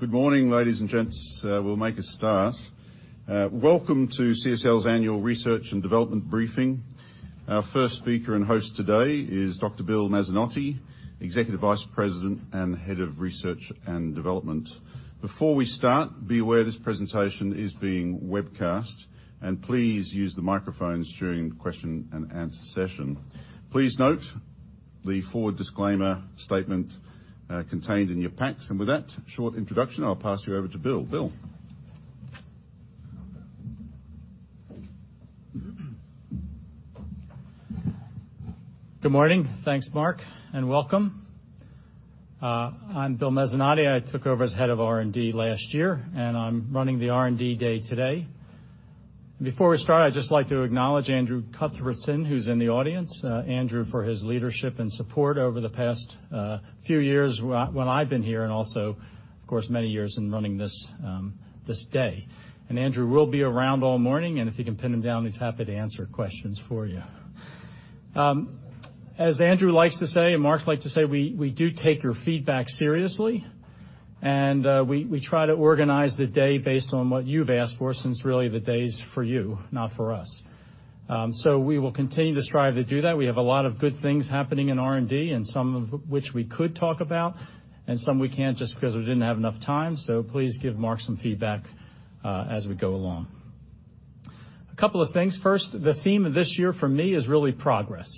Good morning, ladies and gents. We'll make a start. Welcome to CSL's Annual Research and Development Briefing. Our first speaker and host today is Dr. Bill Mezzanotte, Executive Vice President and Head of Research and Development. Before we start, be aware this presentation is being webcast, and please use the microphones during the question and answer session. Please note the forward disclaimer statement contained in your packs. With that short introduction, I'll pass you over to Bill. Bill. Good morning. Thanks, Mark, and welcome. I'm Bill Mezzanotte. I took over as head of R&D last year, and I'm running the R&D day today. Before we start, I'd just like to acknowledge Andrew Cuthbertson, who's in the audience. Andrew, for his leadership and support over the past few years when I've been here, and also, of course, many years in running this day. Andrew will be around all morning, if you can pin him down, he's happy to answer questions for you. As Andrew likes to say, and Mark likes to say, we do take your feedback seriously, and we try to organize the day based on what you've asked for, since really the day's for you, not for us. We will continue to strive to do that. We have a lot of good things happening in R&D and some of which we could talk about and some we can't just because we didn't have enough time. Please give Mark some feedback as we go along. A couple of things. First, the theme of this year for me is really progress.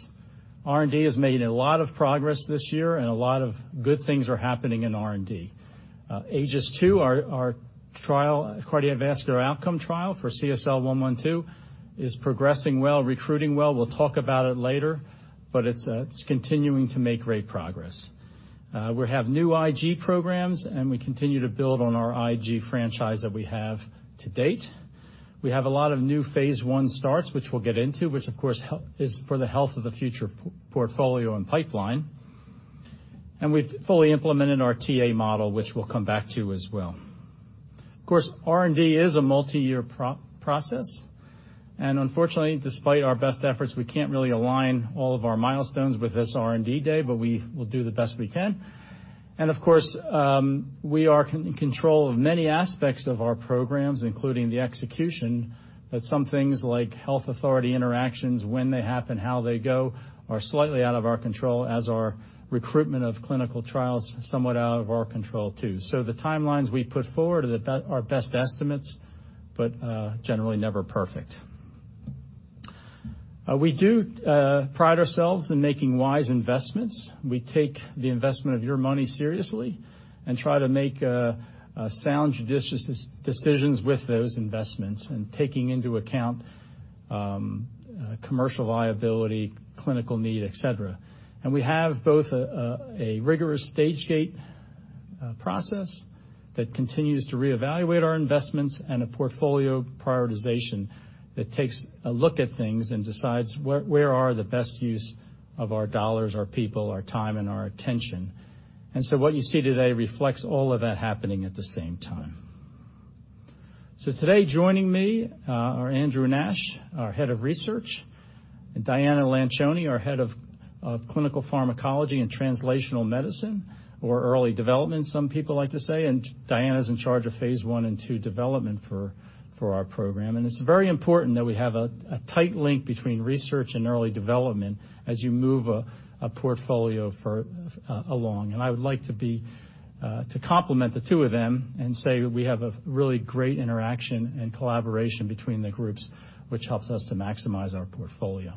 R&D has made a lot of progress this year, and a lot of good things are happening in R&D. AEGIS-II, our trial, cardiovascular outcome trial for CSL112, is progressing well, recruiting well. We'll talk about it later, but Seqirus continuing to make great progress. We have new IG programs, and we continue to build on our IG franchise that we have to date. We have a lot of new phase I starts, which we'll get into, which, of course, is for the health of the future portfolio and pipeline. We've fully implemented our TA model, which we'll come back to as well. Of course, R&D is a multi-year process. Unfortunately, despite our best efforts, we can't really align all of our milestones with this R&D day, but we will do the best we can. Of course, we are in control of many aspects of our programs, including the execution, but some things like health authority interactions, when they happen, how they go, are slightly out of our control as our recruitment of clinical trials, somewhat out of our control, too. The timelines we put forward are our best estimates, but generally never perfect. We do pride ourselves in making wise investments. We take the investment of your money seriously and try to make sound judicious decisions with those investments and taking into account commercial viability, clinical need, et cetera. We have both a rigorous stage gate process that continues to reevaluate our investments and a portfolio prioritization that takes a look at things and decides where are the best use of our dollars, our people, our time, and our attention. What you see today reflects all of that happening at the same time. Today, joining me are Andrew Nash, our Head of Research, and Diana Lanchoney, our Head of Clinical Pharmacology and Translational Medicine, or early development, some people like to say. Diana's in charge of phase I and II development for our program. It's very important that we have a tight link between research and early development as you move a portfolio along. I would like to compliment the two of them and say we have a really great interaction and collaboration between the groups, which helps us to maximize our portfolio.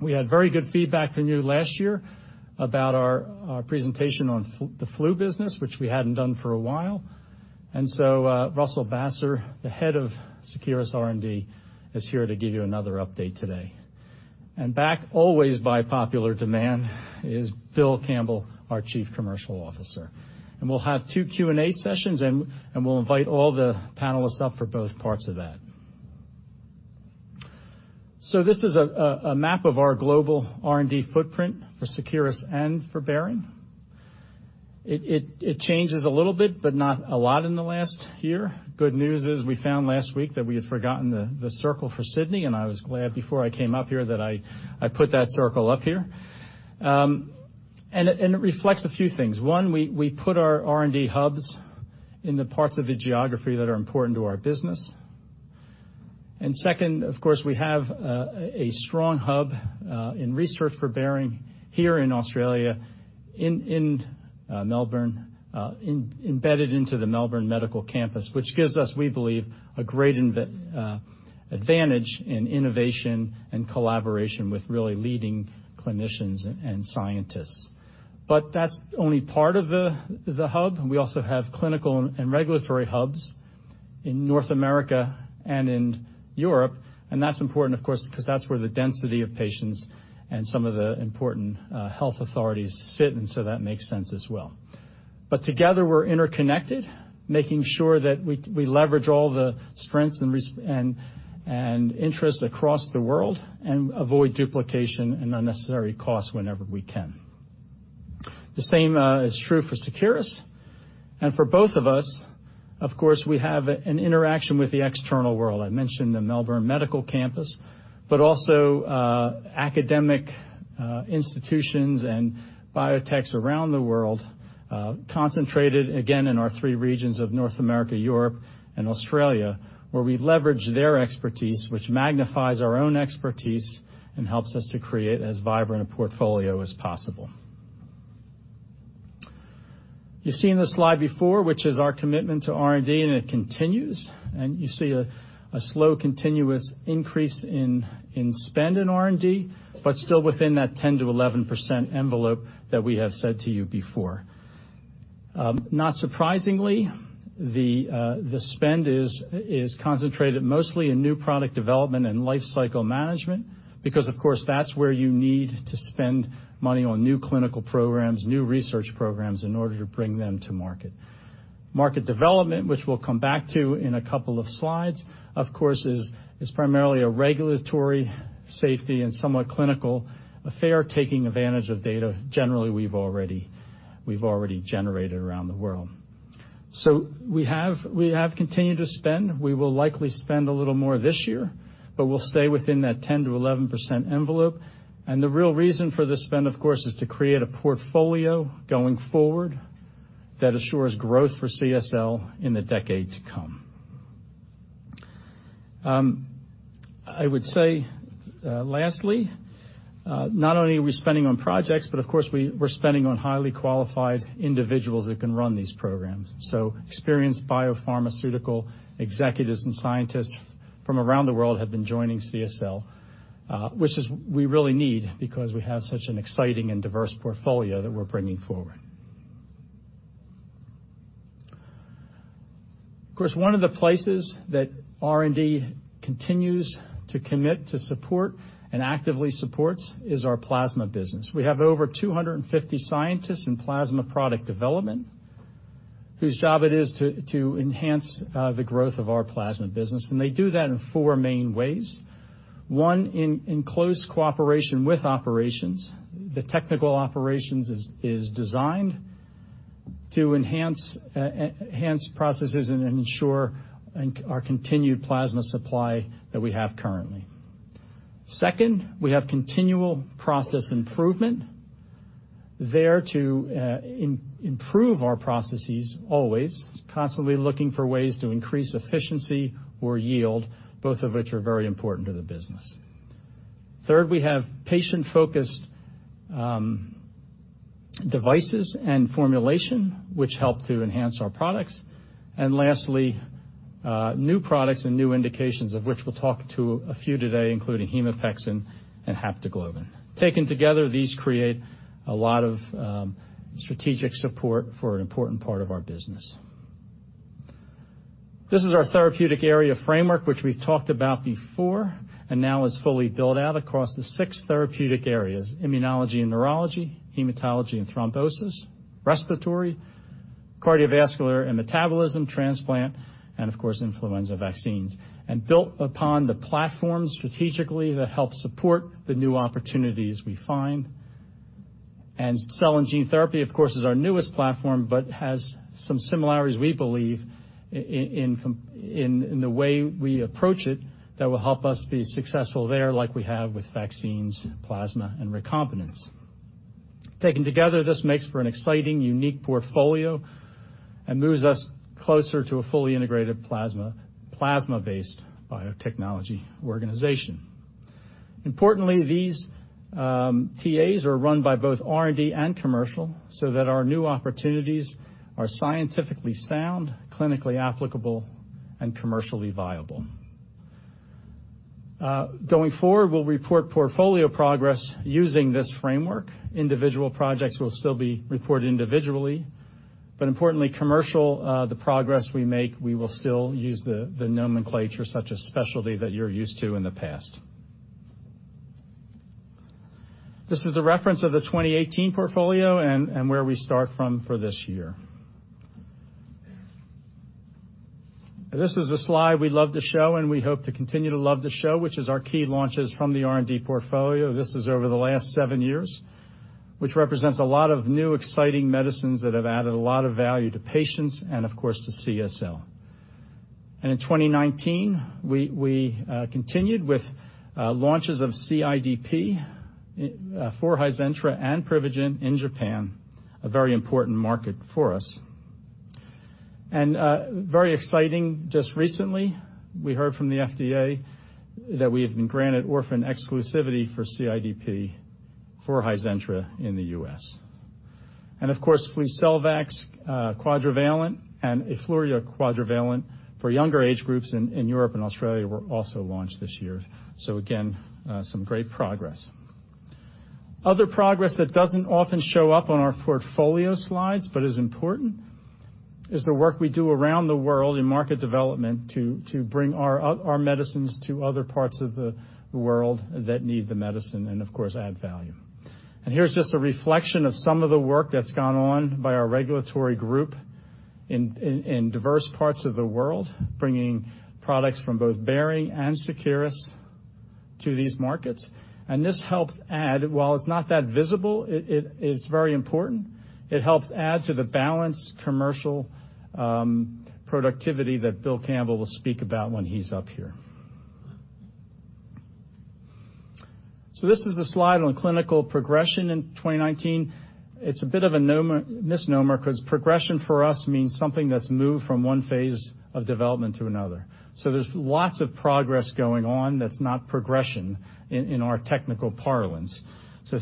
We had very good feedback from you last year about our presentation on the flu business, which we hadn't done for a while. Russell Basser, the head of Seqirus R&D, is here to give you another update today. Back, always by popular demand, is Bill Campbell, our Chief Commercial Officer. We'll have 2 Q&A sessions, and we'll invite all the panelists up for both parts of that. This is a map of our global R&D footprint for Seqirus and for Behring. It changes a little bit, but not a lot in the last year. Good news is we found last week that we had forgotten the circle for Sydney, I was glad before I came up here that I put that circle up here. It reflects a few things. One, we put our R&D hubs in the parts of the geography that are important to our business. Second, of course, we have a strong hub in research for Behring here in Australia, in Melbourne, embedded into the Melbourne Medical Campus, which gives us, we believe, a great advantage in innovation and collaboration with really leading clinicians and scientists. That's only part of the hub. We also have clinical and regulatory hubs in North America and in Europe, that's important, of course, because that's where the density of patients and some of the important health authorities sit, so that makes sense as well. Together, we're interconnected, making sure that we leverage all the strengths and interest across the world and avoid duplication and unnecessary costs whenever we can. The same is true for Seqirus, for both of us, of course, we have an interaction with the external world. I mentioned the Melbourne Medical Campus, but also academic institutions and biotechs around the world, concentrated, again, in our three regions of North America, Europe, and Australia, where we leverage their expertise, which magnifies our own expertise and helps us to create as vibrant a portfolio as possible. You've seen this slide before, which is our commitment to R&D. It continues. You see a slow continuous increase in spend in R&D, but still within that 10%-11% envelope that we have said to you before. Not surprisingly, the spend is concentrated mostly in new product development and life cycle management because, of course, that's where you need to spend money on new clinical programs, new research programs, in order to bring them to market. Market development, which we'll come back to in a couple of slides, of course, is primarily a regulatory, safety, and somewhat clinical affair, taking advantage of data generally we've already generated around the world. We have continued to spend. We will likely spend a little more this year, but we'll stay within that 10%-11% envelope. The real reason for the spend, of course, is to create a portfolio going forward that assures growth for CSL in the decade to come. I would say, lastly, not only are we spending on projects, but of course, we're spending on highly qualified individuals that can run these programs. Experienced biopharmaceutical executives and scientists from around the world have been joining CSL, which we really need because we have such an exciting and diverse portfolio that we're bringing forward. Of course, one of the places that R&D continues to commit to support and actively supports is our plasma business. We have over 250 scientists in plasma product development whose job it is to enhance the growth of our plasma business. They do that in four main ways. One, in close cooperation with operations. The technical operations is designed to enhance processes and ensure our continued plasma supply that we have currently. Second, we have continual process improvement there to improve our processes, always. Constantly looking for ways to increase efficiency or yield, both of which are very important to the business. Third, we have patient-focused devices and formulation, which help to enhance our products. Lastly, new products and new indications of which we'll talk to a few today, including Hemopexin and Haptoglobin. Taken together, these create a lot of strategic support for an important part of our business. This is our therapeutic area framework, which we've talked about before and now is fully built out across the six therapeutic areas: Immunology and Neurology, Hematology and Thrombosis, Respiratory, Cardiovascular and Metabolism, Transplant, and, of course, Influenza Vaccines. Built upon the platforms strategically that help support the new opportunities we find. Cell and Gene Therapy, of course, is our newest platform, but has some similarities, we believe, in the way we approach it that will help us be successful there, like we have with Vaccines, Plasma, and Recombinants. Taken together, this makes for an exciting, unique portfolio and moves us closer to a fully integrated plasma-based biotechnology organization. Importantly, these TAs are run by both R&D and commercial so that our new opportunities are scientifically sound, clinically applicable, and commercially viable. Going forward, we'll report portfolio progress using this framework. Individual projects will still be reported individually, but importantly, commercial, the progress we make, we will still use the nomenclature such as specialty that you're used to in the past. This is a reference of the 2018 portfolio and where we start from for this year. This is a slide we love to show, and we hope to continue to love to show, which is our key launches from the R&D portfolio. This is over the last seven years, which represents a lot of new, exciting medicines that have added a lot of value to patients and, of course, to CSL. In 2019, we continued with launches of CIDP for Hizentra and Privigen in Japan, a very important market for us. Very exciting, just recently, we heard from the FDA that we have been granted orphan exclusivity for CIDP for Hizentra in the U.S. Of course, FLUCELVAX QUADRIVALENT and Influvac Tetra for younger age groups in Europe and Australia were also launched this year. Again, some great progress. Other progress that doesn't often show up on our portfolio slides but is important is the work we do around the world in market development to bring our medicines to other parts of the world that need the medicine and, of course, add value. Here's just a reflection of some of the work that's gone on by our regulatory group in diverse parts of the world, bringing products from both Behring and Seqirus to these markets. This helps add, while it's not that visible, it is very important. It helps add to the balanced commercial productivity that Bill Campbell will speak about when he's up here. This is a slide on clinical progression in 2019. It's a bit of a misnomer because progression for us means something that's moved from one phase of development to another. There's lots of progress going on that's not progression in our technical parlance.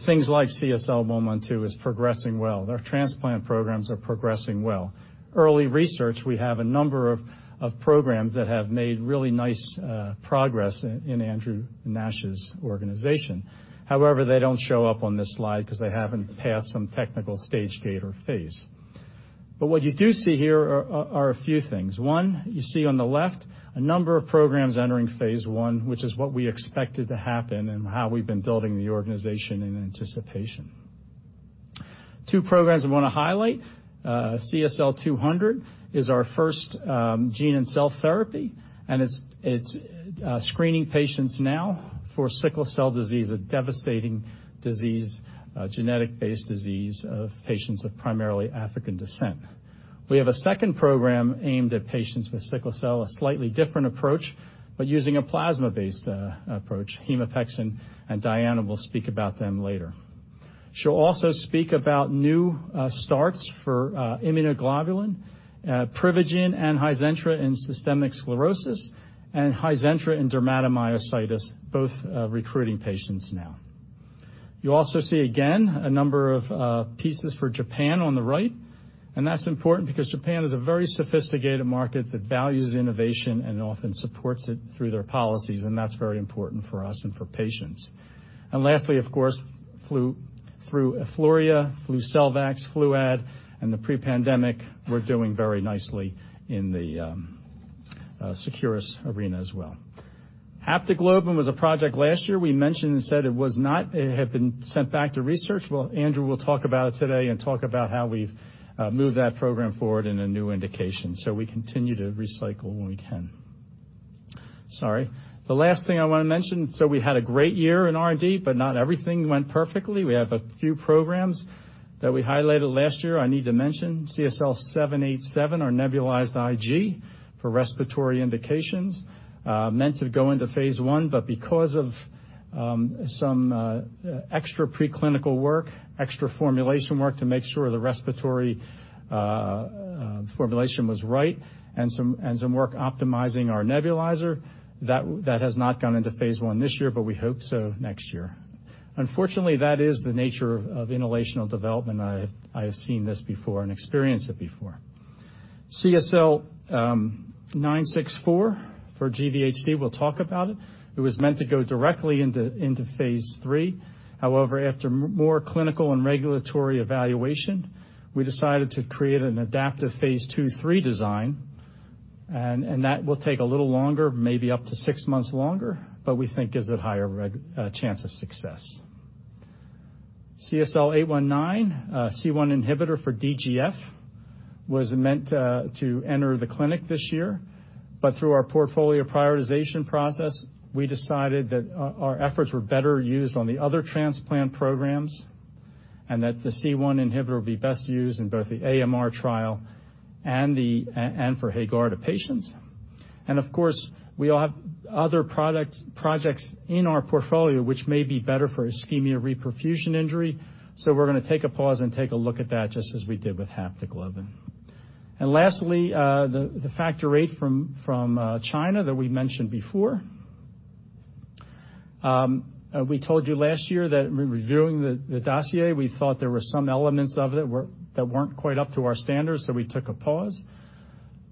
Things like CSL 2 is progressing well. Our transplant programs are progressing well. Early research, we have a number of programs that have made really nice progress in Andrew Nash's organization. They don't show up on this slide because they haven't passed some technical stage gate or phase. What you do see here are a few things. One, you see on the left a number of programs entering phase I, which is what we expected to happen and how we've been building the organization in anticipation. Two programs I want to highlight. CSL 200 is our first gene and cell therapy, and it's screening patients now for sickle cell disease, a devastating genetic-based disease of patients of primarily African descent. We have a second program aimed at patients with sickle cell, a slightly different approach, but using a plasma-based approach, Hemopexin, and Diana will speak about them later. She'll also speak about new starts for immunoglobulin, Privigen and Hizentra in systemic sclerosis, and Hizentra in dermatomyositis, both recruiting patients now. You also see, again, a number of pieces for Japan on the right. That's important because Japan is a very sophisticated market that values innovation and often supports it through their policies. That's very important for us and for patients. Lastly, of course, through Afluria, FluLaval, FLUAD, in the pre-pandemic, we're doing very nicely in the Seqirus arena as well. Haptoglobin was a project last year. We mentioned and said it had been sent back to research. Andrew will talk about it today and talk about how we've moved that program forward in a new indication. We continue to recycle when we can. Sorry. The last thing I want to mention, we had a great year in R&D, but not everything went perfectly. We have a few programs that we highlighted last year I need to mention. CSL787, our nebulized IG for respiratory indications, meant to go into phase I, but because of some extra preclinical work, extra formulation work to make sure the respiratory formulation was right, and some work optimizing our nebulizer, that has not gone into phase I this year, but we hope so next year. Unfortunately, that is the nature of inhalational development. I have seen this before and experienced it before. CSL964 for GvHD, we'll talk about it. It was meant to go directly into phase III. However, after more clinical and regulatory evaluation, we decided to create an adaptive phase II/III design, and that will take a little longer, maybe up to six months longer, but we think gives it higher chance of success. CSL819, a C1 inhibitor for DGF, was meant to enter the clinic this year. Through our portfolio prioritization process, we decided that our efforts were better used on the other transplant programs and that the C1 inhibitor would be best used in both the AMR trial and for Haegarda patients. Of course, we have other projects in our portfolio which may be better for ischemia-reperfusion injury, so we're going to take a pause and take a look at that just as we did with haptoglobin. Lastly, the factor VIII from China that we mentioned before. We told you last year that in reviewing the dossier, we thought there were some elements of it that weren't quite up to our standards, so we took a pause.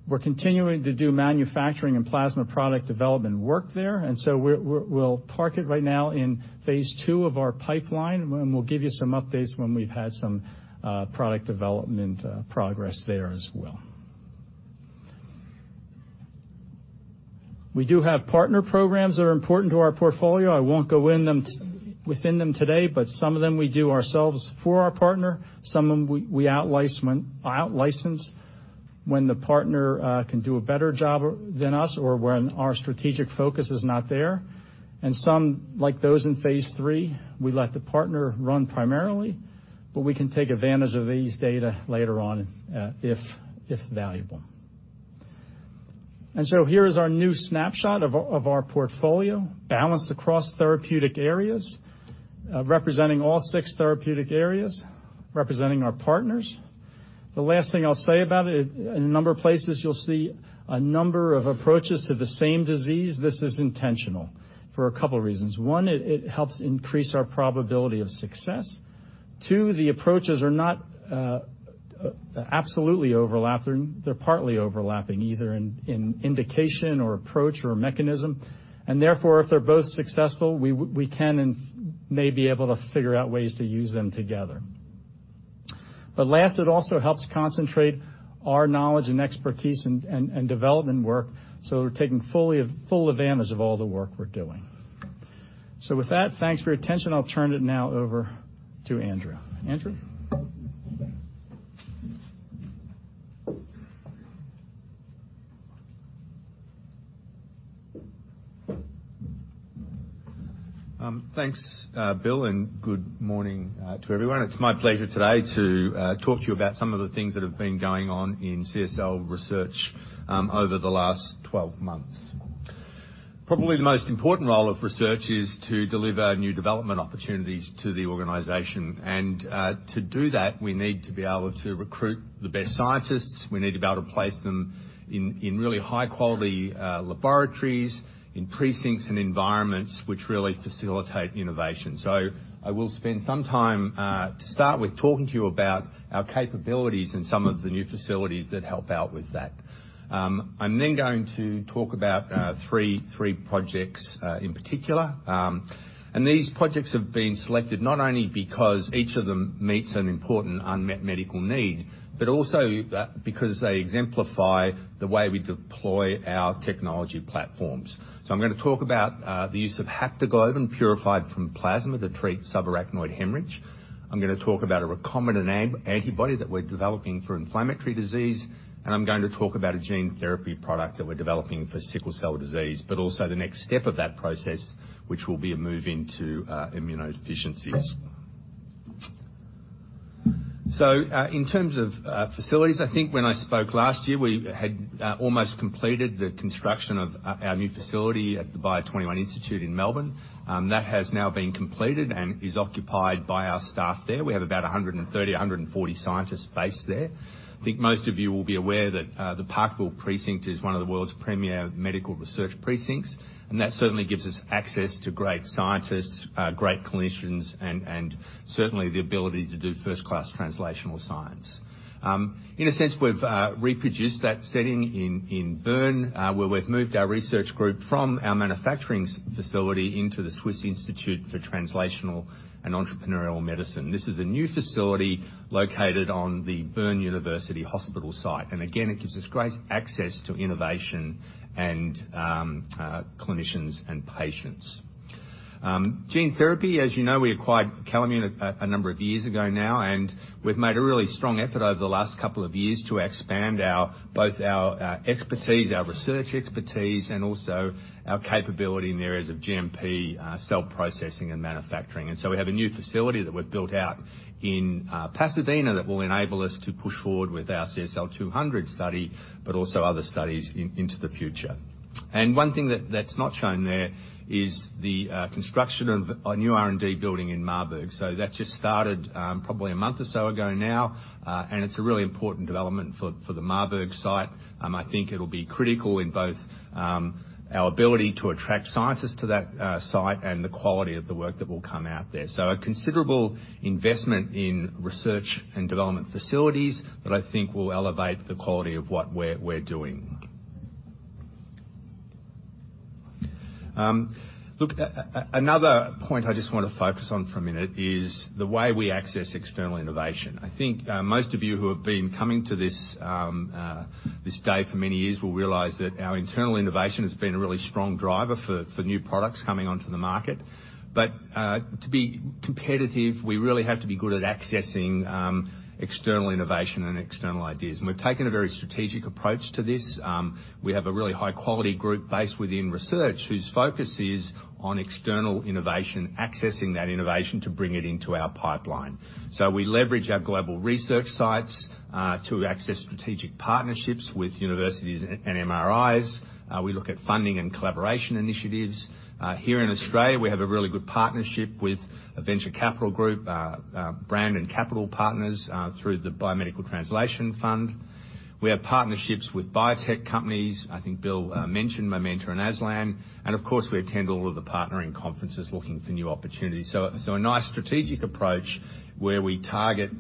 We're continuing to do manufacturing and plasma product development work there, and so we'll park it right now in phase II of our pipeline, and we'll give you some updates when we've had some product development progress there as well. We do have partner programs that are important to our portfolio. I won't go within them today, but some of them we do ourselves for our partner. Some of them we out-license when the partner can do a better job than us or when our strategic focus is not there. And some, like those in phase III, we let the partner run primarily, but we can take advantage of these data later on if valuable. Here is our new snapshot of our portfolio, balanced across therapeutic areas, representing all six therapeutic areas, representing our partners. The last thing I'll say about it, in a number of places you'll see a number of approaches to the same disease. This is intentional for a couple reasons. One, it helps increase our probability of success. Two, the approaches are not absolutely overlapping. They're partly overlapping, either in indication or approach or mechanism. Therefore, if they're both successful, we can and may be able to figure out ways to use them together. Last, it also helps concentrate our knowledge and expertise and development work, so we're taking full advantage of all the work we're doing. With that, thanks for your attention. I'll turn it now over to Andrew. Andrew? Thanks, Bill. Good morning to everyone. It's my pleasure today to talk to you about some of the things that have been going on in CSL Research over the last 12 months. Probably the most important role of research is to deliver new development opportunities to the organization. To do that, we need to be able to recruit the best scientists. We need to be able to place them in really high-quality laboratories, in precincts and environments which really facilitate innovation. I will spend some time to start with talking to you about our capabilities and some of the new facilities that help out with that. I'm then going to talk about three projects in particular. These projects have been selected not only because each of them meets an important unmet medical need, but also because they exemplify the way we deploy our technology platforms. I'm going to talk about the use of haptoglobin purified from plasma to treat subarachnoid hemorrhage. I'm going to talk about a recombinant antibody that we're developing for inflammatory disease, and I'm going to talk about a gene therapy product that we're developing for sickle cell disease, but also the next step of that process, which will be a move into immunodeficiencies. In terms of facilities, I think when I spoke last year, we had almost completed the construction of our new facility at the Bio21 Institute in Melbourne. That has now been completed and is occupied by our staff there. We have about 130, 140 scientists based there. I think most of you will be aware that the Parkville precinct is one of the world's premier medical research precincts, that certainly gives us access to great scientists, great clinicians, and certainly the ability to do first-class translational science. In a sense, we've reproduced that setting in Bern, where we've moved our research group from our manufacturing facility into the Swiss Institute for Translational and Entrepreneurial Medicine. This is a new facility located on the Bern University Hospital site. Again, it gives us great access to innovation and clinicians and patients. Gene therapy, as you know, we acquired Calimmune a number of years ago now, and we've made a really strong effort over the last couple of years to expand both our expertise, our research expertise, and also our capability in the areas of GMP, cell processing, and manufacturing. We have a new facility that we've built out in Pasadena that will enable us to push forward with our CSL200 study, but also other studies into the future. One thing that's not shown there is the construction of a new R&D building in Marburg. That just started probably a month or so ago now. It's a really important development for the Marburg site. I think it'll be critical in both our ability to attract scientists to that site and the quality of the work that will come out there. A considerable investment in research and development facilities that I think will elevate the quality of what we're doing. Look, another point I just want to focus on for a minute is the way we access external innovation. I think most of you who have been coming to this day for many years will realize that our internal innovation has been a really strong driver for new products coming onto the market. To be competitive, we really have to be good at accessing external innovation and external ideas. We've taken a very strategic approach to this. We have a really high-quality group based within research whose focus is on external innovation, accessing that innovation to bring it into our pipeline. We leverage our global research sites to access strategic partnerships with universities and MRIs. We look at funding and collaboration initiatives. Here in Australia, we have a really good partnership with a venture capital group, Brandon Capital Partners, through the Biomedical Translation Fund. We have partnerships with biotech companies. I think Bill mentioned Momenta and ASLAN. Of course, we attend all of the partnering conferences looking for new opportunities. A nice strategic approach where we target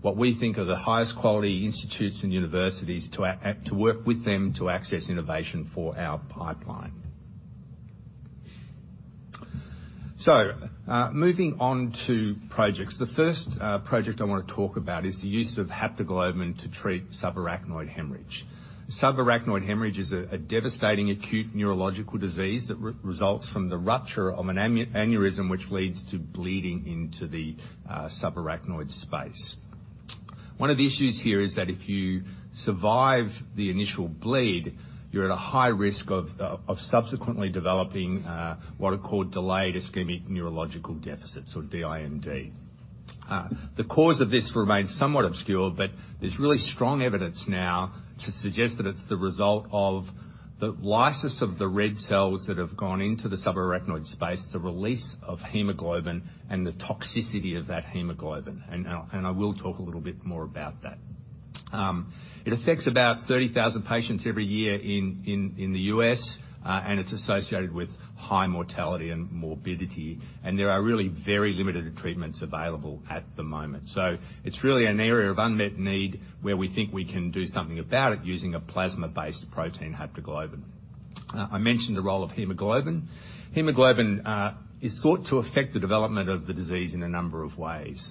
what we think are the highest quality institutes and universities to work with them to access innovation for our pipeline. Moving on to projects. The first project I want to talk about is the use of haptoglobin to treat subarachnoid hemorrhage. Subarachnoid hemorrhage is a devastating acute neurological disease that results from the rupture of an aneurysm, which leads to bleeding into the subarachnoid space. One of the issues here is that if you survive the initial bleed, you're at a high risk of subsequently developing what are called delayed ischemic neurological deficits or DIND. The cause of this remains somewhat obscure, but there's really strong evidence now to suggest that it's the result of the lysis of the red cells that have gone into the subarachnoid space, the release of hemoglobin, and the toxicity of that hemoglobin. I will talk a little bit more about that. It affects about 30,000 patients every year in the U.S., and it's associated with high mortality and morbidity. There are really very limited treatments available at the moment. It's really an area of unmet need where we think we can do something about it using a plasma-based protein, haptoglobin. I mentioned the role of hemoglobin. Hemoglobin is thought to affect the development of the disease in a number of ways.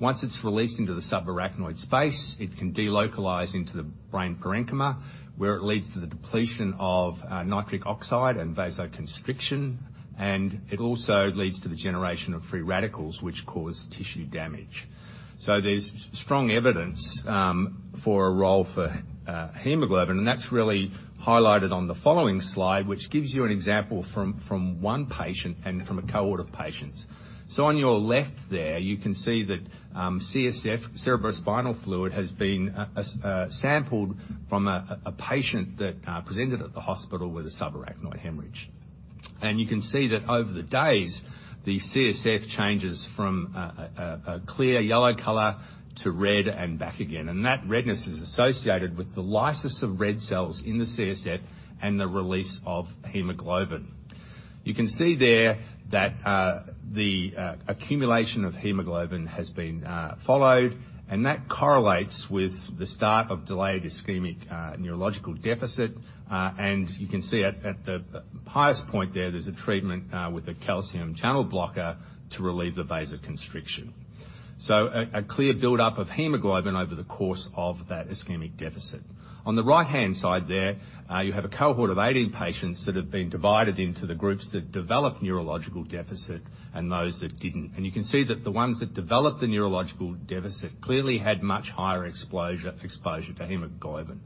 Once it's released into the subarachnoid space, it can delocalize into the brain parenchyma, where it leads to the depletion of nitric oxide and vasoconstriction, it also leads to the generation of free radicals, which cause tissue damage. There's strong evidence for a role for hemoglobin, and that's really highlighted on the following slide, which gives you an example from one patient and from a cohort of patients. On your left there, you can see that CSF, cerebrospinal fluid, has been sampled from a patient that presented at the hospital with a subarachnoid hemorrhage. You can see that over the days, the CSF changes from a clear yellow color to red and back again. That redness is associated with the lysis of red cells in the CSF and the release of hemoglobin. You can see there that the accumulation of hemoglobin has been followed, and that correlates with the start of delayed ischemic neurological deficit. You can see at the highest point there's a treatment with a calcium channel blocker to relieve the vasoconstriction. A clear build-up of hemoglobin over the course of that ischemic deficit. On the right-hand side there, you have a cohort of 18 patients that have been divided into the groups that developed neurological deficit and those that didn't. You can see that the ones that developed the neurological deficit clearly had much higher exposure to hemoglobin.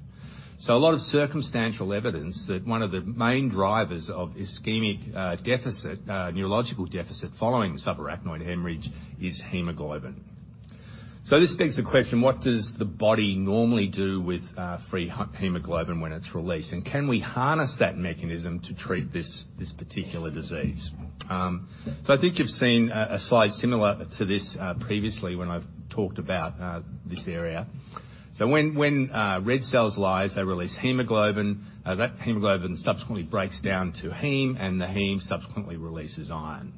A lot of circumstantial evidence that one of the main drivers of ischemic deficit, neurological deficit following subarachnoid hemorrhage is hemoglobin. This begs the question, what does the body normally do with free hemoglobin when it's released? Can we harness that mechanism to treat this particular disease? I think you've seen a slide similar to this previously when I've talked about this area. When red cells lyse, they release hemoglobin. That hemoglobin subsequently breaks down to heme, and the heme subsequently releases iron.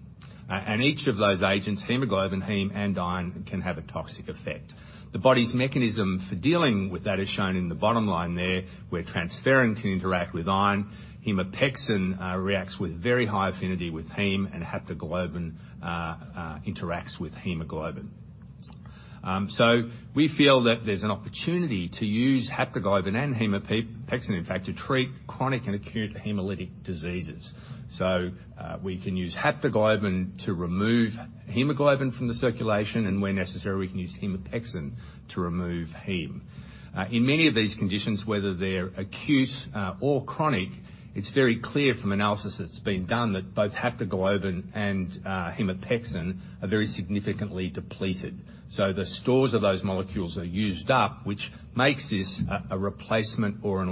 Each of those agents, hemoglobin, heme, and iron, can have a toxic effect. The body's mechanism for dealing with that is shown in the bottom line there, where transferrin can interact with iron, hemopexin reacts with very high affinity with heme, and haptoglobin interacts with hemoglobin. We feel that there's an opportunity to use haptoglobin and hemopexin, in fact, to treat chronic and acute hemolytic diseases. We can use haptoglobin to remove hemoglobin from the circulation, and where necessary, we can use hemopexin to remove heme. In many of these conditions, whether they're acute or chronic, it's very clear from analysis that's been done that both haptoglobin and hemopexin are very significantly depleted. The stores of those molecules are used up, which makes this a replacement or an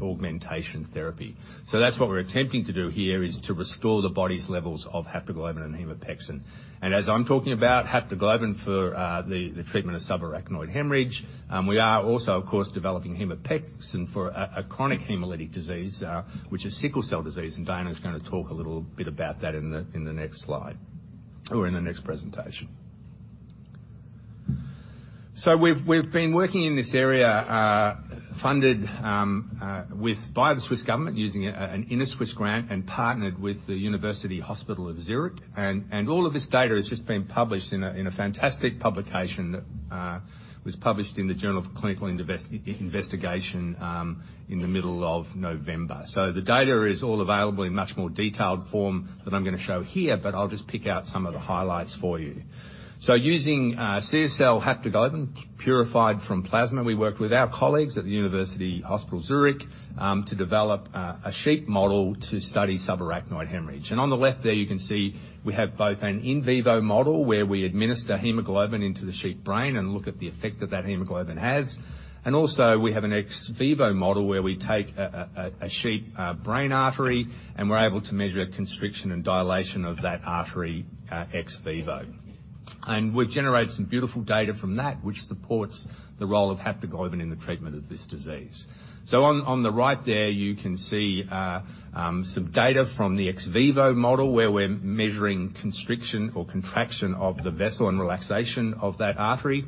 augmentation therapy. That's what we're attempting to do here, is to restore the body's levels of haptoglobin and hemopexin. As I'm talking about haptoglobin for the treatment of subarachnoid hemorrhage, we are also, of course, developing hemopexin for a chronic hemolytic disease, which is sickle cell disease, and Diana is going to talk a little bit about that in the next slide or in the next presentation. We've been working in this area, funded by the Swiss government, using an Innosuisse grant and partnered with the University Hospital Zurich, all of this data has just been published in a fantastic publication that was published in the "Journal of Clinical Investigation," in the middle of November. The data is all available in much more detailed form than I'm going to show here, but I'll just pick out some of the highlights for you. Using CSL haptoglobin purified from plasma, we worked with our colleagues at the University Hospital Zurich, to develop a sheep model to study subarachnoid hemorrhage. On the left there, you can see we have both an in vivo model where we administer hemoglobin into the sheep brain and look at the effect that that hemoglobin has. We have an ex vivo model where we take a sheep brain artery, and we're able to measure constriction and dilation of that artery ex vivo. We've generated some beautiful data from that which supports the role of haptoglobin in the treatment of this disease. On the right there, you can see some data from the ex vivo model where we're measuring constriction or contraction of the vessel and relaxation of that artery.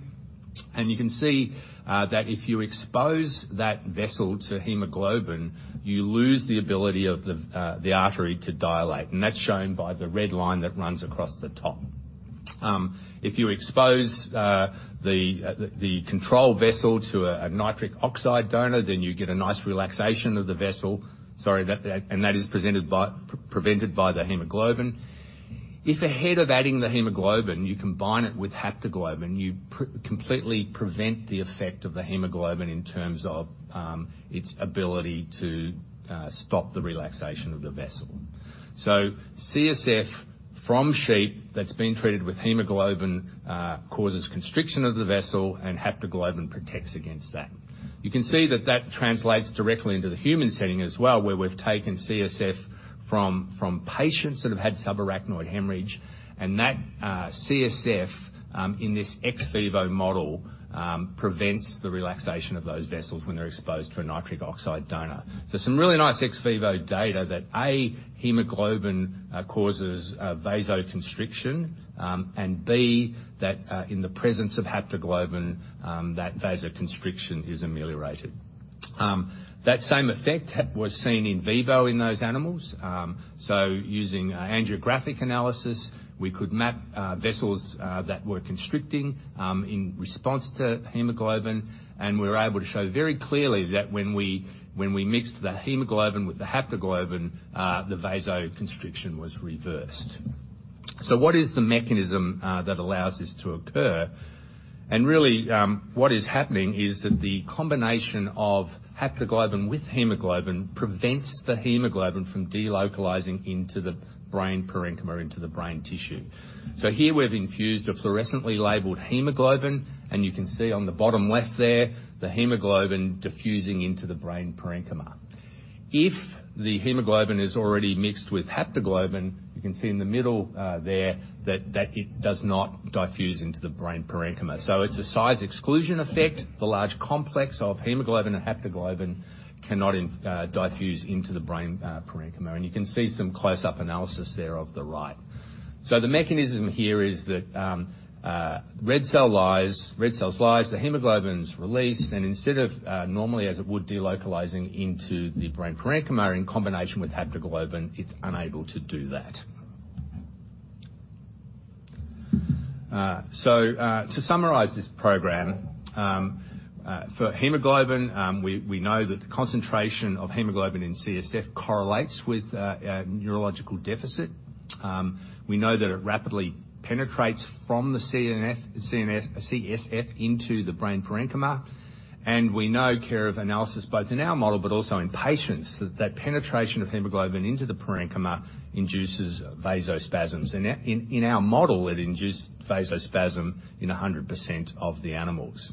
You can see that if you expose that vessel to hemoglobin, you lose the ability of the artery to dilate, and that's shown by the red line that runs across the top. If you expose the control vessel to a nitric oxide donor, then you get a nice relaxation of the vessel. Sorry, that is prevented by the hemoglobin. If ahead of adding the hemoglobin, you combine it with haptoglobin, you completely prevent the effect of the hemoglobin in terms of its ability to stop the relaxation of the vessel. CSF from sheep that's been treated with hemoglobin causes constriction of the vessel, and haptoglobin protects against that. You can see that that translates directly into the human setting as well, where we've taken CSF from patients that have had subarachnoid hemorrhage, and that CSF, in this ex vivo model, prevents the relaxation of those vessels when they're exposed to a nitric oxide donor. Some really nice ex vivo data that, A, hemoglobin causes vasoconstriction, and B, that in the presence of haptoglobin, that vasoconstriction is ameliorated. That same effect was seen in vivo in those animals. Using angiographic analysis, we could map vessels that were constricting in response to hemoglobin, and we were able to show very clearly that when we mixed the hemoglobin with the haptoglobin, the vasoconstriction was reversed. What is the mechanism that allows this to occur? Really, what is happening is that the combination of haptoglobin with hemoglobin prevents the hemoglobin from delocalizing into the brain parenchyma, into the brain tissue. Here we've infused a fluorescently labeled hemoglobin, and you can see on the bottom left there, the hemoglobin diffusing into the brain parenchyma. If the hemoglobin is already mixed with haptoglobin, you can see in the middle there that it does not diffuse into the brain parenchyma. It's a size exclusion effect. The large complex of hemoglobin and haptoglobin cannot diffuse into the brain parenchyma. You can see some close-up analysis there of the right. The mechanism here is that red cells lyse, the hemoglobin's released, and instead of normally as it would delocalizing into the brain parenchyma, in combination with haptoglobin, it's unable to do that. To summarize this program, for hemoglobin, we know that the concentration of hemoglobin in CSF correlates with neurological deficit. We know that it rapidly penetrates from the CSF into the brain parenchyma. We know care of analysis, both in our model but also in patients, that that penetration of hemoglobin into the parenchyma induces vasospasms. In our model, it induced vasospasm in 100% of the animals.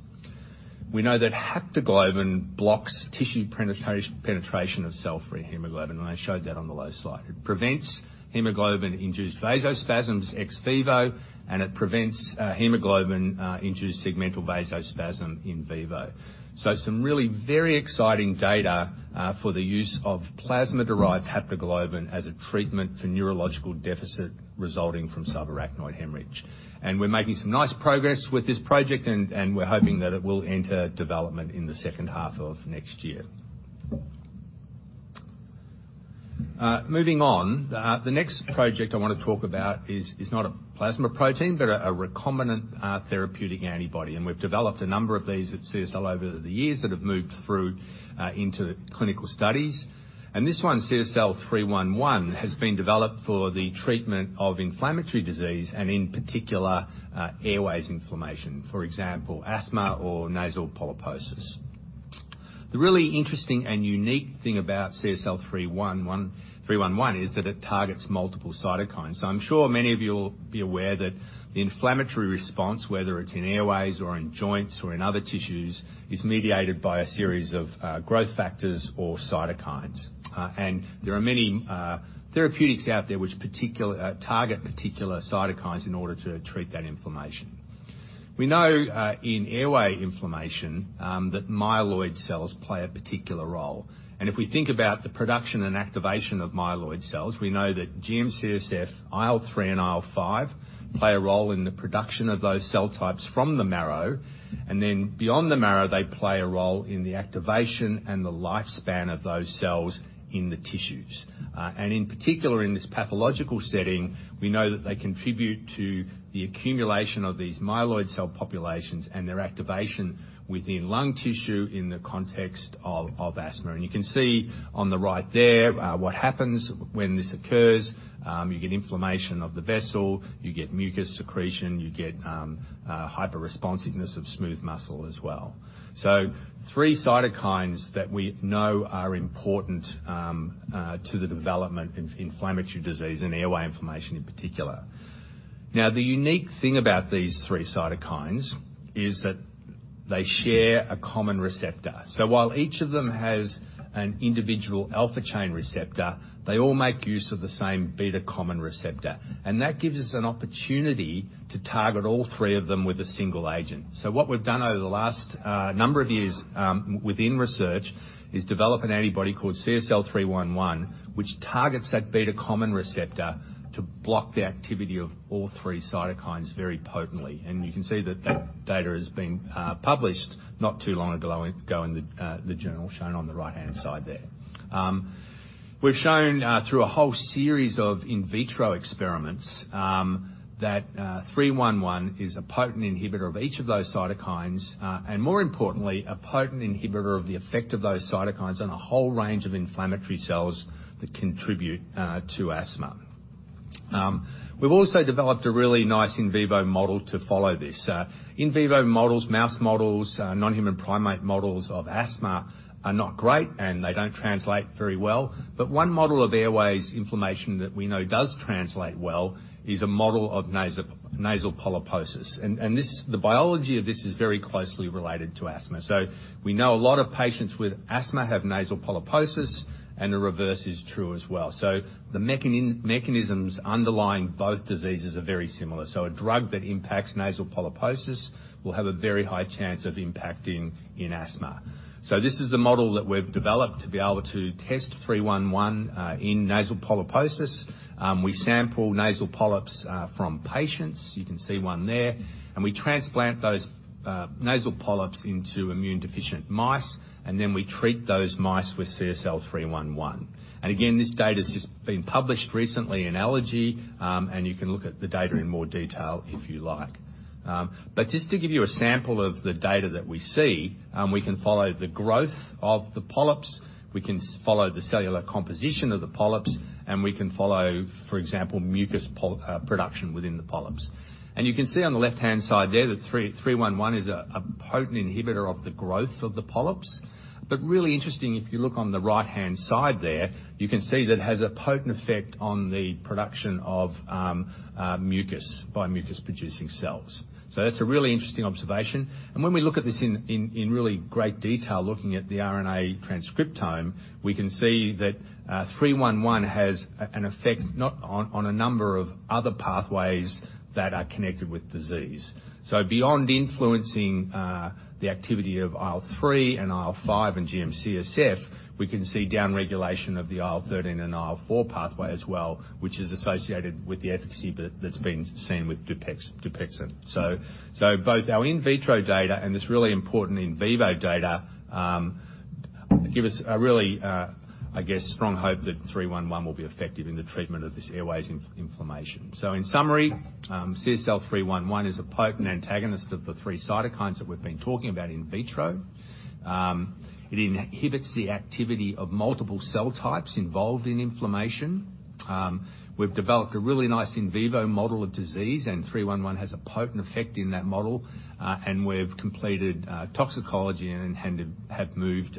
We know that haptoglobin blocks tissue penetration of cell-free hemoglobin, and I showed that on the Low slide. It prevents hemoglobin-induced vasospasms ex vivo, it prevents hemoglobin-induced segmental vasospasm in vivo. Some really very exciting data for the use of plasma-derived haptoglobin as a treatment for neurological deficit resulting from subarachnoid hemorrhage. We're making some nice progress with this project, and we're hoping that it will enter development in the second half of next year. Moving on, the next project I want to talk about is not a plasma protein, but a recombinant therapeutic antibody, and we've developed a number of these at CSL over the years that have moved through into clinical studies. This one, CSL 311, has been developed for the treatment of inflammatory disease and in particular, airways inflammation, for example, asthma or nasal polyposis. The really interesting and unique thing about CSL 311 is that it targets multiple cytokines. I'm sure many of you will be aware that the inflammatory response, whether it's in airways or in joints or in other tissues, is mediated by a series of growth factors or cytokines. There are many therapeutics out there which target particular cytokines in order to treat that inflammation. We know, in airway inflammation, that myeloid cells play a particular role. If we think about the production and activation of myeloid cells, we know that GM-CSF, IL-3, and IL-5 play a role in the production of those cell types from the marrow, and then beyond the marrow, they play a role in the activation and the lifespan of those cells in the tissues. In particular, in this pathological setting, we know that they contribute to the accumulation of these myeloid cell populations and their activation within lung tissue in the context of asthma. You can see on the right there, what happens when this occurs. You get inflammation of the vessel, you get mucus secretion, you get hyperresponsiveness of smooth muscle as well. Three cytokines that we know are important to the development of inflammatory disease and airway inflammation in particular. Now, the unique thing about these three cytokines is that they share a common receptor. While each of them has an individual alpha chain receptor, they all make use of the same beta common receptor. That gives us an opportunity to target all three of them with a single agent. What we've done over the last number of years, within research, is develop an antibody called CSL 311, which targets that beta common receptor to block the activity of all three cytokines very potently. You can see that that data has been published not too long ago in the journal shown on the right-hand side there. We've shown, through a whole series of in vitro experiments, that 311 is a potent inhibitor of each of those cytokines, and more importantly, a potent inhibitor of the effect of those cytokines on a whole range of inflammatory cells that contribute to asthma. We've also developed a really nice in vivo model to follow this. In vivo models, mouse models, non-human primate models of asthma are not great, and they don't translate very well. One model of airways inflammation that we know does translate well is a model of nasal polyposis. The biology of this is very closely related to asthma. We know a lot of patients with asthma have nasal polyposis, and the reverse is true as well. The mechanisms underlying both diseases are very similar. A drug that impacts nasal polyposis will have a very high chance of impacting in asthma. This is the model that we've developed to be able to test 311 in nasal polyposis. We sample nasal polyps from patients. You can see one there, and we transplant those nasal polyps into immune deficient mice, and then we treat those mice with CSL 311. Again, this data's just been published recently in Allergy, and you can look at the data in more detail if you like. Just to give you a sample of the data that we see, we can follow the growth of the polyps, we can follow the cellular composition of the polyps, and we can follow, for example, mucus production within the polyps. You can see on the left-hand side there that 311 is a potent inhibitor of the growth of the polyps. Really interesting, if you look on the right-hand side there, you can see that it has a potent effect on the production of mucus by mucus-producing cells. That's a really interesting observation. When we look at this in really great detail, looking at the RNA transcriptome, we can see that 311 has an effect on a number of other pathways that are connected with disease. Beyond influencing the activity of IL-3 and IL-5 and GM-CSF, we can see downregulation of the IL-13 and IL-4 pathway as well, which is associated with the efficacy that's been seen with Dupixent. Both our in vitro data and this really important in vivo data, give us a really, I guess, strong hope that 311 will be effective in the treatment of this airways inflammation. In summary, CSL 311 is a potent antagonist of the three cytokines that we've been talking about in vitro. It inhibits the activity of multiple cell types involved in inflammation. We've developed a really nice in vivo model of disease, and 311 has a potent effect in that model. We've completed toxicology and have moved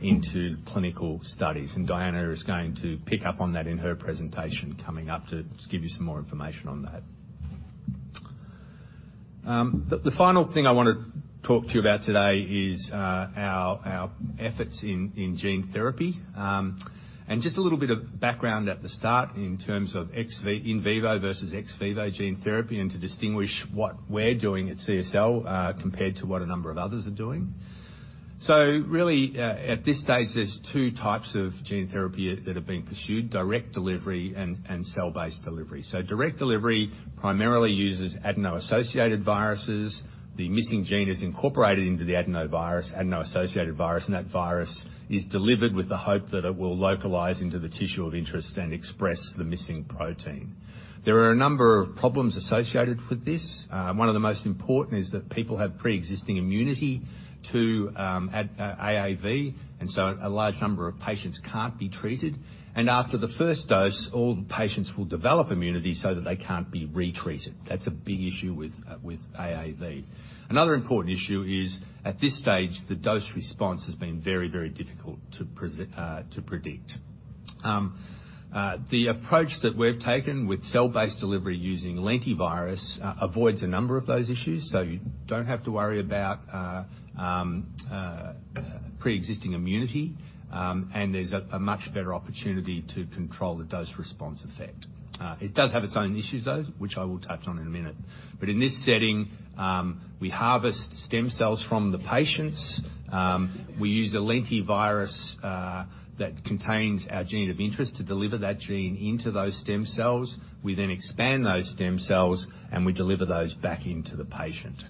into clinical studies, and Diana is going to pick up on that in her presentation coming up to give you some more information on that. The final thing I want to talk to you about today is our efforts in gene therapy. Just a little bit of background at the start in terms of in vivo versus ex vivo gene therapy, and to distinguish what we're doing at CSL, compared to what a number of others are doing. Really, at this stage, there's 2 types of gene therapy that are being pursued, direct delivery and cell-based delivery. Direct delivery primarily uses adeno-associated viruses. The missing gene is incorporated into the adeno-associated virus, and that virus is delivered with the hope that it will localize into the tissue of interest and express the missing protein. There are a number of problems associated with this. One of the most important is that people have preexisting immunity to AAV, and so a large number of patients can't be treated. After the first dose, all patients will develop immunity so that they can't be retreated. That's a big issue with AAV. Another important issue is, at this stage, the dose response has been very difficult to predict. The approach that we've taken with cell-based delivery using lentivirus avoids a number of those issues. You don't have to worry about preexisting immunity, and there's a much better opportunity to control the dose-response effect. It does have its own issues, though, which I will touch on in a minute. In this setting, we harvest stem cells from the patients. We use a lentivirus that contains our gene of interest to deliver that gene into those stem cells. We expand those stem cells, and we deliver those back into the patient.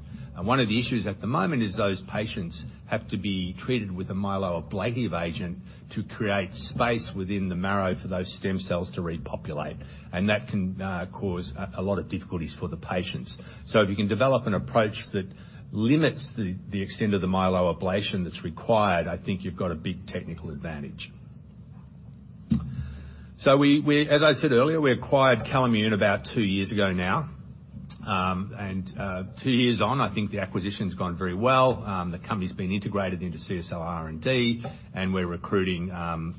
One of the issues at the moment is those patients have to be treated with a myeloablative agent to create space within the marrow for those stem cells to repopulate. That can cause a lot of difficulties for the patients. If you can develop an approach that limits the extent of the myeloablation that's required, I think you've got a big technical advantage. As I said earlier, we acquired Calimmune about two years ago now. Two years on, I think the acquisition's gone very well. The company's been integrated into CSL R&D, and we're recruiting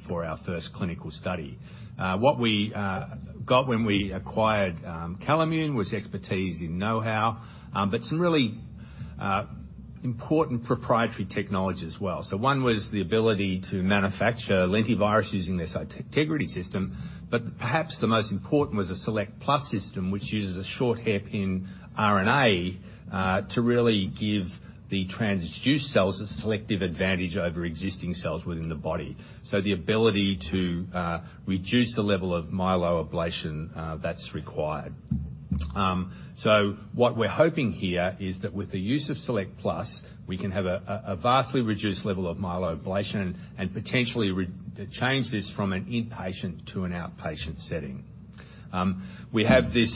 for our first clinical study. What we got when we acquired Calimmune was expertise and know-how, but some really important proprietary technology as well. One was the ability to manufacture lentivirus using their Cytegrity system. Perhaps the most important was the Select+ system, which uses a short hairpin RNA to really give the transduced cells a selective advantage over existing cells within the body. The ability to reduce the level of myeloablation that's required. What we're hoping here is that with the use of Select+, we can have a vastly reduced level of myeloablation and potentially change this from an inpatient to an outpatient setting. We have this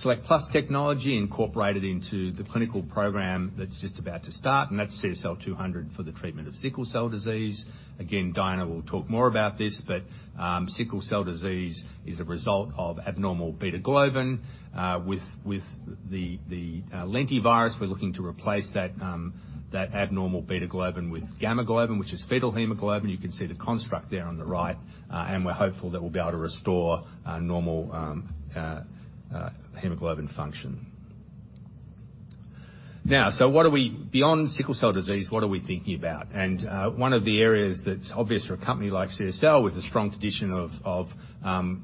Select+ technology incorporated into the clinical program that's just about to start, and that's CSL200 for the treatment of sickle cell disease. Diana will talk more about this, but sickle cell disease is a result of abnormal beta globin. With the lentivirus, we're looking to replace that abnormal beta globin with gamma globin, which is fetal hemoglobin. You can see the construct there on the right. We're hopeful that we'll be able to restore normal hemoglobin function. Now, beyond sickle cell disease, what are we thinking about? One of the areas that's obvious for a company like CSL, with a strong tradition of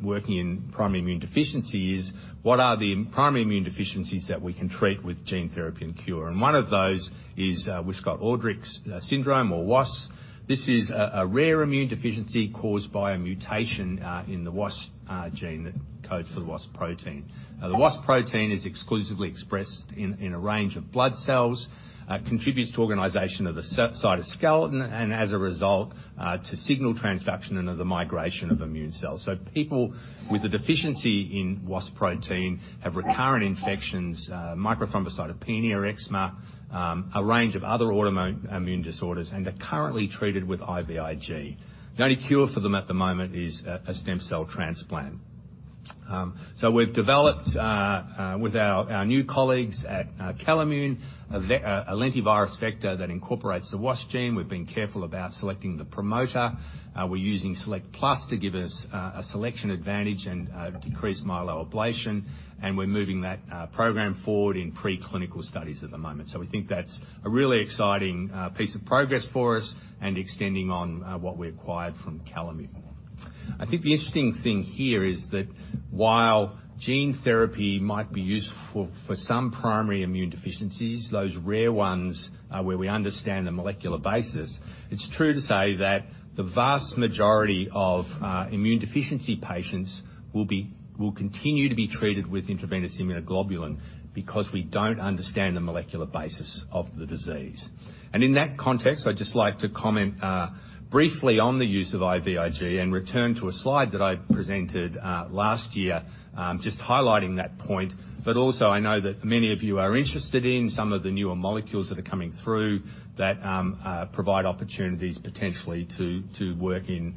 working in primary immune deficiency, is what are the primary immune deficiencies that we can treat with gene therapy and cure? One of those is Wiskott-Aldrich syndrome or WAS. This is a rare immune deficiency caused by a mutation in the WAS gene that codes for the WAS protein. Now, the WAS protein is exclusively expressed in a range of blood cells, contributes to organization of the cytoskeleton, and as a result, to signal transduction and of the migration of immune cells. People with a deficiency in WAS protein have recurrent infections, microthrombocytopenia or eczema, a range of other autoimmune disorders and are currently treated with IVIG. The only cure for them at the moment is a stem cell transplant. We've developed, with our new colleagues at Calimmune, a lentivirus vector that incorporates the WAS gene. We've been careful about selecting the promoter. We're using Select+ to give us a selection advantage and decrease myeloablation, and we're moving that program forward in pre-clinical studies at the moment. We think that's a really exciting piece of progress for us and extending on what we acquired from Calimmune. I think the interesting thing here is that while gene therapy might be useful for some primary immune deficiencies, those rare ones where we understand the molecular basis, it's true to say that the vast majority of immune deficiency patients will continue to be treated with intravenous immunoglobulin because we don't understand the molecular basis of the disease. In that context, I'd just like to comment briefly on the use of IVIG and return to a slide that I presented last year, just highlighting that point. Also, I know that many of you are interested in some of the newer molecules that are coming through that provide opportunities potentially to work in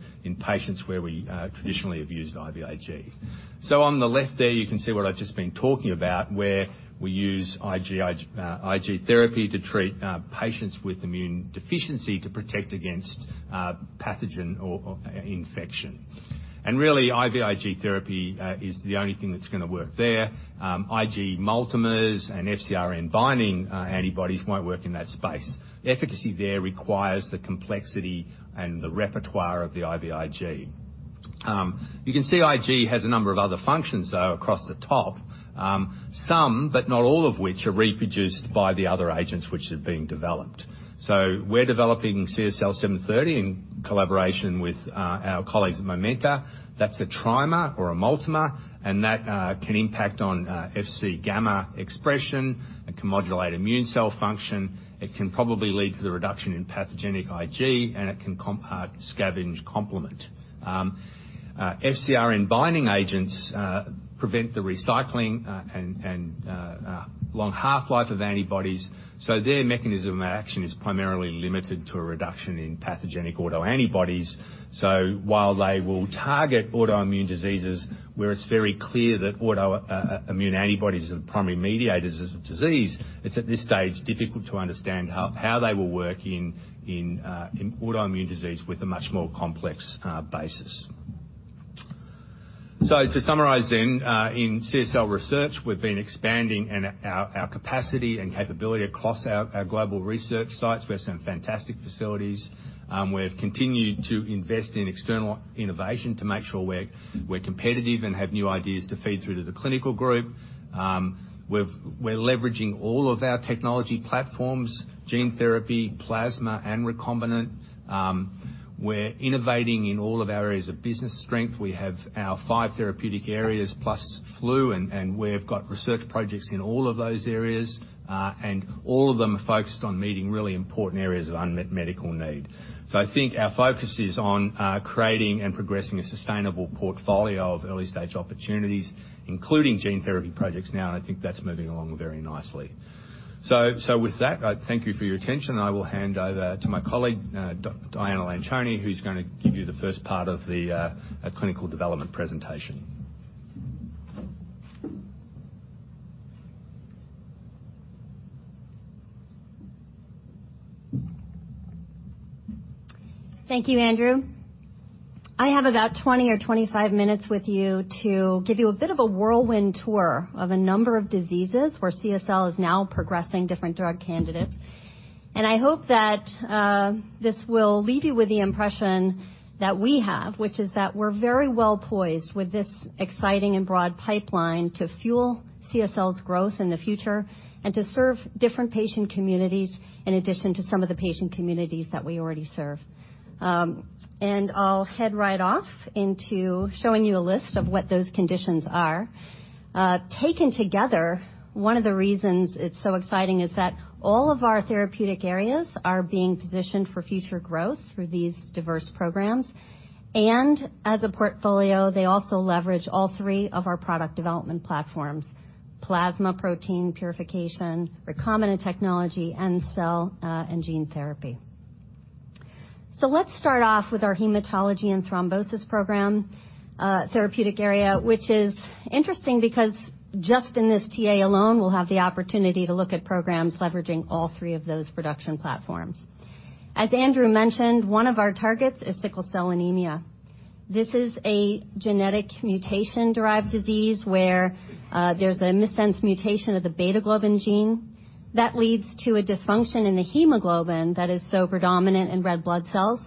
patients where we traditionally have used IVIG. On the left there, you can see what I've just been talking about, where we use IG therapy to treat patients with immune deficiency to protect against pathogen or infection. Really, IVIG therapy is the only thing that's going to work there. IG multimers and FcRn binding antibodies won't work in that space. The efficacy there requires the complexity and the repertoire of the IVIG. You can see IG has a number of other functions, though, across the top, some, but not all of which are reproduced by the other agents which are being developed. We're developing CSL 730 in collaboration with our colleagues at Momenta. That's a trimer or a multimer, and that can impact on Fc gamma expression and can modulate immune cell function. It can probably lead to the reduction in pathogenic IG, and it can scavenge complement. FcRn binding agents prevent the recycling and long half-life of antibodies, so their mechanism of action is primarily limited to a reduction in pathogenic autoantibodies. While they will target autoimmune diseases where it's very clear that autoimmune antibodies are the primary mediators of disease, it's at this stage difficult to understand how they will work in autoimmune disease with a much more complex basis. To summarize then, in CSL Research, we've been expanding our capacity and capability across our global research sites. We have some fantastic facilities. We've continued to invest in external innovation to make sure we're competitive and have new ideas to feed through to the clinical group. We're leveraging all of our technology platforms, gene therapy, plasma, and recombinant. We're innovating in all of our areas of business strength. We have our five therapeutic areas plus flu, and we've got research projects in all of those areas. All of them are focused on meeting really important areas of unmet medical need. I think our focus is on creating and progressing a sustainable portfolio of early-stage opportunities, including gene therapy projects now, and I think that's moving along very nicely. With that, I thank you for your attention, and I will hand over to my colleague, Diana Lanchoney, who's going to give you the first part of the clinical development presentation. Thank you, Andrew. I have about 20 or 25 minutes with you to give you a bit of a whirlwind tour of a number of diseases where CSL is now progressing different drug candidates. I hope that this will leave you with the impression that we have, which is that we're very well poised with this exciting and broad pipeline to fuel CSL's growth in the future and to serve different patient communities in addition to some of the patient communities that we already serve. I'll head right off into showing you a list of what those conditions are. Taken together, one of the reasons it's so exciting is that all of our therapeutic areas are being positioned for future growth through these diverse programs. As a portfolio, they also leverage all three of our product development platforms: plasma protein purification, recombinant technology, and cell and gene therapy. Let's start off with our hematology and thrombosis program therapeutic area, which is interesting because just in this TA alone, we'll have the opportunity to look at programs leveraging all three of those production platforms. As Andrew mentioned, one of our targets is sickle cell anemia. This is a genetic mutation-derived disease where there's a missense mutation of the beta globin gene that leads to a dysfunction in the hemoglobin that is so predominant in red blood cells.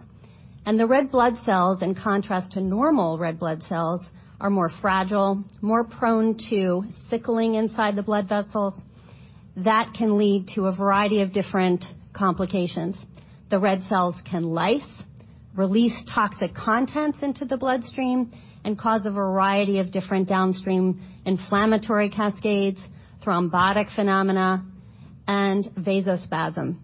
The red blood cells, in contrast to normal red blood cells, are more fragile, more prone to sickling inside the blood vessels. That can lead to a variety of different complications. The red cells can lyse, release toxic contents into the bloodstream, and cause a variety of different downstream inflammatory cascades, thrombotic phenomena, and vasospasm.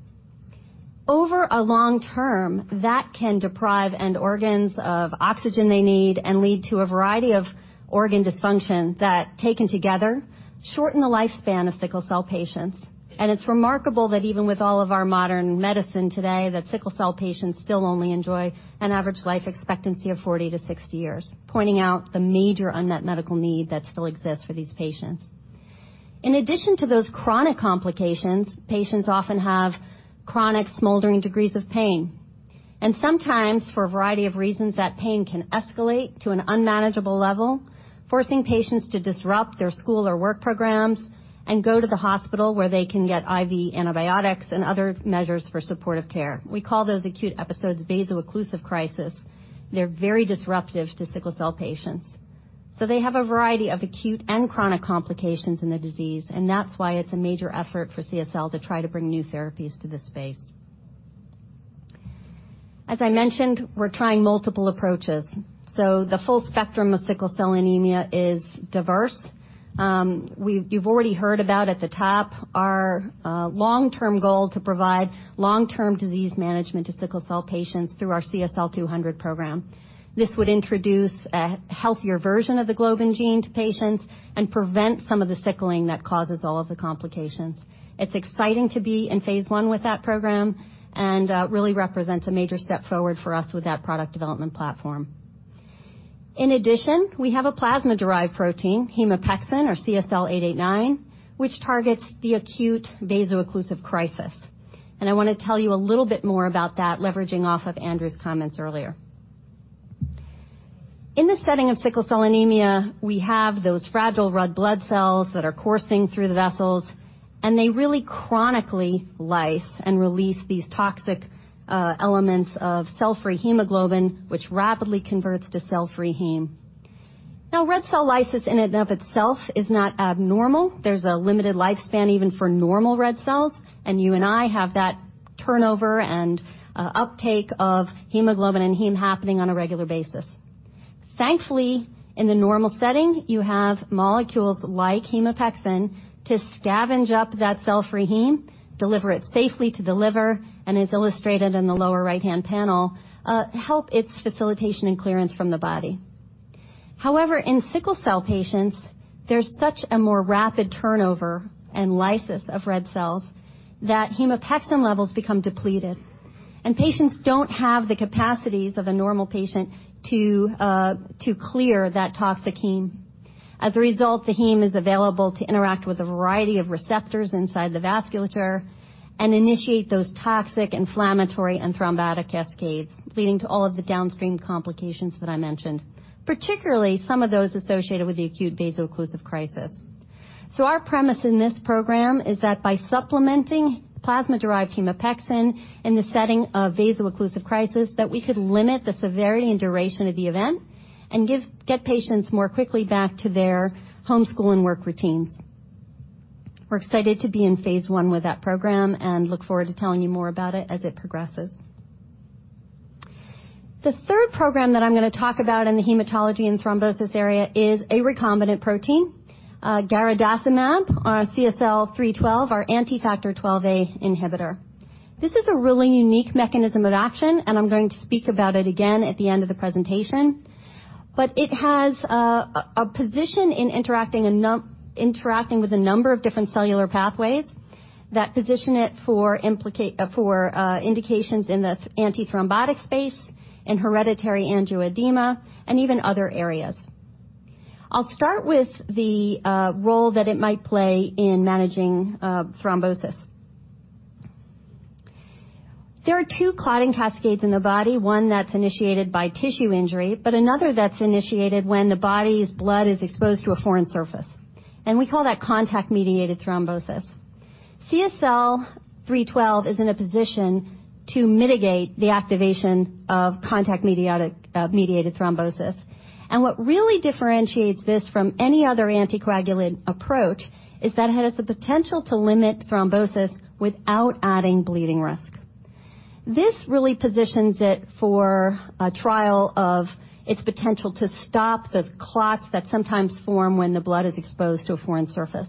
Over a long term, that can deprive end organs of oxygen they need and lead to a variety of organ dysfunction that, taken together, shorten the lifespan of sickle cell patients. It's remarkable that even with all of our modern medicine today, that sickle cell patients still only enjoy an average life expectancy of 40-60 years, pointing out the major unmet medical need that still exists for these patients. In addition to those chronic complications, patients often have chronic smoldering degrees of pain. Sometimes, for a variety of reasons, that pain can escalate to an unmanageable level, forcing patients to disrupt their school or work programs and go to the hospital where they can get IV antibiotics and other measures for supportive care. We call those acute episodes vaso-occlusive crisis. They are very disruptive to sickle cell patients. They have a variety of acute and chronic complications in the disease, and that is why it is a major effort for CSL to try to bring new therapies to this space. As I mentioned, we are trying multiple approaches. The full spectrum of sickle cell anemia is diverse. You have already heard about at the top our long-term goal to provide long-term disease management to sickle cell patients through our CSL 200 program. This would introduce a healthier version of the globin gene to patients and prevent some of the sickling that causes all of the complications. It's exciting to be in phase I with that program and really represents a major step forward for us with that product development platform. In addition, we have a plasma-derived protein, Hemopexin or CSL889, which targets the acute vaso-occlusive crisis. I want to tell you a little bit more about that, leveraging off of Andrew's comments earlier. In the setting of sickle cell disease, we have those fragile red blood cells that are coursing through the vessels, and they really chronically lyse and release these toxic elements of cell-free hemoglobin, which rapidly converts to cell-free heme. Red cell lysis in and of itself is not abnormal. There's a limited lifespan even for normal red cells, and you and I have that turnover and uptake of hemoglobin and heme happening on a regular basis. Thankfully, in the normal setting, you have molecules like hemopexin to scavenge up that cell-free heme, deliver it safely to the liver, and as illustrated in the lower right-hand panel, help its facilitation and clearance from the body. However, in sickle cell patients, there's such a more rapid turnover and lysis of red cells that hemopexin levels become depleted, and patients don't have the capacities of a normal patient to clear that toxic heme. As a result, the heme is available to interact with a variety of receptors inside the vasculature and initiate those toxic inflammatory and thrombotic cascades, leading to all of the downstream complications that I mentioned, particularly some of those associated with the acute vaso-occlusive crisis. Our premise in this program is that by supplementing plasma-derived hemopexin in the setting of vaso-occlusive crisis, that we could limit the severity and duration of the event and get patients more quickly back to their home, school, and work routines. We're excited to be in phase I with that program and look forward to telling you more about it as it progresses. The third program that I'm going to talk about in the hematology and thrombosis area is a recombinant protein, garadacimab, CSL 312, our anti-factor XIIa inhibitor. This is a really unique mechanism of action, and I'm going to speak about it again at the end of the presentation. It has a position in interacting with a number of different cellular pathways that position it for indications in the antithrombotic space, in hereditary angioedema, and even other areas. I'll start with the role that it might play in managing thrombosis. There are two clotting cascades in the body, one that's initiated by tissue injury. Another that's initiated when the body's blood is exposed to a foreign surface. We call that contact-mediated thrombosis. CSL 312 is in a position to mitigate the activation of contact-mediated thrombosis. What really differentiates this from any other anticoagulant approach is that it has the potential to limit thrombosis without adding bleeding risk. This really positions it for a trial of its potential to stop the clots that sometimes form when the blood is exposed to a foreign surface.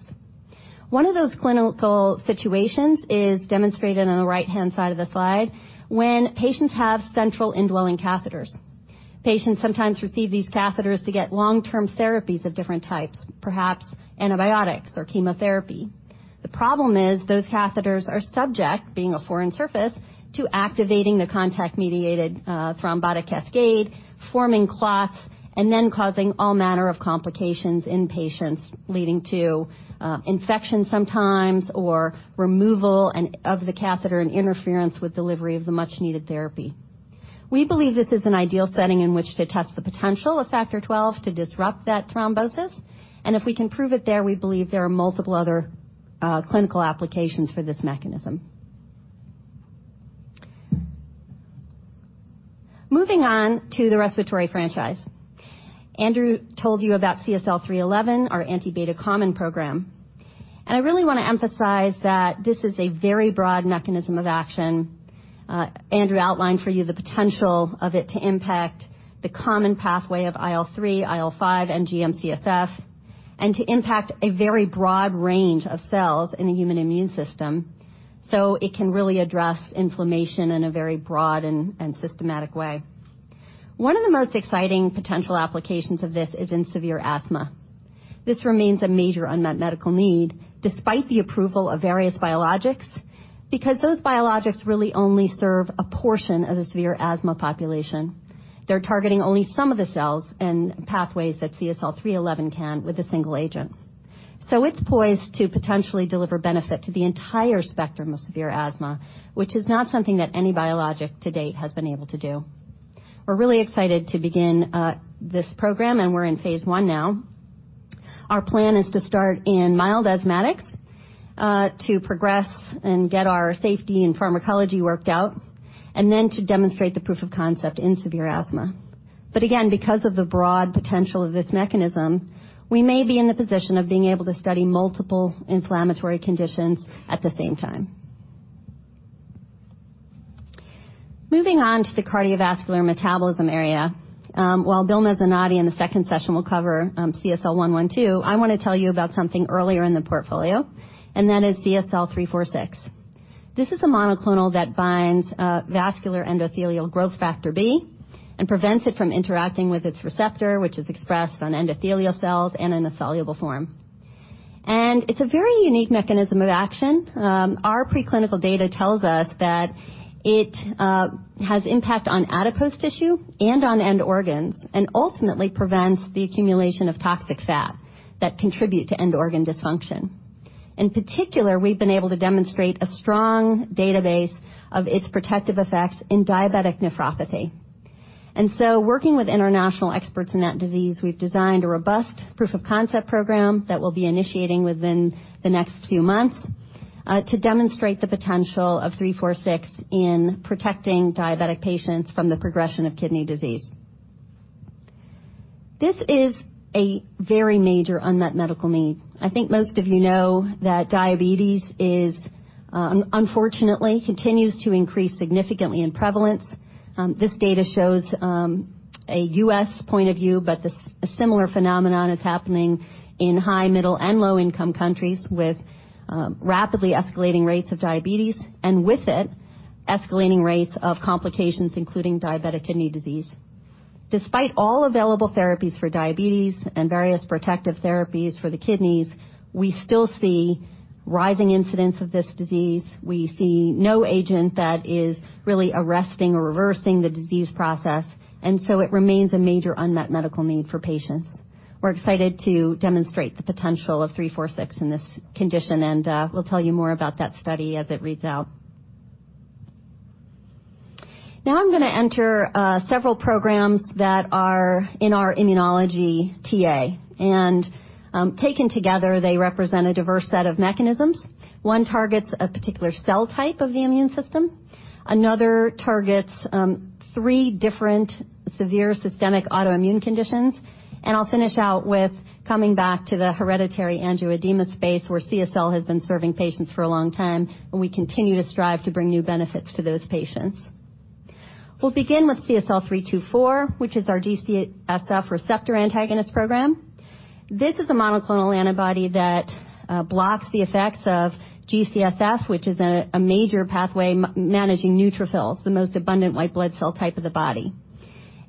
One of those clinical situations is demonstrated on the right-hand side of the slide when patients have central indwelling catheters. Patients sometimes receive these catheters to get long-term therapies of different types, perhaps antibiotics or chemotherapy. The problem is those catheters are subject, being a foreign surface, to activating the contact-mediated thrombotic cascade, forming clots. Then causing all manner of complications in patients, leading to infections sometimes, or removal of the catheter and interference with delivery of the much-needed therapy. We believe this is an ideal setting in which to test the potential of Factor XII to disrupt that thrombosis. If we can prove it there, we believe there are multiple other clinical applications for this mechanism. Moving on to the respiratory franchise. Andrew told you about CSL 311, our anti-beta common program. I really want to emphasize that this is a very broad mechanism of action. Andrew outlined for you the potential of it to impact the common pathway of IL-3, IL-5 and GM-CSF and to impact a very broad range of cells in the human immune system, so it can really address inflammation in a very broad and systematic way. One of the most exciting potential applications of this is in severe asthma. This remains a major unmet medical need despite the approval of various biologics, because those biologics really only serve a portion of the severe asthma population. They're targeting only some of the cells and pathways that CSL 311 can with a single agent. So it's poised to potentially deliver benefit to the entire spectrum of severe asthma, which is not something that any biologic to date has been able to do. We're really excited to begin this program, and we're in phase I now. Our plan is to start in mild asthmatics, to progress and get our safety and pharmacology worked out, and then to demonstrate the proof of concept in severe asthma. Again, because of the broad potential of this mechanism, we may be in the position of being able to study multiple inflammatory conditions at the same time. Moving on to the cardiovascular metabolism area. While Bill Mezzanotte in the second session will cover CSL112, I want to tell you about something earlier in the portfolio, and that is CSL346. This is a monoclonal that binds VEGF-B and prevents it from interacting with its receptor, which is expressed on endothelial cells and in a soluble form. It's a very unique mechanism of action. Our preclinical data tells us that it has impact on adipose tissue and on end organs and ultimately prevents the accumulation of toxic fat that contribute to end organ dysfunction. In particular, we've been able to demonstrate a strong database of its protective effects in diabetic nephropathy. Working with international experts in that disease, we've designed a robust proof of concept program that we'll be initiating within the next few months, to demonstrate the potential of CSL346 in protecting diabetic patients from the progression of kidney disease. This is a very major unmet medical need. I think most of you know that diabetes, unfortunately, continues to increase significantly in prevalence. This data shows a U.S. point of view, but a similar phenomenon is happening in high, middle, and low-income countries with rapidly escalating rates of diabetes, and with it escalating rates of complications, including diabetic kidney disease. Despite all available therapies for diabetes and various protective therapies for the kidneys, we still see rising incidence of this disease. We see no agent that is really arresting or reversing the disease process. It remains a major unmet medical need for patients. We're excited to demonstrate the potential of 346 in this condition. We'll tell you more about that study as it reads out. Now I'm going to enter several programs that are in our immunology TA. Taken together, they represent a diverse set of mechanisms. One targets a particular cell type of the immune system, another targets three different severe systemic autoimmune conditions. I'll finish out with coming back to the hereditary angioedema space, where CSL has been serving patients for a long time, and we continue to strive to bring new benefits to those patients. We'll begin with CSL 324, which is our G-CSF receptor antagonist program. This is a monoclonal antibody that blocks the effects of G-CSF, which is a major pathway managing neutrophils, the most abundant white blood cell type of the body.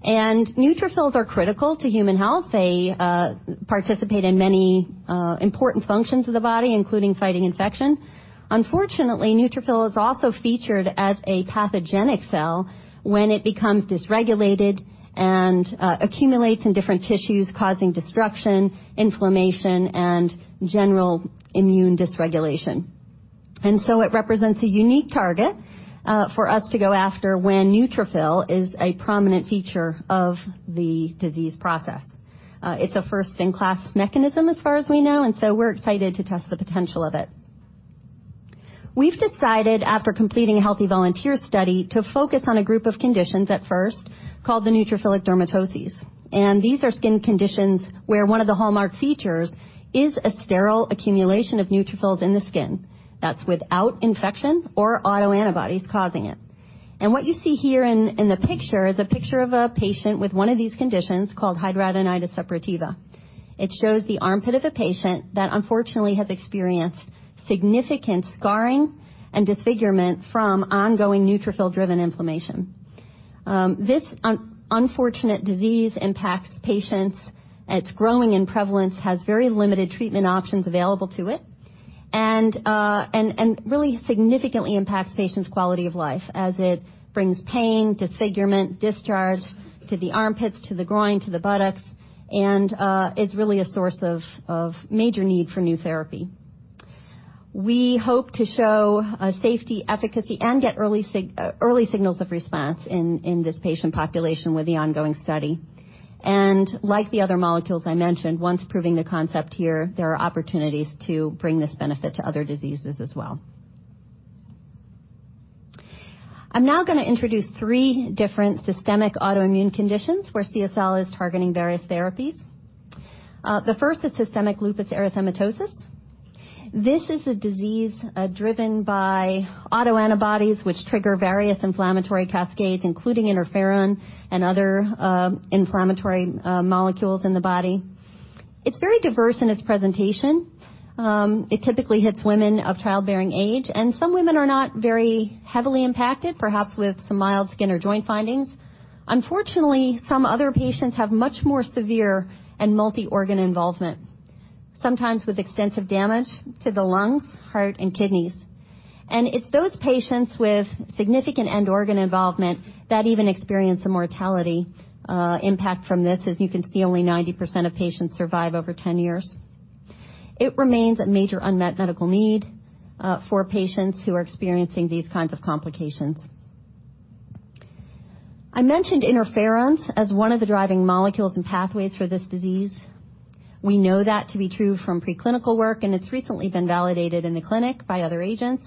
Neutrophils are critical to human health. They participate in many important functions of the body, including fighting infection. Unfortunately, neutrophil is also featured as a pathogenic cell when it becomes dysregulated and accumulates in different tissues, causing destruction, inflammation, and general immune dysregulation. It represents a unique target for us to go after when neutrophil is a prominent feature of the disease process. It's a first-in-class mechanism as far as we know, and so we're excited to test the potential of it. We've decided after completing a healthy volunteer study, to focus on a group of conditions at first called the neutrophilic dermatoses. These are skin conditions where one of the hallmark features is a sterile accumulation of neutrophils in the skin that's without infection or autoantibodies causing it. What you see here in the picture is a picture of a patient with one of these conditions called hidradenitis suppurativa. It shows the armpit of a patient that unfortunately has experienced significant scarring and disfigurement from ongoing neutrophil-driven inflammation. This unfortunate disease impacts patients, it's growing in prevalence, has very limited treatment options available to it. Really significantly impacts patients' quality of life as it brings pain, disfigurement, discharge to the armpits, to the groin, to the buttocks, and is really a source of major need for new therapy. We hope to show safety, efficacy, and get early signals of response in this patient population with the ongoing study. Like the other molecules I mentioned, once proving the concept here, there are opportunities to bring this benefit to other diseases as well. I'm now going to introduce three different systemic autoimmune conditions where CSL is targeting various therapies. The first is systemic lupus erythematosus. This is a disease driven by autoantibodies which trigger various inflammatory cascades, including interferon and other inflammatory molecules in the body. It's very diverse in its presentation. It typically hits women of childbearing age, and some women are not very heavily impacted, perhaps with some mild skin or joint findings. Unfortunately, some other patients have much more severe and multi-organ involvement, sometimes with extensive damage to the lungs, heart, and kidneys. It's those patients with significant end organ involvement that even experience a mortality impact from this. As you can see, only 90% of patients survive over 10 years. It remains a major unmet medical need for patients who are experiencing these kinds of complications. I mentioned interferons as one of the driving molecules and pathways for this disease. We know that to be true from preclinical work, and it's recently been validated in the clinic by other agents.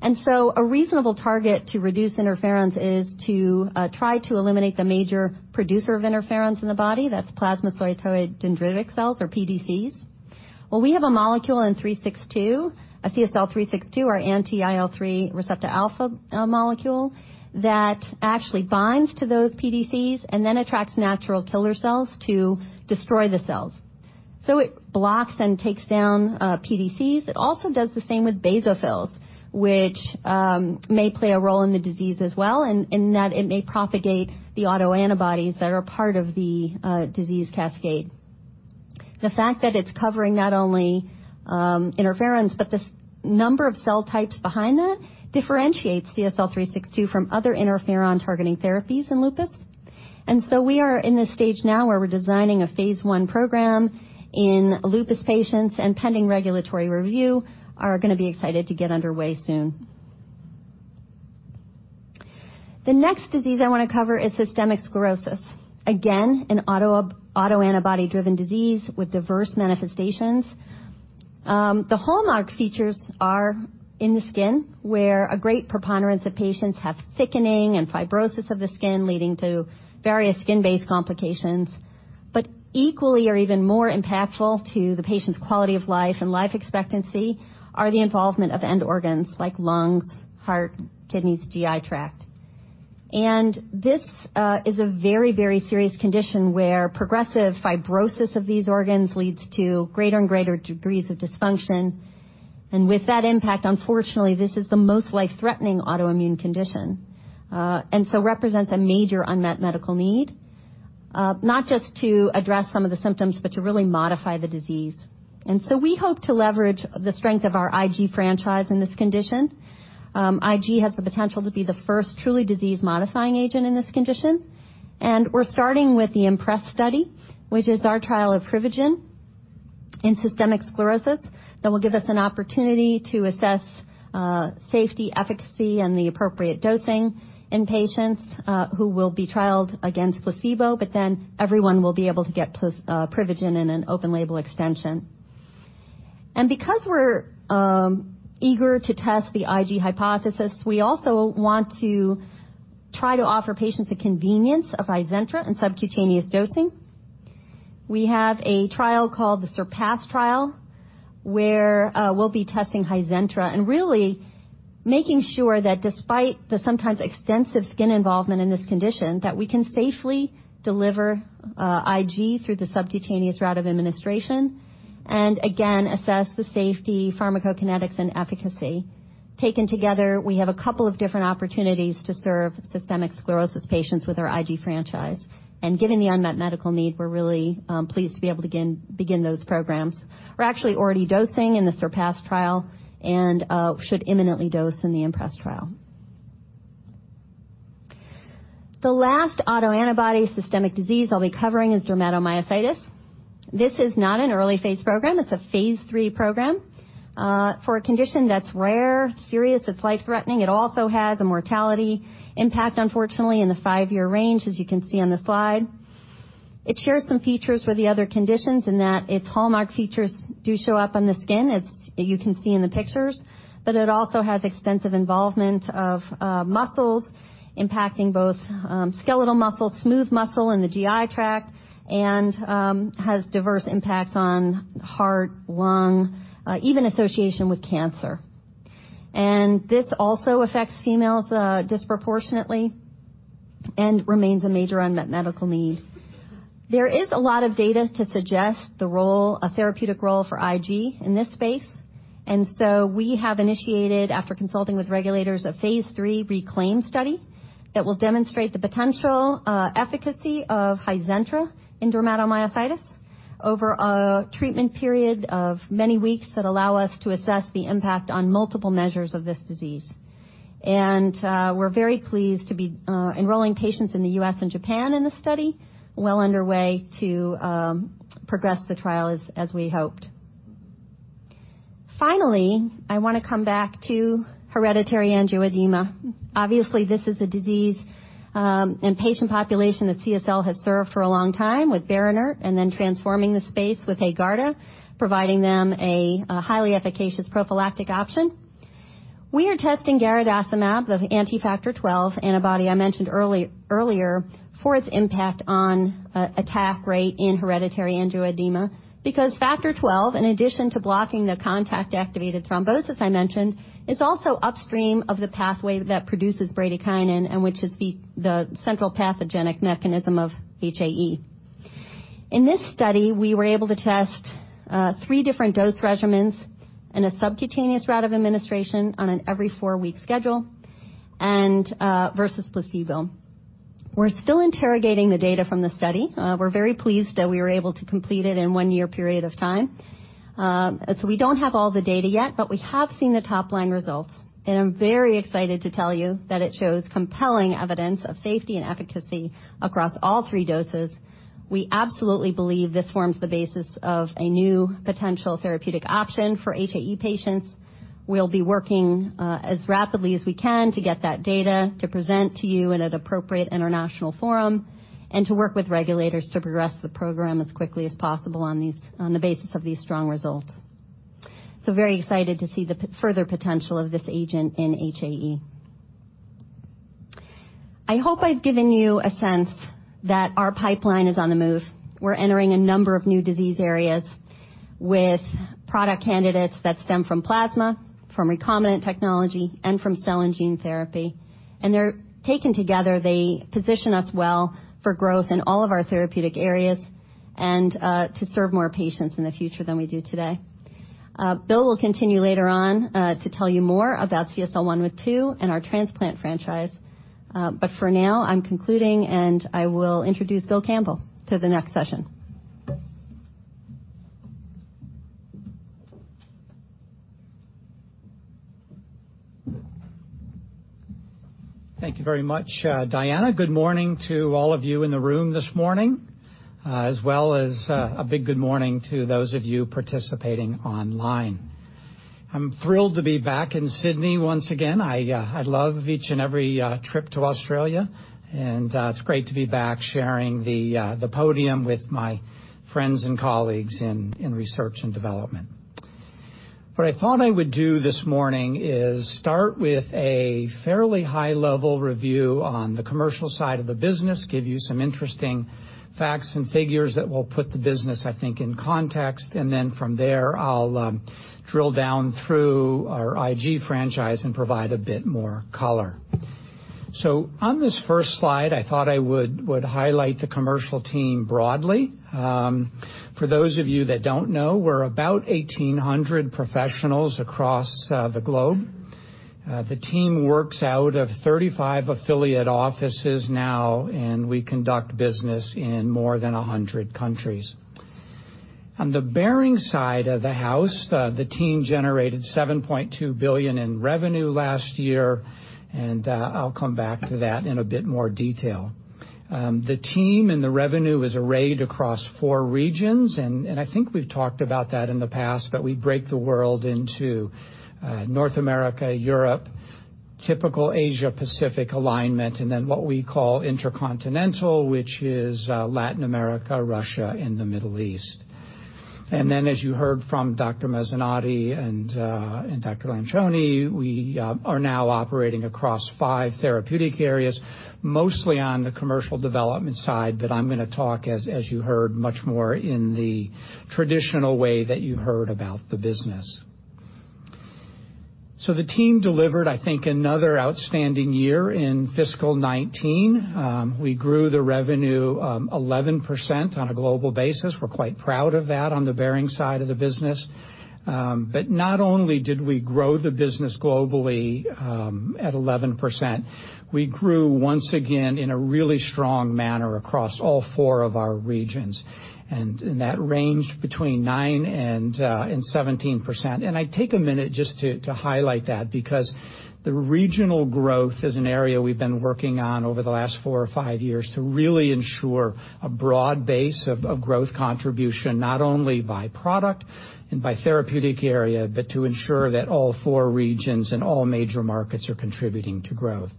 A reasonable target to reduce interferons is to try to eliminate the major producer of interferons in the body. That's plasmacytoid dendritic cells or pDCs. Well, we have a molecule in 362, a CSL362, our anti-IL-3 receptor alpha molecule that actually binds to those pDCs and then attracts natural killer cells to destroy the cells. It blocks and takes down pDCs. It also does the same with basophils, which may play a role in the disease as well, in that it may propagate the autoantibodies that are part of the disease cascade. The fact that it's covering not only interferons, but the number of cell types behind that differentiates CSL362 from other interferon-targeting therapies in lupus. So we are in this stage now where we're designing a phase I program in lupus patients, and pending regulatory review, are going to be excited to get underway soon. The next disease I want to cover is systemic sclerosis. Again, an autoantibody-driven disease with diverse manifestations. The hallmark features are in the skin, where a great preponderance of patients have thickening and fibrosis of the skin, leading to various skin-based complications. Equally or even more impactful to the patient's quality of life and life expectancy are the involvement of end organs like lungs, heart, kidneys, GI tract. This is a very serious condition where progressive fibrosis of these organs leads to greater and greater degrees of dysfunction. With that impact, unfortunately, this is the most life-threatening autoimmune condition, represents a major unmet medical need, not just to address some of the symptoms, but to really modify the disease. We hope to leverage the strength of our IG franchise in this condition. IG has the potential to be the first truly disease-modifying agent in this condition. We're starting with the IMPRESS study, which is our trial of Privigen in systemic sclerosis that will give us an opportunity to assess safety, efficacy, and the appropriate dosing in patients who will be trialed against placebo. Everyone will be able to get Privigen in an open label extension. Because we're eager to test the IG hypothesis, we also want to try to offer patients the convenience of Hizentra and subcutaneous dosing. We have a trial called the SURPASS trial, where we'll be testing HIZENTRA and really making sure that despite the sometimes extensive skin involvement in this condition, that we can safely deliver IG through the subcutaneous route of administration and again assess the safety, pharmacokinetics, and efficacy. Taken together, we have a couple of different opportunities to serve systemic sclerosis patients with our IG franchise. Given the unmet medical need, we're really pleased to be able to begin those programs. We're actually already dosing in the SURPASS trial and should imminently dose in the IMPRESS trial. The last autoantibody systemic disease I'll be covering is dermatomyositis. This is not an early-phase program. It's a phase III program, for a condition that's rare, serious, it's life-threatening. It also has a mortality impact, unfortunately, in the five-year range, as you can see on the slide. It shares some features with the other conditions in that its hallmark features do show up on the skin, as you can see in the pictures. It also has extensive involvement of muscles, impacting both skeletal muscle, smooth muscle in the GI tract, and has diverse impacts on heart, lung, even association with cancer. This also affects females disproportionately and remains a major unmet medical need. There is a lot of data to suggest a therapeutic role for IG in this space. We have initiated, after consulting with regulators, a phase III RECLAIM study. That will demonstrate the potential efficacy of Hizentra in dermatomyositis over a treatment period of many weeks that allow us to assess the impact on multiple measures of this disease. We're very pleased to be enrolling patients in the U.S. and Japan in this study, well underway to progress the trial as we hoped. Finally, I want to come back to hereditary angioedema. Obviously, this is a disease and patient population that CSL has served for a long time with BERINERT, and then transforming the space with HAEGARDA, providing them a highly efficacious prophylactic option. We are testing garadacimab, the anti-factor 12 antibody I mentioned earlier, for its impact on attack rate in hereditary angioedema. Factor 12, in addition to blocking the contact activated thrombosis I mentioned, is also upstream of the pathway that produces bradykinin and which is the central pathogenic mechanism of HAE. In this study, we were able to test three different dose regimens in a subcutaneous route of administration on an every four-week schedule and versus placebo. We're still interrogating the data from the study. We're very pleased that we were able to complete it in one year period of time. We don't have all the data yet, but we have seen the top-line results, and I'm very excited to tell you that it shows compelling evidence of safety and efficacy across all three doses. We absolutely believe this forms the basis of a new potential therapeutic option for HAE patients. We'll be working as rapidly as we can to get that data to present to you in an appropriate international forum and to work with regulators to progress the program as quickly as possible on the basis of these strong results. Very excited to see the further potential of this agent in HAE. I hope I've given you a sense that our pipeline is on the move. We're entering a number of new disease areas with product candidates that stem from plasma, from recombinant technology, and from cell and gene therapy. Taken together, they position us well for growth in all of our therapeutic areas and to serve more patients in the future than we do today. Bill will continue later on to tell you more about CSL112 and our transplant franchise. For now, I'm concluding, and I will introduce Bill Campbell to the next session. Thank you very much, Diana. Good morning to all of you in the room this morning, as well as a big good morning to those of you participating online. I'm thrilled to be back in Sydney once again. I love each and every trip to Australia, and it's great to be back sharing the podium with my friends and colleagues in research and development. What I thought I would do this morning is start with a fairly high-level review on the commercial side of the business, give you some interesting facts and figures that will put the business, I think, in context. Then from there, I'll drill down through our IG franchise and provide a bit more color. On this first slide, I thought I would highlight the commercial team broadly. For those of you that don't know, we're about 1,800 professionals across the globe. The team works out of 35 affiliate offices now. We conduct business in more than 100 countries. On the Behring side of the house, the team generated 7.2 billion in revenue last year. I'll come back to that in a bit more detail. The team and the revenue is arrayed across four regions. I think we've talked about that in the past. We break the world into North America, Europe, typical Asia-Pacific alignment, and then what we call intercontinental, which is Latin America, Russia, and the Middle East. As you heard from Dr. Mezzanotte and Dr. Lanchoney, we are now operating across five therapeutic areas, mostly on the commercial development side. I'm going to talk, as you heard, much more in the traditional way that you heard about the business. The team delivered, I think, another outstanding year in fiscal 2019. We grew the revenue 11% on a global basis. We're quite proud of that on the Behring side of the business. Not only did we grow the business globally at 11%, we grew once again in a really strong manner across all four of our regions. In that range between 9% and 17%. I take a minute just to highlight that, because the regional growth is an area we've been working on over the last four or five years to really ensure a broad base of growth contribution, not only by product and by therapeutic area, but to ensure that all four regions and all major markets are contributing to growth.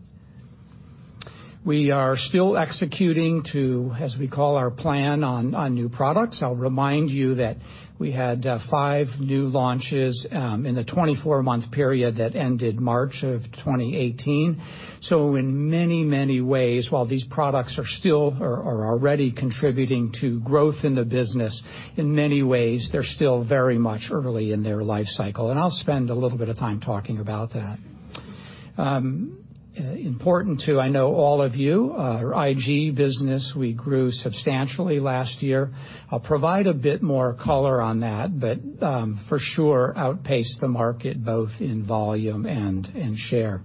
We are still executing to, as we call our plan on new products. I'll remind you that we had five new launches in the 24-month period that ended March of 2018. In many, many ways, while these products are already contributing to growth in the business, in many ways, they're still very much early in their life cycle, and I'll spend a little bit of time talking about that. Important to, I know, all of you, our IG business, we grew substantially last year. I'll provide a bit more color on that, for sure outpaced the market both in volume and in share.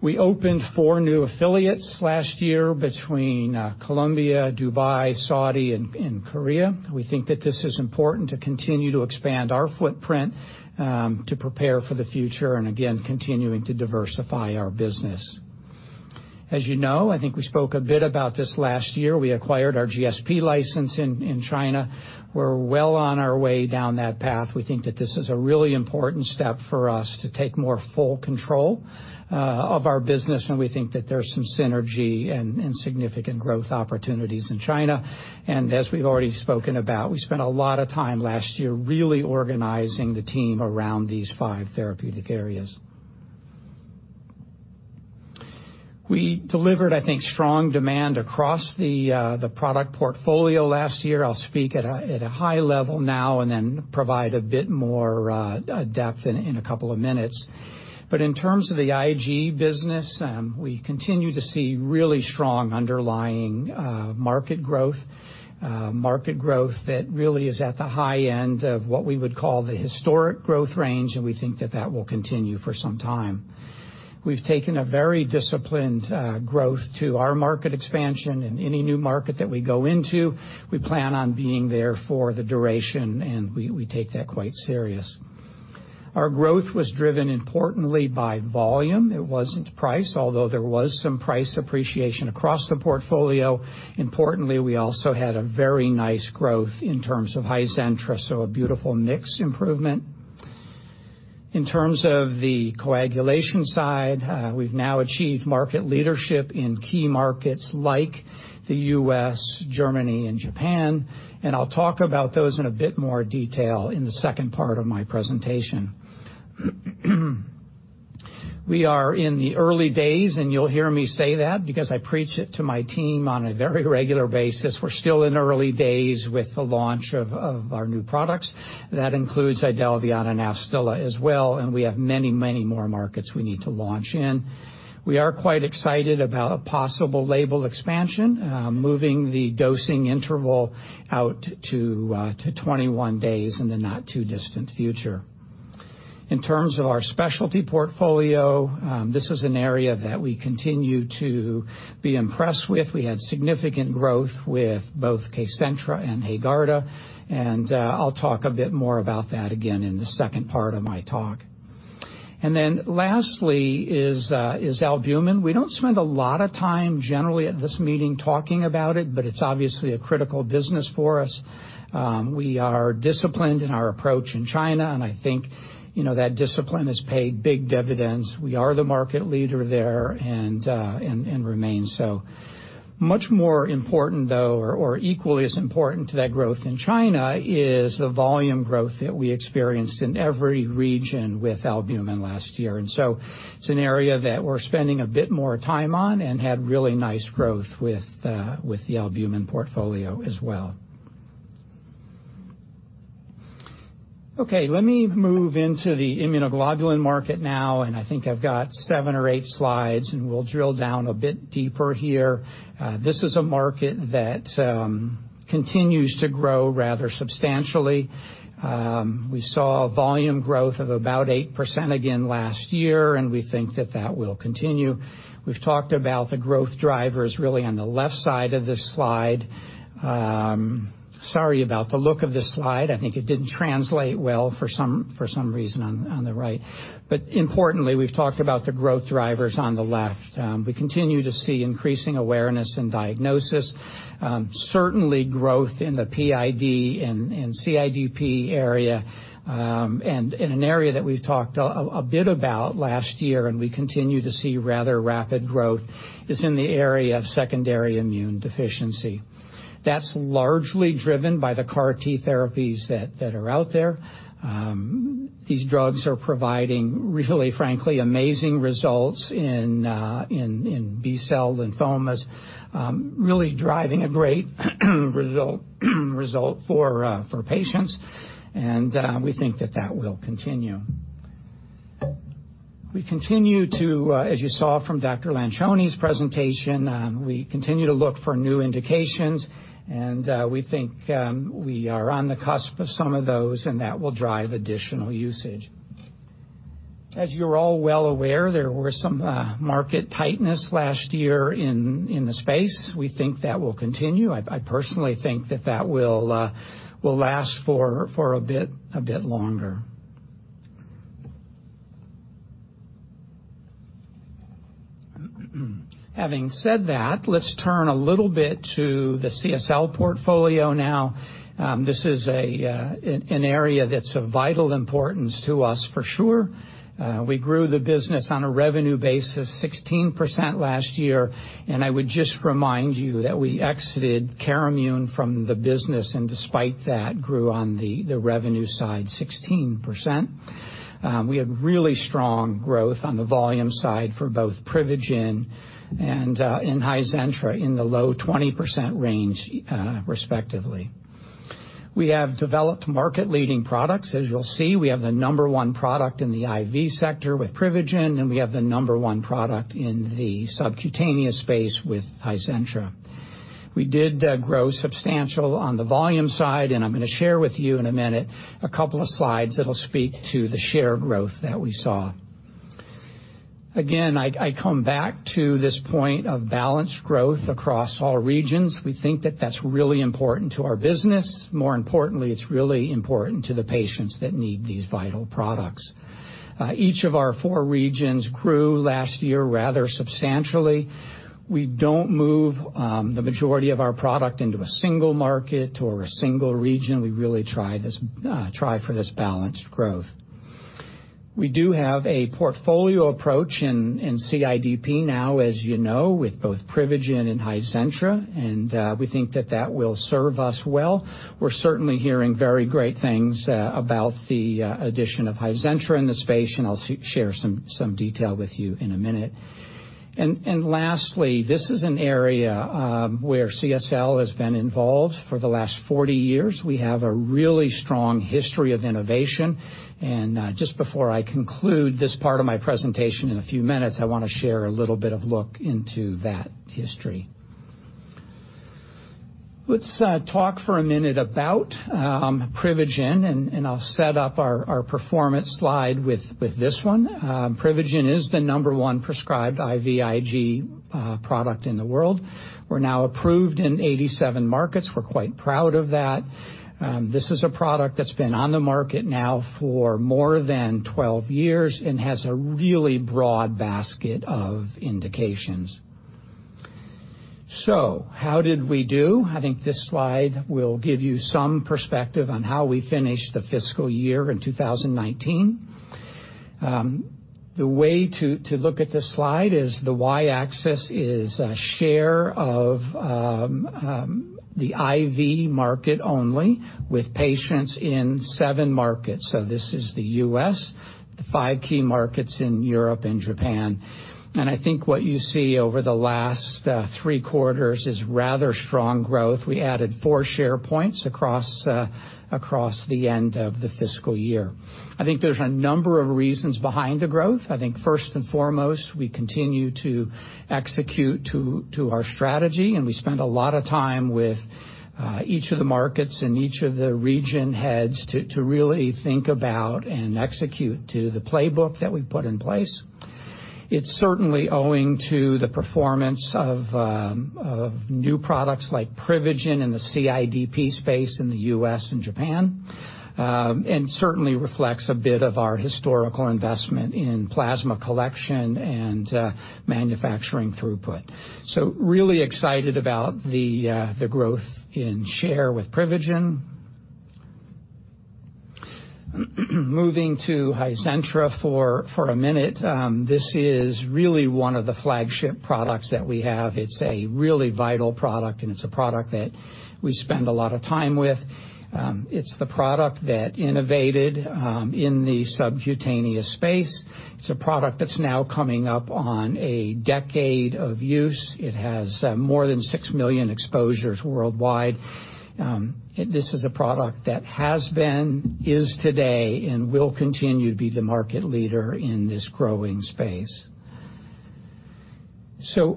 We opened four new affiliates last year between Colombia, Dubai, Saudi, and Korea. We think that this is important to continue to expand our footprint to prepare for the future and again, continuing to diversify our business. As you know, I think we spoke a bit about this last year, we acquired our GSP license in China. We're well on our way down that path. We think that this is a really important step for us to take more full control of our business, and we think that there's some synergy and significant growth opportunities in China. As we've already spoken about, we spent a lot of time last year really organizing the team around these five therapeutic areas. We delivered, I think, strong demand across the product portfolio last year. I'll speak at a high level now and then provide a bit more depth in a couple of minutes. In terms of the IG business, we continue to see really strong underlying market growth, market growth that really is at the high end of what we would call the historic growth range, and we think that that will continue for some time. We've taken a very disciplined growth to our market expansion. In any new market that we go into, we plan on being there for the duration, and we take that quite serious. Our growth was driven importantly by volume. It wasn't price, although there was some price appreciation across the portfolio. Importantly, we also had a very nice growth in terms of Hizentra, so a beautiful mix improvement. In terms of the coagulation side, we've now achieved market leadership in key markets like the U.S., Germany, and Japan, and I'll talk about those in a bit more detail in the second part of my presentation. We are in the early days, and you'll hear me say that because I preach it to my team on a very regular basis. We're still in the early days with the launch of our new products. That includes Idelvion and Afstyla and as well, and we have many more markets we need to launch in. We are quite excited about a possible label expansion, moving the dosing interval out to 21 days in the not-too-distant future. In terms of our specialty portfolio, this is an area that we continue to be impressed with. We had significant growth with both Kcentra and Haegarda. I'll talk a bit more about that again in the second part of my talk. Lastly is albumin. We don't spend a lot of time generally at this meeting talking about it, but it's obviously a critical business for us. We are disciplined in our approach in China, and I think that discipline has paid big dividends. We are the market leader there and remain so. Much more important, though, or equally as important to that growth in China, is the volume growth that we experienced in every region with albumin last year. It's an area that we're spending a bit more time on and had really nice growth with the albumin portfolio as well. Okay, let me move into the immunoglobulin market now, and I think I've got seven or eight slides, and we'll drill down a bit deeper here. This is a market that continues to grow rather substantially. We saw volume growth of about 8% again last year, and we think that that will continue. We've talked about the growth drivers really on the left side of this slide. Sorry about the look of this slide. I think it didn't translate well for some reason on the right. Importantly, we've talked about the growth drivers on the left. We continue to see increasing awareness and diagnosis, certainly growth in the PID and CIDP area. In an area that we've talked a bit about last year and we continue to see rather rapid growth, is in the area of secondary immune deficiency. That's largely driven by the CAR T therapies that are out there. These drugs are providing really, frankly, amazing results in B-cell lymphomas, really driving a great result for patients, and we think that that will continue. We continue to, as you saw from Dr. Lanchoney's presentation, we continue to look for new indications. We think we are on the cusp of some of those, that will drive additional usage. As you're all well aware, there was some market tightness last year in the space. We think that will continue. I personally think that that will last for a bit longer. Having said that, let's turn a little bit to the CSL portfolio now. This is an area that's of vital importance to us for sure. We grew the business on a revenue basis 16% last year. I would just remind you that we exited Carimune from the business and despite that, grew on the revenue side 16%. We had really strong growth on the volume side for both Privigen and in Hizentra in the low 20% range respectively. We have developed market-leading products. As you'll see, we have the number one product in the IV sector with Privigen. We have the number one product in the subcutaneous space with Hizentra. We did grow substantial on the volume side. I'm going to share with you in a minute a couple of slides that'll speak to the share growth that we saw. Again, I come back to this point of balanced growth across all regions. We think that that's really important to our business. More importantly, it's really important to the patients that need these vital products. Each of our four regions grew last year rather substantially. We don't move the majority of our product into a single market or a single region. We really try for this balanced growth. We do have a portfolio approach in CIDP now, as you know, with both Privigen and Hizentra, and we think that that will serve us well. We're certainly hearing very great things about the addition of Hizentra in the space, and I'll share some detail with you in a minute. Lastly, this is an area where CSL has been involved for the last 40 years. We have a really strong history of innovation. Just before I conclude this part of my presentation in a few minutes, I want to share a little bit of look into that history. Let's talk for a minute about Privigen. I'll set up our performance slide with this one. Privigen is the number one prescribed IVIG product in the world. We're now approved in 87 markets. We're quite proud of that. This is a product that's been on the market now for more than 12 years and has a really broad basket of indications. How did we do? I think this slide will give you some perspective on how we finished the fiscal year in 2019. The way to look at this slide is the Y-axis is a share of the IV market only with patients in seven markets. This is the U.S., the five key markets in Europe and Japan. I think what you see over the last three quarters is rather strong growth. We added four share points across the end of the fiscal year. I think there's a number of reasons behind the growth. I think first and foremost, we continue to execute to our strategy, and we spend a lot of time with each of the markets and each of the region heads to really think about and execute to the playbook that we've put in place. It's certainly owing to the performance of new products like Privigen in the CIDP space in the U.S. and Japan. Certainly reflects a bit of our historical investment in plasma collection and manufacturing throughput. Really excited about the growth in share with Privigen. Moving to Hizentra for a minute. This is really one of the flagship products that we have. It's a really vital product, and it's a product that we spend a lot of time with. It's the product that innovated in the subcutaneous space. It's a product that's now coming up on a decade of use. It has more than six million exposures worldwide. This is a product that has been, is today, and will continue to be the market leader in this growing space.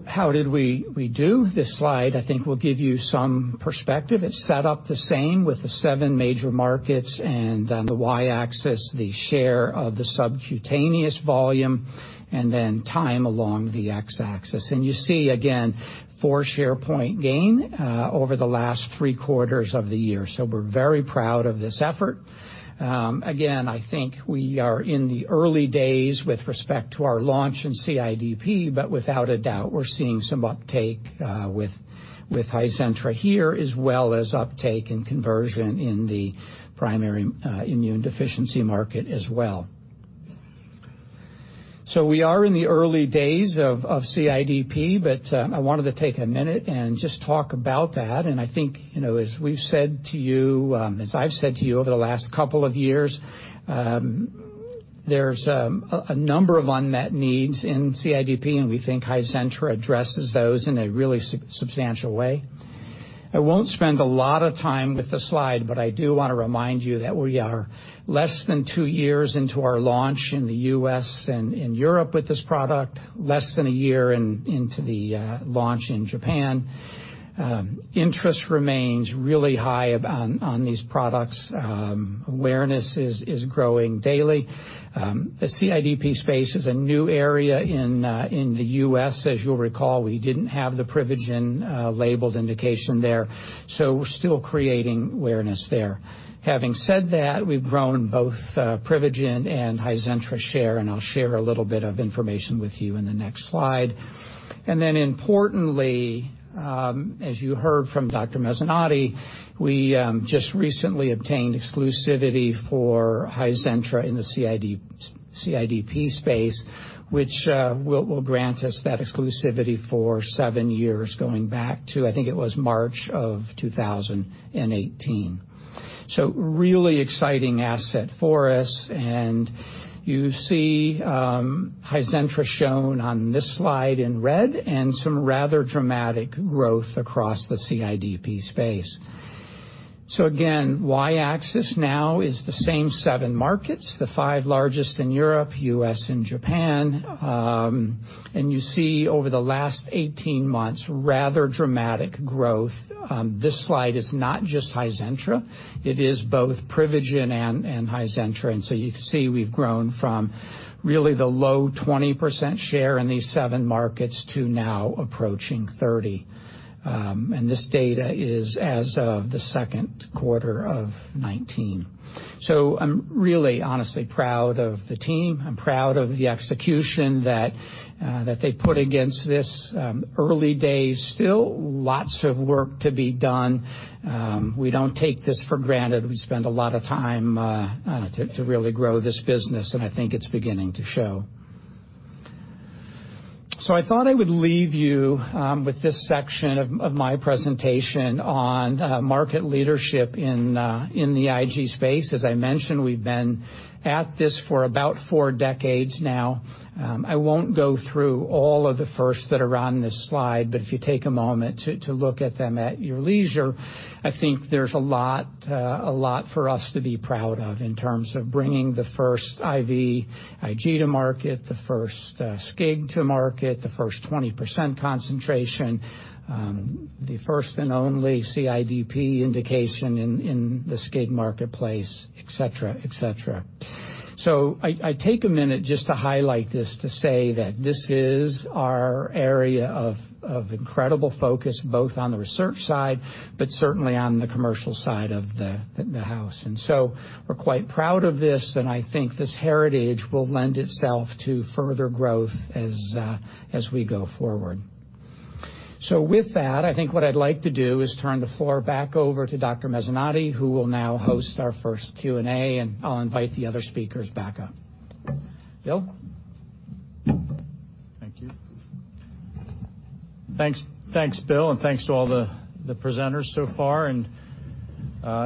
How did we do? This slide, I think will give you some perspective. It's set up the same with the seven major markets and on the Y-axis, the share of the subcutaneous volume, and then time along the X-axis. You see, again, four share point gain over the last three quarters of the year. We're very proud of this effort. Again, I think we are in the early days with respect to our launch in CIDP, but without a doubt, we're seeing some uptake with HIZENTRA here, as well as uptake and conversion in the primary immune deficiency market as well. We are in the early days of CIDP, but I wanted to take a minute and just talk about that. I think, as we've said to you, as I've said to you over the last couple of years, there's a number of unmet needs in CIDP, and we think HIZENTRA addresses those in a really substantial way. I won't spend a lot of time with the slide, but I do want to remind you that we are less than two years into our launch in the U.S. and in Europe with this product, less than a year into the launch in Japan. Interest remains really high on these products. Awareness is growing daily. The CIDP space is a new area in the U.S. As you'll recall, we didn't have the Privigen labeled indication there. We're still creating awareness there. Having said that, we've grown both Privigen and HIZENTRA share, and I'll share a little bit of information with you in the next slide. Importantly, as you heard from Dr. Mezzanotte, we just recently obtained exclusivity for HIZENTRA in the CIDP space, which will grant us that exclusivity for seven years, going back to, I think it was March of 2018. Really exciting asset for us, and you see HIZENTRA shown on this slide in red and some rather dramatic growth across the CIDP space. Again, Y-axis now is the same seven markets, the five largest in Europe, U.S., and Japan. You see over the last 18 months, rather dramatic growth. This slide is not just HIZENTRA, it is both PRIVIGEN and HIZENTRA. You can see we've grown from really the low 20% share in these seven markets to now approaching 30. This data is as of the second quarter of 2019. I'm really honestly proud of the team. I'm proud of the execution that they've put against this. Early days, still lots of work to be done. We don't take this for granted. We spend a lot of time to really grow this business, and I think it's beginning to show. I thought I would leave you with this section of my presentation on market leadership in the IG space. As I mentioned, we've been at this for about four decades now. I won't go through all of the first that are on this slide, but if you take a moment to look at them at your leisure, I think there's a lot for us to be proud of in terms of bringing the first IVIG to market, the first SCIG to market, the first 20% concentration, the first and only CIDP indication in the SCIG marketplace, et cetera. I take a minute just to highlight this, to say that this is our area of incredible focus, both on the research side, but certainly on the commercial side of the house. We're quite proud of this, and I think this heritage will lend itself to further growth as we go forward. With that, I think what I'd like to do is turn the floor back over to Dr. Mezzanotte, who will now host our first Q&A, and I'll invite the other speakers back up. Bill? Thank you. Thanks, Bill, and thanks to all the presenters so far.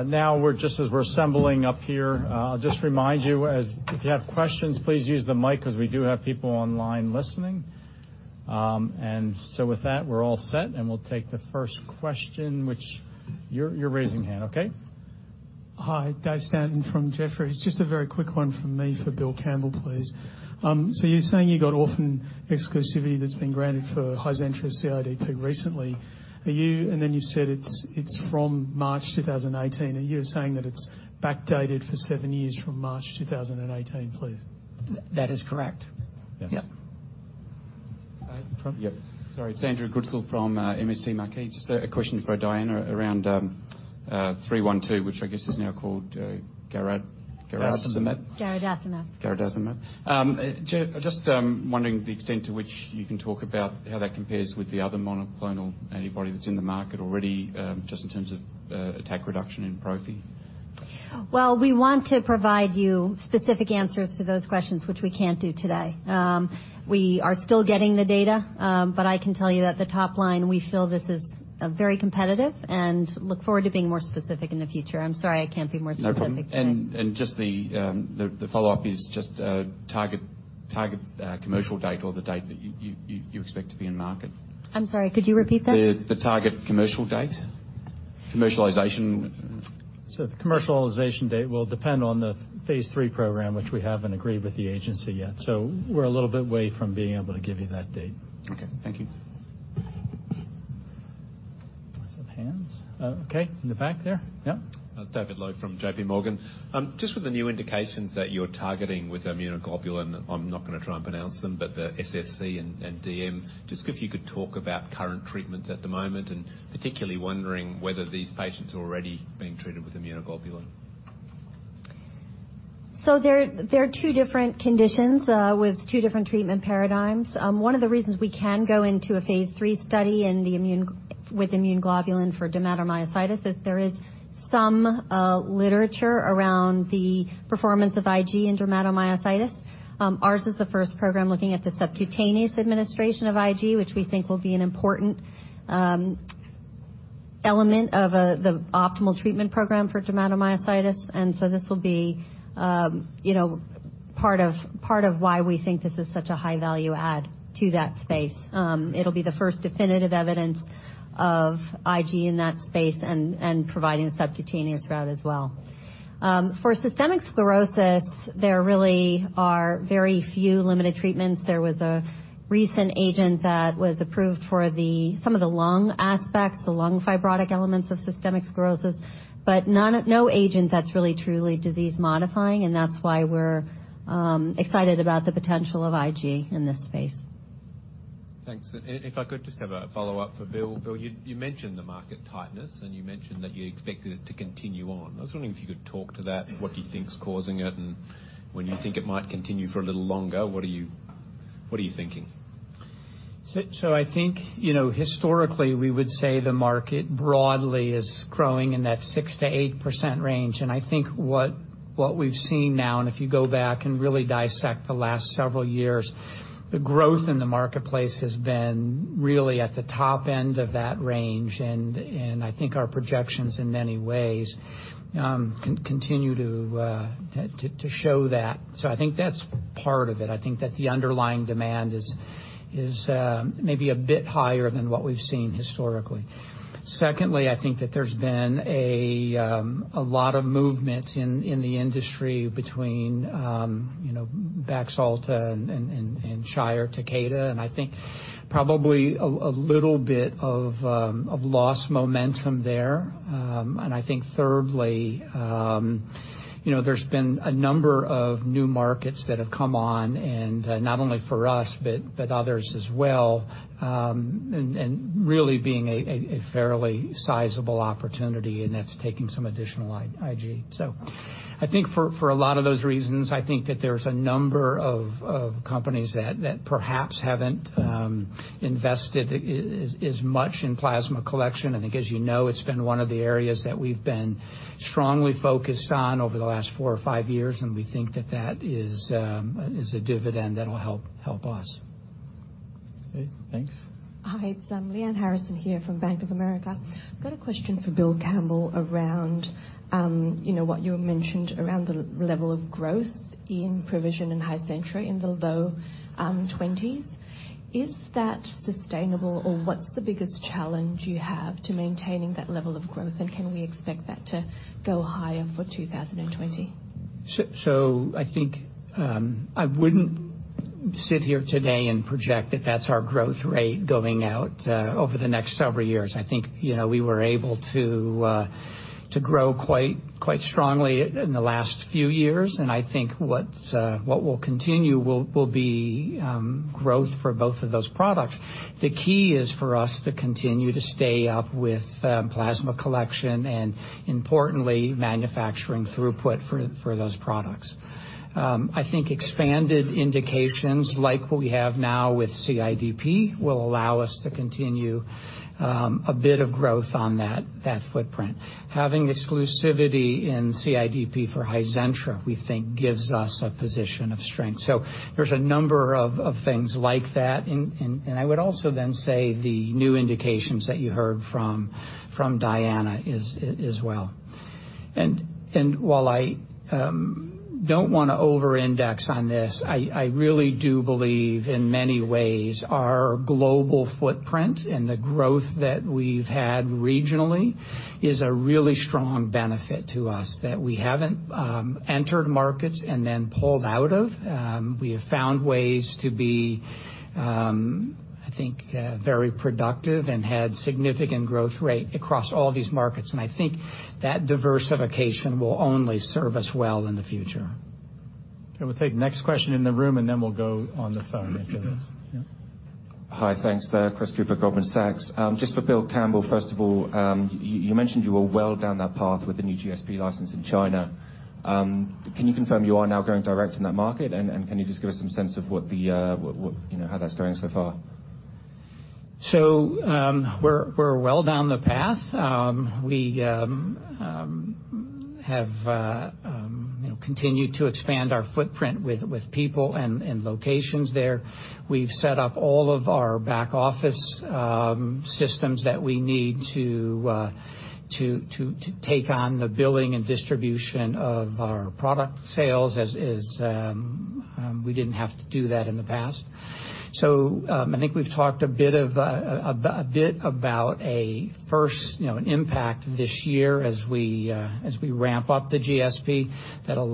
Now, just as we're assembling up here, I'll just remind you, if you have questions, please use the mic because we do have people online listening. With that, we're all set, and we'll take the first question, which you're raising hand. Okay. Hi, Dave Stanton from Jefferies. Just a very quick one from me for Bill Campbell, please. You're saying you got orphan exclusivity that's been granted for Hizentra CIDP recently. You said it's from March 2018. Are you saying that it's backdated for seven years from March 2018, please? That is correct. Yes. Yep. All right. Trump? Yep. Sorry, it's Andrew Goodsall from MST Marquee. Just a question for Diana around 312, which I guess is now called garadacimab? Garadacimab. Garadacimab. Just wondering the extent to which you can talk about how that compares with the other monoclonal antibody that's in the market already, just in terms of attack reduction in prophy? We want to provide you specific answers to those questions, which we can't do today. We are still getting the data, I can tell you that the top line, we feel this is very competitive and look forward to being more specific in the future. I'm sorry I can't be more specific today. No problem. Just the follow-up is just target commercial date or the date that you expect to be in market? I'm sorry, could you repeat that? The target commercial date? Commercialization. The commercialization date will depend on the phase III program, which we haven't agreed with the agency yet. We're a little bit away from being able to give you that date. Okay. Thank you. I see hands. Okay. In the back there. Yeah. David Low from J.P. Morgan. With the new indications that you're targeting with immunoglobulin, I'm not going to try and pronounce them, but the SSC and DM, just if you could talk about current treatments at the moment, and particularly wondering whether these patients are already being treated with immunoglobulin? They're two different conditions with two different treatment paradigms. One of the reasons we can go into a phase III study with immunoglobulin for dermatomyositis is there is some literature around the performance of IG in dermatomyositis. Ours is the first program looking at the subcutaneous administration of IG, which we think will be an important element of the optimal treatment program for dermatomyositis. This will be part of why we think this is such a high-value add to that space. It'll be the first definitive evidence of IG in that space and providing a subcutaneous route as well. For systemic sclerosis, there really are very few limited treatments. There was a recent agent that was approved for some of the lung aspects, the lung fibrotic elements of systemic sclerosis, but no agent that's really truly disease modifying, and that's why we're excited about the potential of IG in this space. Thanks. If I could just have a follow-up for Bill. Bill, you mentioned the market tightness, and you mentioned that you expected it to continue on. I was wondering if you could talk to that, what you think is causing it, and when you think it might continue for a little longer. What are you thinking? I think historically, we would say the market broadly is growing in that 6%-8% range, and I think what we've seen now, and if you go back and really dissect the last several years, the growth in the marketplace has been really at the top end of that range. I think our projections, in many ways, continue to show that. I think that's part of it. I think that the underlying demand is maybe a bit higher than what we've seen historically. Secondly, I think that there's been a lot of movement in the industry between Baxalta and Shire/Takeda, and I think probably a little bit of lost momentum there. I think thirdly, there's been a number of new markets that have come on, not only for us but others as well, and really being a fairly sizable opportunity, and that's taking some additional IG. I think for a lot of those reasons, I think that there's a number of companies that perhaps haven't invested as much in plasma collection. I think, as you know, it's been one of the areas that we've been strongly focused on over the last four or five years, and we think that that is a dividend that'll help us. Okay, thanks. Hi, it's Leanne Harrison here from Bank of America. Got a question for Bill Campbell around what you mentioned around the level of growth in Privigen in Hizentra in the low 20s. Is that sustainable, or what's the biggest challenge you have to maintaining that level of growth, and can we expect that to go higher for 2020? I think I wouldn't sit here today and project that that's our growth rate going out over the next several years. I think we were able to grow quite strongly in the last few years, and I think what will continue will be growth for both of those products. The key is for us to continue to stay up with plasma collection and importantly, manufacturing throughput for those products. I think expanded indications like we have now with CIDP will allow us to continue a bit of growth on that footprint. Having exclusivity in CIDP for HIZENTRA, we think gives us a position of strength. There's a number of things like that, and I would also then say the new indications that you heard from Diana as well. While I don't want to over-index on this, I really do believe in many ways our global footprint and the growth that we've had regionally is a really strong benefit to us that we haven't entered markets and then pulled out of. We have found ways to be, I think, very productive and had significant growth rate across all these markets. I think that diversification will only serve us well in the future. Okay, we'll take next question in the room, and then we'll go on the phone after this. Yeah. Hi, thanks. Chris Cooper, Goldman Sachs. Just for Bill Campbell, first of all, you mentioned you were well down that path with the new GSP license in China. Can you confirm you are now going direct in that market, and can you just give us some sense of how that's going so far? We're well down the path. We have continued to expand our footprint with people and locations there. We've set up all of our back-office systems that we need to take on the billing and distribution of our product sales as is. We didn't have to do that in the past. I think we've talked a bit about a first impact this year as we ramp up the GSP. That'll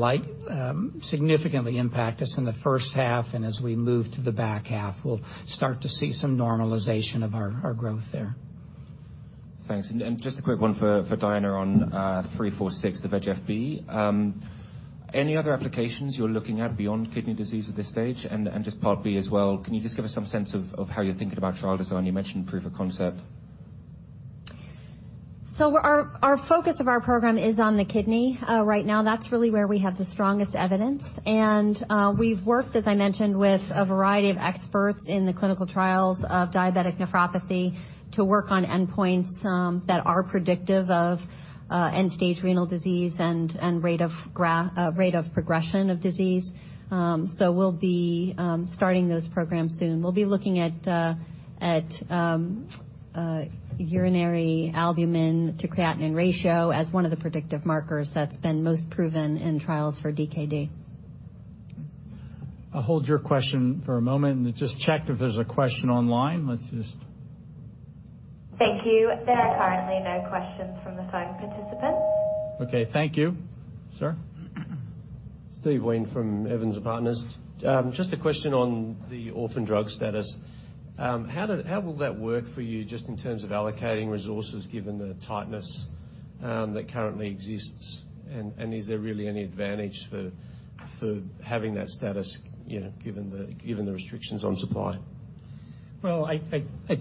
significantly impact us in the first half, and as we move to the back half, we'll start to see some normalization of our growth there. Thanks. Just a quick one for Diana on CSL346, the VEGF B. Any other applications you're looking at beyond kidney disease at this stage? Just part B as well, can you just give us some sense of how you're thinking about trial design? You mentioned proof of concept. Our focus of our program is on the kidney right now. That's really where we have the strongest evidence. We've worked, as I mentioned, with a variety of experts in the clinical trials of diabetic nephropathy to work on endpoints that are predictive of end-stage renal disease and rate of progression of disease. We'll be starting those programs soon. We'll be looking at urinary albumin-to-creatinine ratio as one of the predictive markers that's been most proven in trials for DKD. I'll hold your question for a moment and just check if there's a question online. Let's just. Thank you. There are currently no questions from the phone participants. Okay, thank you. Sir? Steve Wheen from Evans & Partners. Just a question on the orphan drug status. How will that work for you just in terms of allocating resources given the tightness that currently exists? Is there really any advantage for having that status given the restrictions on supply? I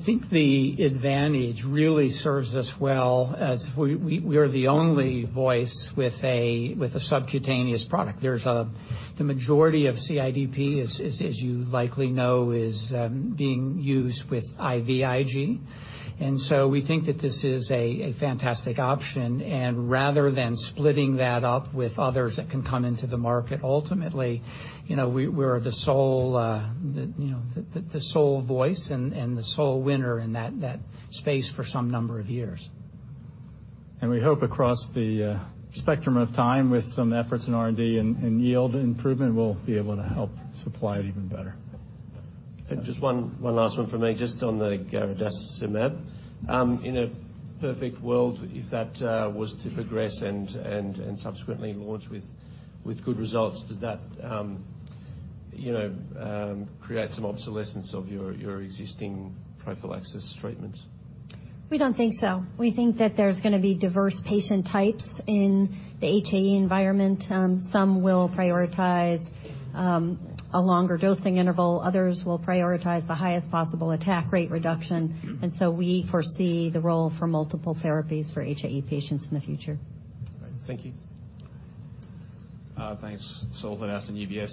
think the advantage really serves us well as we are the only voice with a subcutaneous product. The majority of CIDP, as you likely know, is being used with IVIG. We think that this is a fantastic option, and rather than splitting that up with others that can come into the market, ultimately, we're the sole voice and the sole winner in that space for some number of years. We hope across the spectrum of time, with some efforts in R&D and yield improvement, we'll be able to help supply it even better. Just one last one from me, just on the garadacimab. In a perfect world, if that was to progress and subsequently launch with good results, does that create some obsolescence of your existing prophylaxis treatments? We don't think so. We think that there's going to be diverse patient types in the HAE environment. Some will prioritize a longer dosing interval. Others will prioritize the highest possible attack rate reduction. We foresee the role for multiple therapies for HAE patients in the future. Great. Thank you. Thanks. Saul Hadassin, UBS.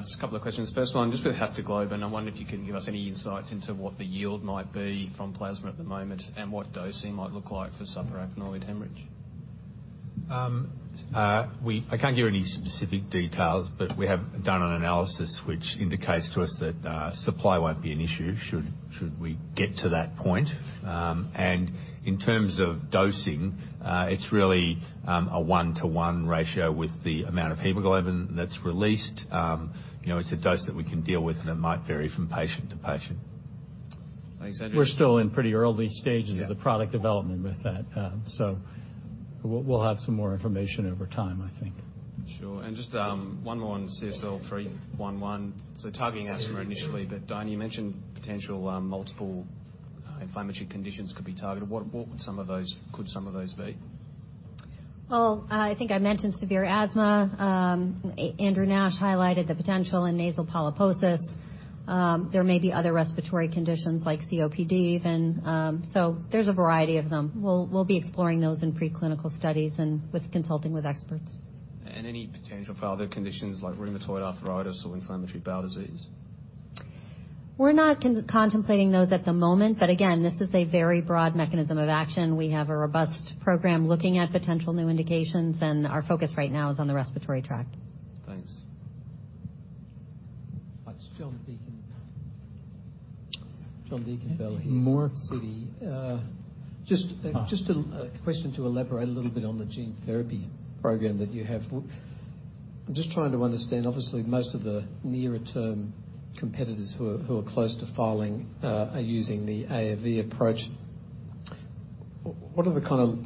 Just a couple of questions. First one, just with Haptoglobin, I wonder if you can give us any insights into what the yield might be from plasma at the moment and what dosing might look like for subarachnoid hemorrhage? I can't give any specific details. We have done an analysis which indicates to us that supply won't be an issue should we get to that point. In terms of dosing, it's really a 1-to-1 ratio with the amount of hemoglobin that's released. It's a dose that we can deal with, and it might vary from patient to patient. Thanks, Andrew. We're still in pretty early stages. Yeah of the product development with that. We'll have some more information over time, I think. Sure. Just one more on CSL 311. Targeting asthma initially, but Diana, you mentioned potential multiple inflammatory conditions could be targeted. What could some of those be? Well, I think I mentioned severe asthma. Andrew Nash highlighted the potential in nasal polyposis. There may be other respiratory conditions like COPD even. There's a variety of them. We'll be exploring those in pre-clinical studies and with consulting with experts. Any potential for other conditions like rheumatoid arthritis or inflammatory bowel disease? We're not contemplating those at the moment, but again, this is a very broad mechanism of action. We have a robust program looking at potential new indications, and our focus right now is on the respiratory tract. Thanks. It's John Deacon. John Deacon. More Just a question to elaborate a little bit on the gene therapy program that you have. I'm just trying to understand. Obviously, most of the nearer term competitors who are close to filing are using the AAV approach. What are the kind of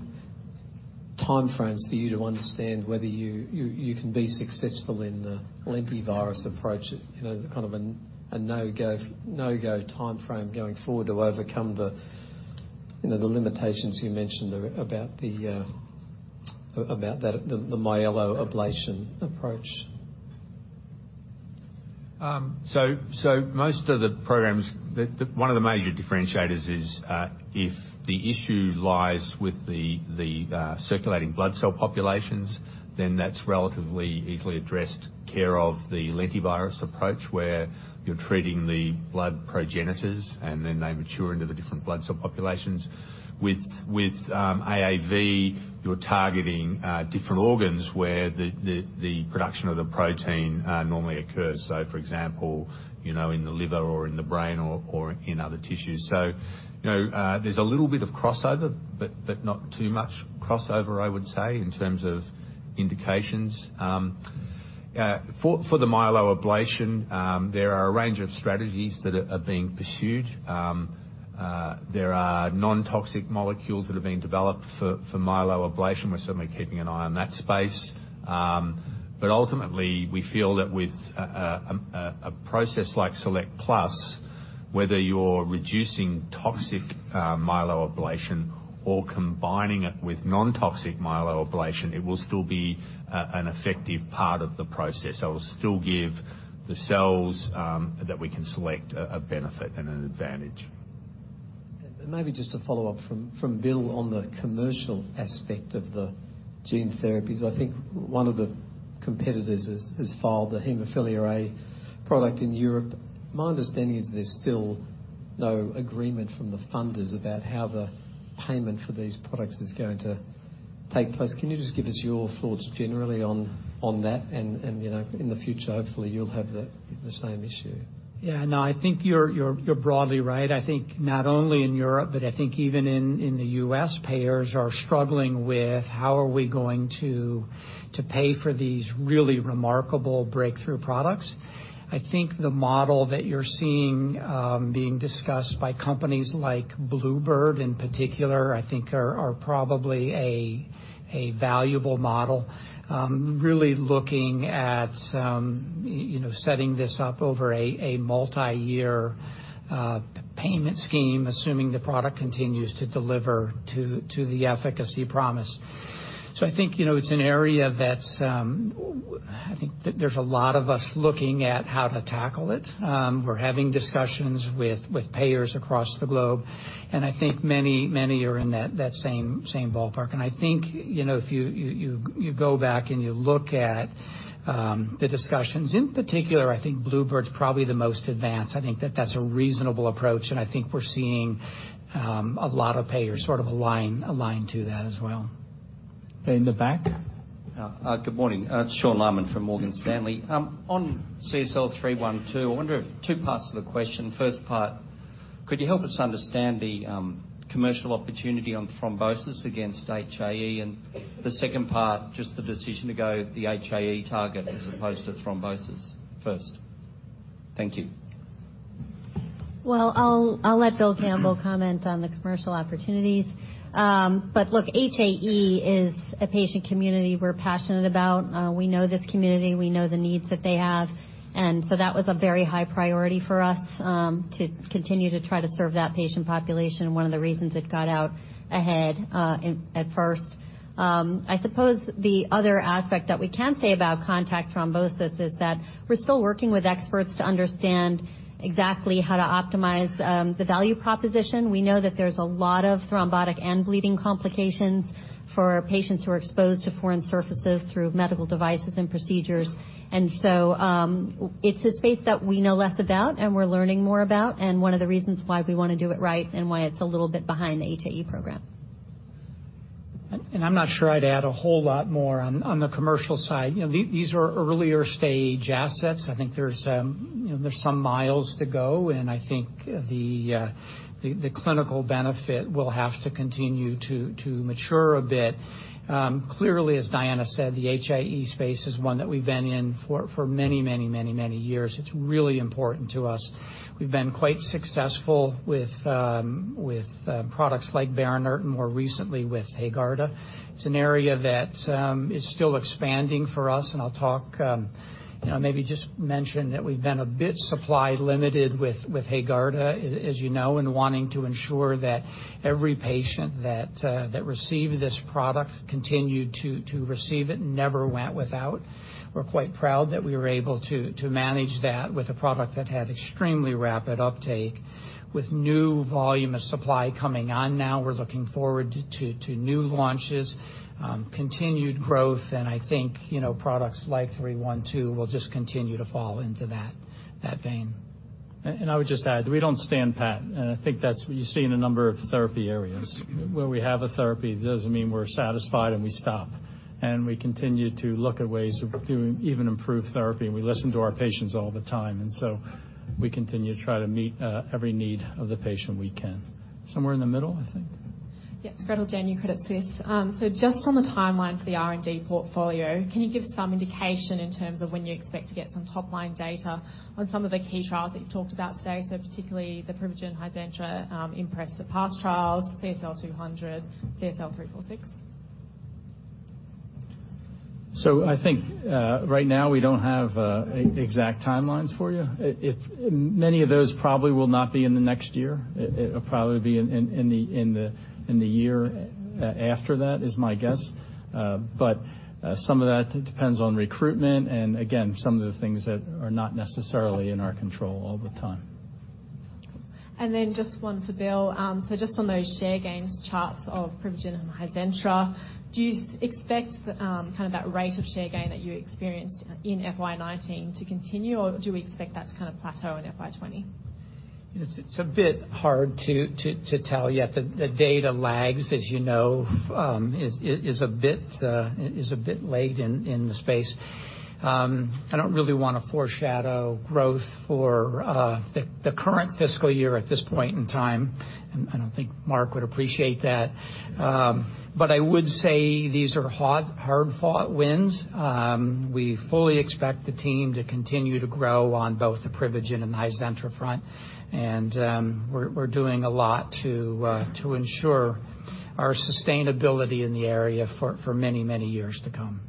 timeframes for you to understand whether you can be successful in the lentivirus approach? The kind of a no-go timeframe going forward to overcome the limitations you mentioned about the myeloablation approach. Most of the programs, one of the major differentiators is if the issue lies with the circulating blood cell populations, then that's relatively easily addressed care of the lentivirus approach, where you're treating the blood progenitors, and then they mature into the different blood cell populations. With AAV, you're targeting different organs where the production of the protein normally occurs. For example, in the liver or in the brain or in other tissues. There's a little bit of crossover, but not too much crossover, I would say, in terms of indications. For the myeloablation, there are a range of strategies that are being pursued. There are non-toxic molecules that are being developed for myeloablation. We're certainly keeping an eye on that space. Ultimately, we feel that with a process like SelectPlus, whether you're reducing toxic myeloablation or combining it with non-toxic myeloablation, it will still be an effective part of the process. It will still give the cells that we can select a benefit and an advantage. Maybe just to follow up from Bill on the commercial aspect of the gene therapies. I think one of the competitors has filed a hemophilia A product in Europe. My understanding is there's still no agreement from the funders about how the payment for these products is going to take place. Can you just give us your thoughts generally on that? In the future, hopefully you'll have the same issue. Yeah, no, I think you're broadly right. I think not only in Europe, but I think even in the U.S., payers are struggling with how are we going to pay for these really remarkable breakthrough products. I think the model that you're seeing being discussed by companies like bluebird in particular, I think are probably a valuable model. Really looking at setting this up over a multi-year payment scheme, assuming the product continues to deliver to the efficacy promise. I think it's an area I think there's a lot of us looking at how to tackle it. We're having discussions with payers across the globe, I think many are in that same ballpark. I think, if you go back and you look at the discussions, in particular, I think bluebird bio's probably the most advanced. I think that that's a reasonable approach, and I think we're seeing a lot of payers sort of align to that as well. In the back. Good morning. It's Sean Laaman from Morgan Stanley. On CSL 312, I wonder if, two parts to the question. First part, could you help us understand the commercial opportunity on thrombosis against HAE? The second part, just the decision to go the HAE target as opposed to thrombosis first. Thank you. Well, I'll let Bill Campbell comment on the commercial opportunities. Look, HAE is a patient community we're passionate about. We know this community, we know the needs that they have, that was a very high priority for us, to continue to try to serve that patient population, and one of the reasons it got out ahead at first. I suppose the other aspect that we can say about contact thrombosis is that we're still working with experts to understand exactly how to optimize the value proposition. We know that there's a lot of thrombotic and bleeding complications for patients who are exposed to foreign surfaces through medical devices and procedures. It's a space that we know less about, and we're learning more about, and one of the reasons why we want to do it right and why it's a little bit behind the HAE program. I'm not sure I'd add a whole lot more on the commercial side. These are earlier-stage assets. I think there's some miles to go, and I think the clinical benefit will have to continue to mature a bit. Clearly, as Diana said, the HAE space is one that we've been in for many years. It's really important to us. We've been quite successful with products like BERINERT and more recently with HAEGARDA. It's an area that is still expanding for us. I'll talk, maybe just mention that we've been a bit supply limited with HAEGARDA, as you know, in wanting to ensure that every patient that received this product continued to receive it, never went without. We're quite proud that we were able to manage that with a product that had extremely rapid uptake. With new volume of supply coming on now, we're looking forward to new launches, continued growth, and I think products like 312 will just continue to fall into that vein. I would just add, we don't stand pat, and I think that's what you see in a number of therapy areas. Where we have a therapy, doesn't mean we're satisfied and we stop. We continue to look at ways of doing even improved therapy, and we listen to our patients all the time. We continue to try to meet every need of the patient we can. Somewhere in the middle, I think. Yes. Gretel Janu, Credit Suisse. Just on the timeline for the R&D portfolio, can you give some indication in terms of when you expect to get some top-line data on some of the key trials that you've talked about today, so particularly the Privigen, HIZENTRA, IMPRESS, the PASS trials, CSL200, CSL346? I think right now we don't have exact timelines for you. Many of those probably will not be in the next year. It'll probably be in the year after that, is my guess. Some of that depends on recruitment and, again, some of the things that are not necessarily in our control all the time. Just one for Bill. Just on those share gains charts of Privigen and HIZENTRA, do you expect that rate of share gain that you experienced in FY 2019 to continue, or do we expect that to plateau in FY 2020? It's a bit hard to tell yet. The data lags, as you know, is a bit late in the space. I don't really want to foreshadow growth for the current fiscal year at this point in time. I don't think Mark would appreciate that. I would say these are hard-fought wins. We fully expect the team to continue to grow on both the Privigen and the Hizentra front. We're doing a lot to ensure our sustainability in the area for many years to come.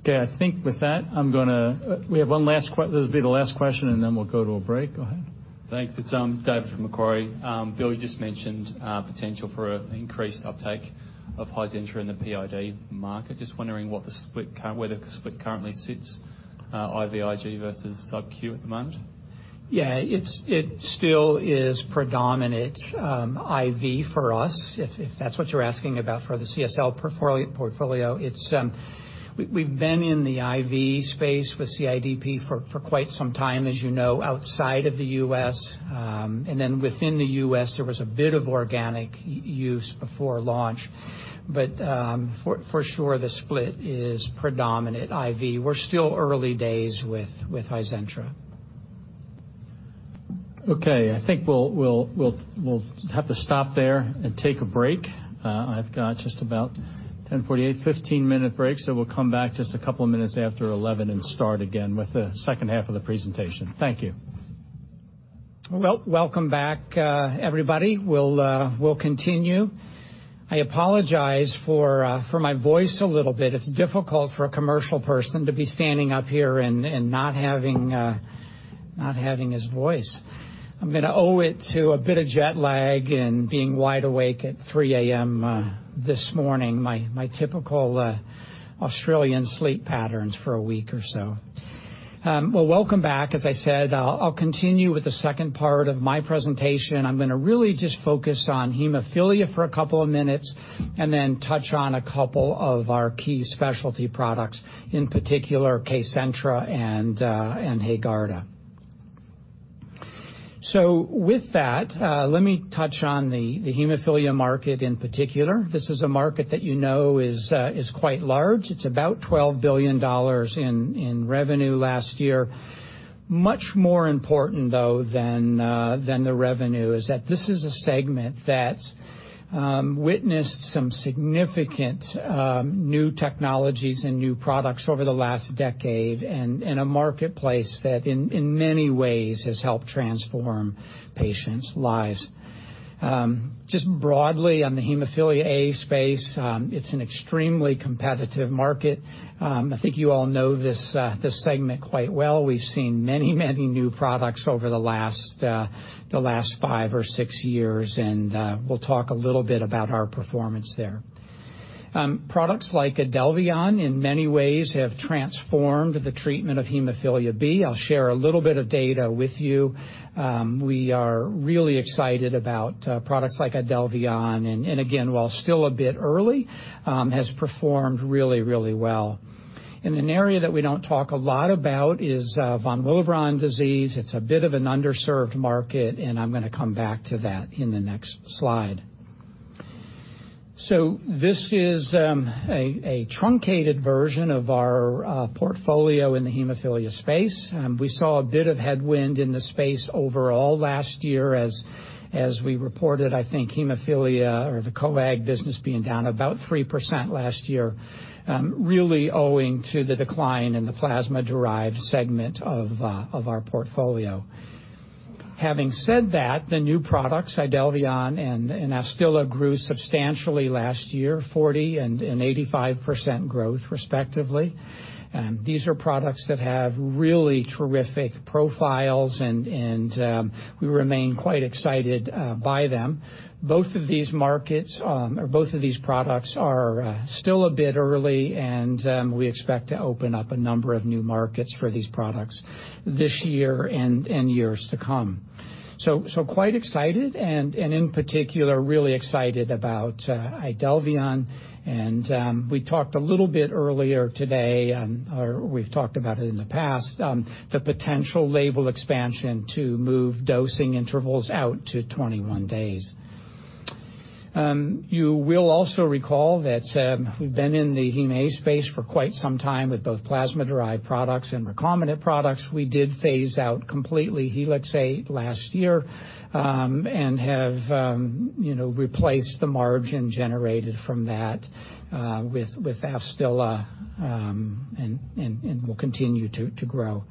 Okay. I think with that, We have one last, this will be the last question. Then we'll go to a break. Go ahead. Thanks. It's Dave from Macquarie. Bill, you just mentioned potential for increased uptake of Hizentra in the PID market. Just wondering where the split currently sits, IVIG versus subQ at the moment. It still is predominant IV for us, if that's what you're asking about for the CSL portfolio. We've been in the IV space with CIDP for quite some time as you know, outside of the U.S. Within the U.S., there was a bit of organic use before launch. For sure, the split is predominant IV. We're still early days with Hizentra. Okay. I think we'll have to stop there and take a break. I've got just about, 10:48 A.M., 15-minute break, so we'll come back just a couple of minutes after 11:00 A.M. and start again with the second half of the presentation. Thank you. Welcome back, everybody. We'll continue. I apologize for my voice a little bit. It's difficult for a commercial person to be standing up here and not having his voice. I'm going to owe it to a bit of jet lag and being wide awake at 3:00 A.M. this morning, my typical Australian sleep patterns for a week or so. Welcome back. As I said, I'll continue with the second part of my presentation. I'm going to really just focus on hemophilia for a couple of minutes and then touch on a couple of our key specialty products, in particular, KCENTRA and HAEGARDA. With that, let me touch on the hemophilia market in particular. This is a market that you know is quite large. It's about 12 billion dollars in revenue last year. Much more important, though, than the revenue is that this is a segment that's witnessed some significant new technologies and new products over the last decade, and a marketplace that in many ways has helped transform patients' lives. Just broadly on the hemophilia A space, it's an extremely competitive market. I think you all know this segment quite well. We've seen many new products over the last five or six years, and we'll talk a little bit about our performance there. Products like IDELVION, in many ways, have transformed the treatment of hemophilia B. I'll share a little bit of data with you. We are really excited about products like IDELVION, again, while still a bit early, has performed really well. An area that we don't talk a lot about is von Willebrand disease. It's a bit of an underserved market. I'm going to come back to that in the next slide. This is a truncated version of our portfolio in the hemophilia space. We saw a bit of headwind in the space overall last year as we reported, I think, hemophilia or the coag business being down about 3% last year, really owing to the decline in the plasma-derived segment of our portfolio. Having said that, the new products, IDELVION and AFSTYLA, grew substantially last year, 40% and 85% growth respectively. These are products that have really terrific profiles. We remain quite excited by them. Both of these products are still a bit early, and we expect to open up a number of new markets for these products this year and years to come. Quite excited and, in particular, really excited about Idelvion. We talked a little bit earlier today, or we've talked about it in the past, the potential label expansion to move dosing intervals out to 21 days. You will also recall that we've been in the hemA space for quite some time with both plasma-derived products and recombinant products. We did phase out completely Helixate last year and have replaced the margin generated from that with Afstyla, and will continue to grow.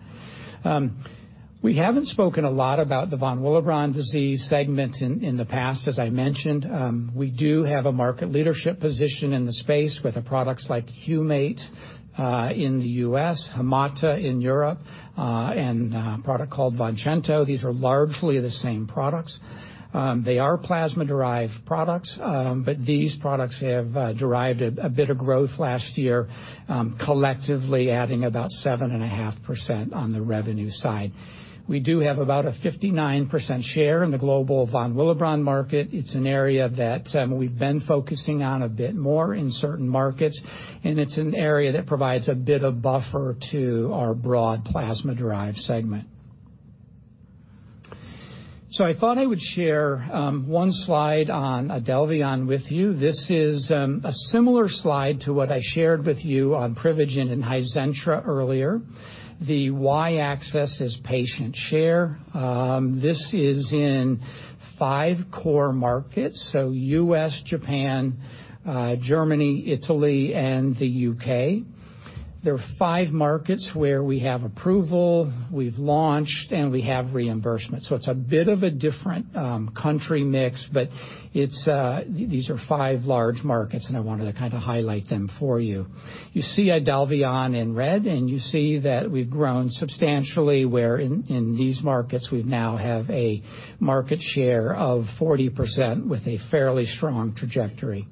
We haven't spoken a lot about the von Willebrand disease segment in the past, as I mentioned. We do have a market leadership position in the space with products like HUMATE-P in the U.S., Haemate-P in Europe, and a product called Voncento. These are largely the same products. These products have derived a bit of growth last year, collectively adding about 7.5% on the revenue side. We do have about a 59% share in the global von Willebrand market. It's an area that we've been focusing on a bit more in certain markets, it's an area that provides a bit of buffer to our broad plasma-derived segment. I thought I would share one slide on IDELVION with you. This is a similar slide to what I shared with you on Privigen and Hizentra earlier. The Y-axis is patient share. This is in five core markets, U.S., Japan, Germany, Italy, and the U.K. There are five markets where we have approval, we've launched, and we have reimbursement. It's a bit of a different country mix, but these are five large markets, and I wanted to kind of highlight them for you. You see IDELVION in red, and you see that we've grown substantially where in these markets, we now have a market share of 40% with a fairly strong trajectory.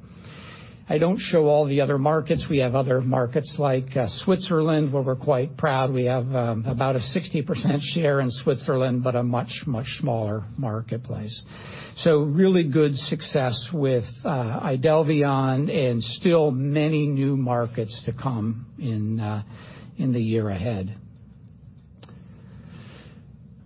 I don't show all the other markets. We have other markets like Switzerland where we're quite proud. We have about a 60% share in Switzerland, but a much smaller marketplace. Really good success with IDELVION and still many new markets to come in the year ahead.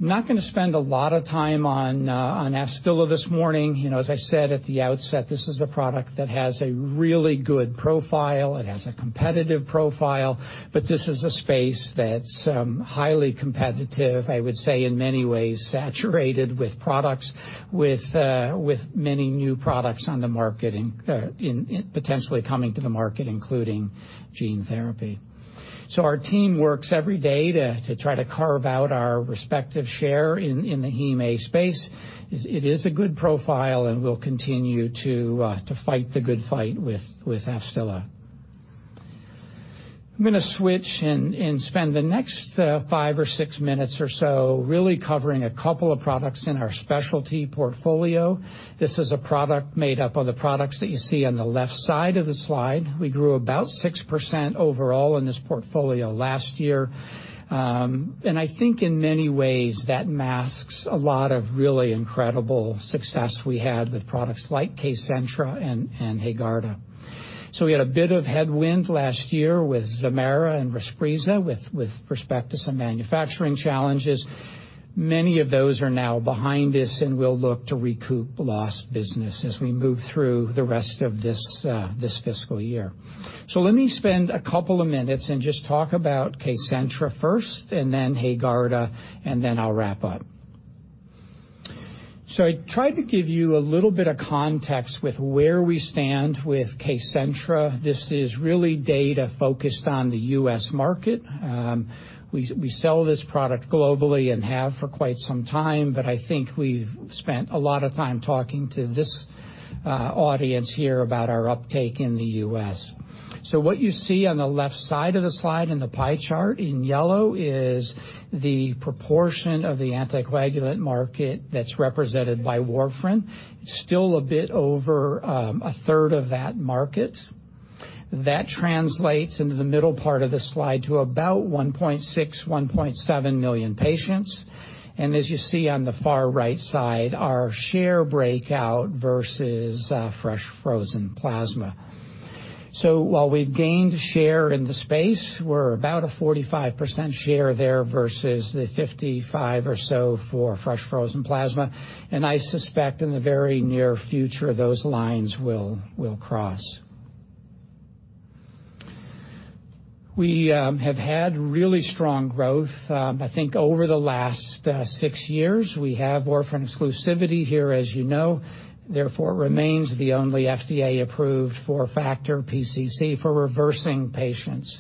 I'm not going to spend a lot of time on AFSTYLA this morning. As I said at the outset, this is a product that has a really good profile. It has a competitive profile, but this is a space that's highly competitive, I would say, in many ways, saturated with products, with many new products on the market and potentially coming to the market, including gene therapy. Our team works every day to try to carve out our respective share in the hemA space. It is a good profile, we'll continue to fight the good fight with Afstyla. I'm going to switch and spend the next five or six minutes or so really covering a couple of products in our specialty portfolio. This is a product made up of the products that you see on the left side of the slide. We grew about 6% overall in this portfolio last year, I think in many ways, that masks a lot of really incredible success we had with products like Kcentra and Haegarda. We had a bit of headwind last year with Zemaira and Respreeza with respect to some manufacturing challenges. Many of those are now behind us, and we'll look to recoup lost business as we move through the rest of this fiscal year. Let me spend a couple of minutes and just talk about Kcentra first and then Haegarda, and then I'll wrap up. I tried to give you a little bit of context with where we stand with Kcentra. This is really data focused on the U.S. market. We sell this product globally and have for quite some time, but I think we've spent a lot of time talking to this audience here about our uptake in the U.S. What you see on the left side of the slide in the pie chart in yellow is the proportion of the anticoagulant market that's represented by warfarin. It's still a bit over a third of that market. That translates into the middle part of the slide to about 1.6-1.7 million patients. As you see on the far right side, our share breakout versus fresh frozen plasma. While we've gained share in the space, we're about a 45% share there versus the 55% or so for fresh frozen plasma. I suspect in the very near future, those lines will cross. We have had really strong growth, I think, over the last six years. We have warfarin exclusivity here, as you know. Therefore, it remains the only FDA-approved four factor PCC for reversing patients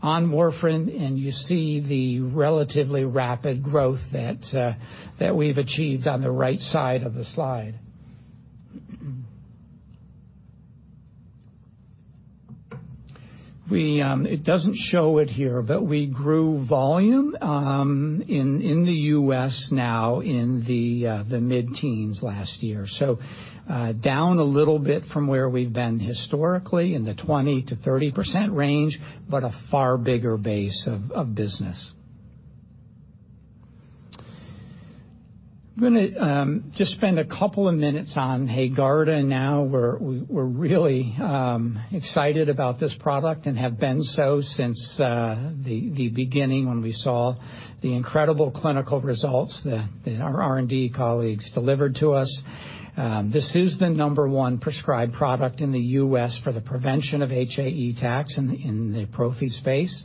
on warfarin, and you see the relatively rapid growth that we've achieved on the right side of the slide. It doesn't show it here, but we grew volume in the U.S. now in the mid-teens% last year. Down a little bit from where we've been historically in the 20%-30% range, but a far bigger base of business. I'm going to just spend 2 minutes on Haegarda now. We're really excited about this product and have been so since the beginning when we saw the incredible clinical results that our R&D colleagues delivered to us. This is the number 1 prescribed product in the U.S. for the prevention of HAE attacks in the prophy space.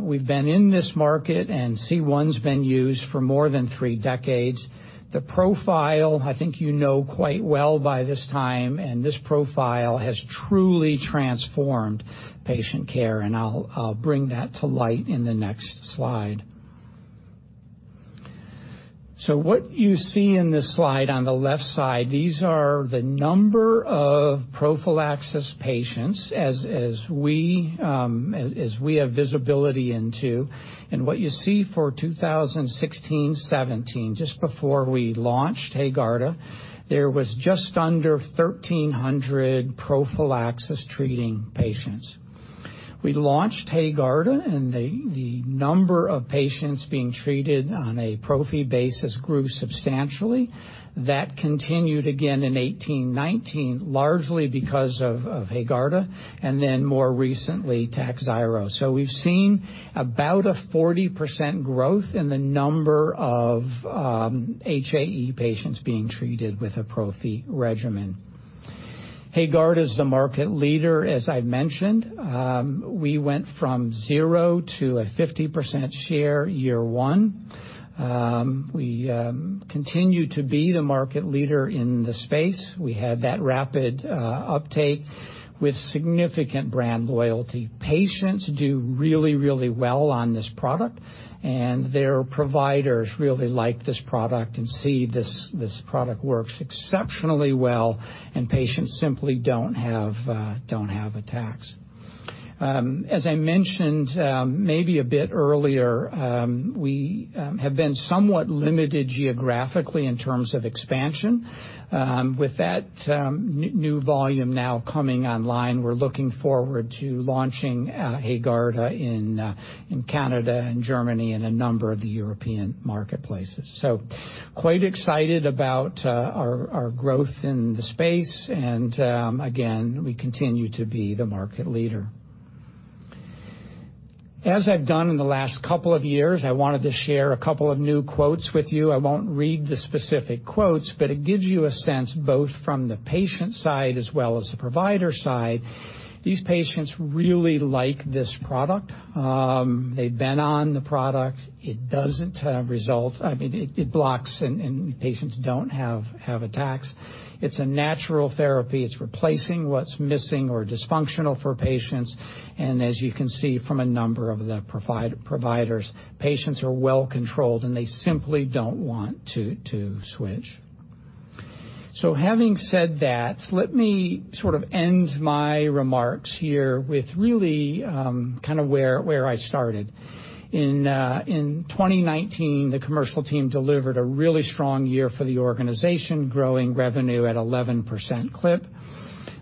We've been in this market, and C1's been used for more than 3 decades. The profile, I think you know quite well by this time, and this profile has truly transformed patient care, and I'll bring that to light in the next slide. What you see in this slide on the left side, these are the number of prophylaxis patients as we have visibility into. What you see for 2016-2017, just before we launched Haegarda, there was just under 1,300 prophylaxis-treating patients. We launched Haegarda, the number of patients being treated on a prophy basis grew substantially. That continued again in 2018-2019, largely because of Haegarda then more recently, Takzyro. We've seen about a 40% growth in the number of HAE patients being treated with a prophy regimen. Haegarda is the market leader, as I've mentioned. We went from 0 to a 50% share year 1. We continue to be the market leader in the space. We had that rapid uptake with significant brand loyalty. Patients do really well on this product, their providers really like this product and see this product works exceptionally well, patients simply don't have attacks. As I mentioned maybe a bit earlier, we have been somewhat limited geographically in terms of expansion. With that new volume now coming online, we're looking forward to launching Haegarda in Canada and Germany and a number of the European marketplaces. Quite excited about our growth in the space, and again, we continue to be the market leader. As I've done in the last couple of years, I wanted to share a couple of new quotes with you. I won't read the specific quotes, but it gives you a sense both from the patient side as well as the provider side. These patients really like this product. They've been on the product. It blocks and patients don't have attacks. It's a natural therapy. It's replacing what's missing or dysfunctional for patients. As you can see from a number of the providers, patients are well controlled, and they simply don't want to switch. Having said that, let me sort of end my remarks here with really kind of where I started. In 2019, the commercial team delivered a really strong year for the organization, growing revenue at 11% clip.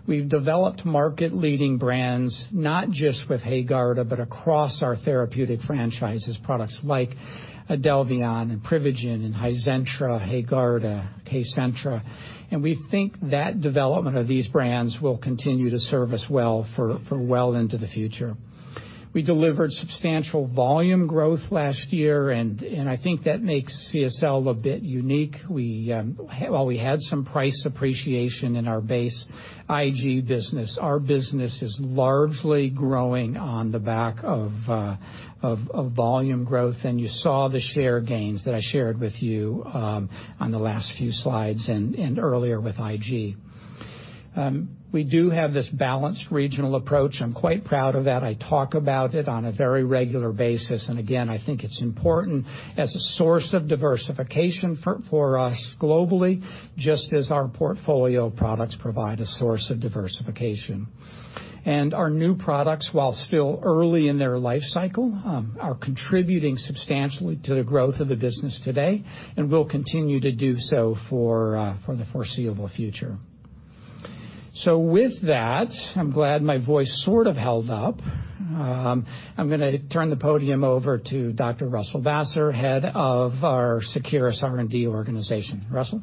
We've developed market-leading brands, not just with Haegarda, but across our therapeutic franchises, products like Idelvion and Privigen and Hizentra, Haegarda, Kcentra, and we think that development of these brands will continue to serve us well for well into the future. We delivered substantial volume growth last year, and I think that makes CSL a bit unique. While we had some price appreciation in our base IG business, our business is largely growing on the back of volume growth, and you saw the share gains that I shared with you on the last few slides and earlier with IG. We do have this balanced regional approach. I'm quite proud of that. I talk about it on a very regular basis. Again, I think it's important as a source of diversification for us globally, just as our portfolio of products provide a source of diversification. Our new products, while still early in their life cycle, are contributing substantially to the growth of the business today, and will continue to do so for the foreseeable future. With that, I'm glad my voice sort of held up. I'm going to turn the podium over to Dr Russell Basser, head of our Seqirus R&D organization. Russell?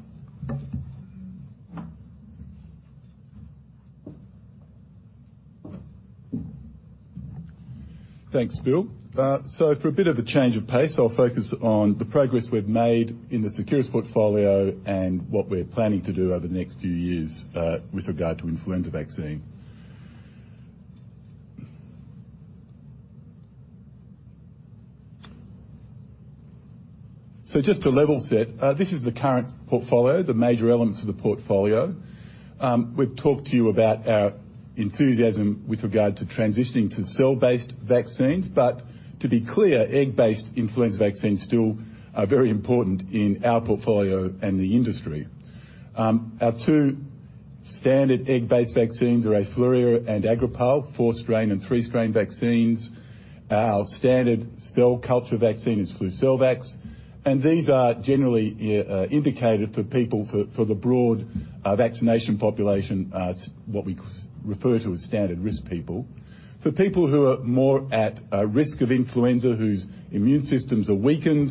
Thanks, Bill. For a bit of a change of pace, I'll focus on the progress we've made in the Seqirus portfolio and what we're planning to do over the next few years with regard to influenza vaccine. Just to level set, this is the current portfolio, the major elements of the portfolio. We've talked to you about our enthusiasm with regard to transitioning to cell-based vaccines. To be clear, egg-based influenza vaccines still are very important in our portfolio and the industry. Our two standard egg-based vaccines are AFLURIA and Agrippal, four-strain and three-strain vaccines. Our standard cell culture vaccine is Flucelvax, and these are generally indicated for people, for the broad vaccination population, what we refer to as standard risk people. For people who are more at risk of influenza, whose immune systems are weakened,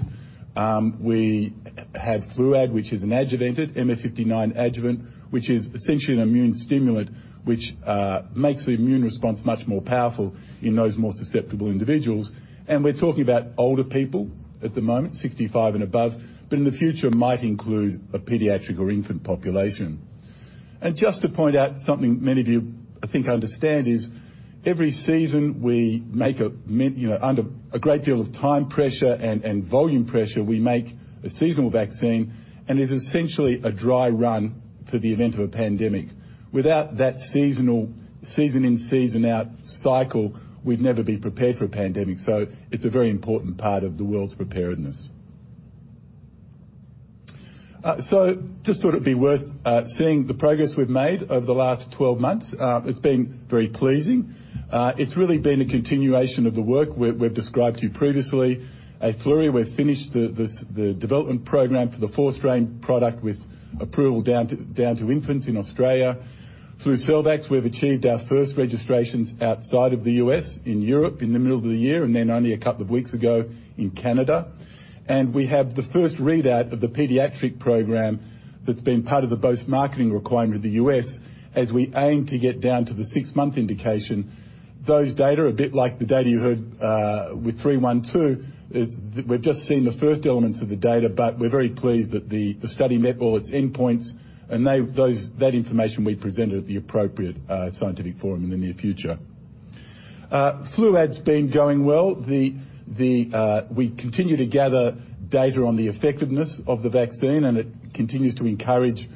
we have Fluad, which is an adjuvanted MF59 adjuvant, which is essentially an immune stimulant, which makes the immune response much more powerful in those more susceptible individuals. We're talking about older people at the moment, 65 and above, but in the future might include a pediatric or infant population. Just to point out something many of you, I think understand, is every season we make, under a great deal of time pressure and volume pressure, we make a seasonal vaccine, and it is essentially a dry run for the event of a pandemic. Without that season in, season out cycle, we'd never be prepared for a pandemic. It's a very important part of the world's preparedness. Just thought it'd be worth seeing the progress we've made over the last 12 months. It's been very pleasing. It's really been a continuation of the work we've described to you previously. AFLURIA, we've finished the development program for the four-strain product with approval down to infants in Australia. FLUCELVAX, we've achieved our first registrations outside of the U.S., in Europe in the middle of the year, and only a couple of weeks ago in Canada. We have the first readout of the pediatric program that's been part of the post-marketing requirement of the U.S. as we aim to get down to the six-month indication. Those data, a bit like the data you heard with 312, we've just seen the first elements of the data, but we're very pleased that the study met all its endpoints, and that information will be presented at the appropriate scientific forum in the near future. FLUAD's been going well. We continue to gather data on the effectiveness of the vaccine, and it continues to encourage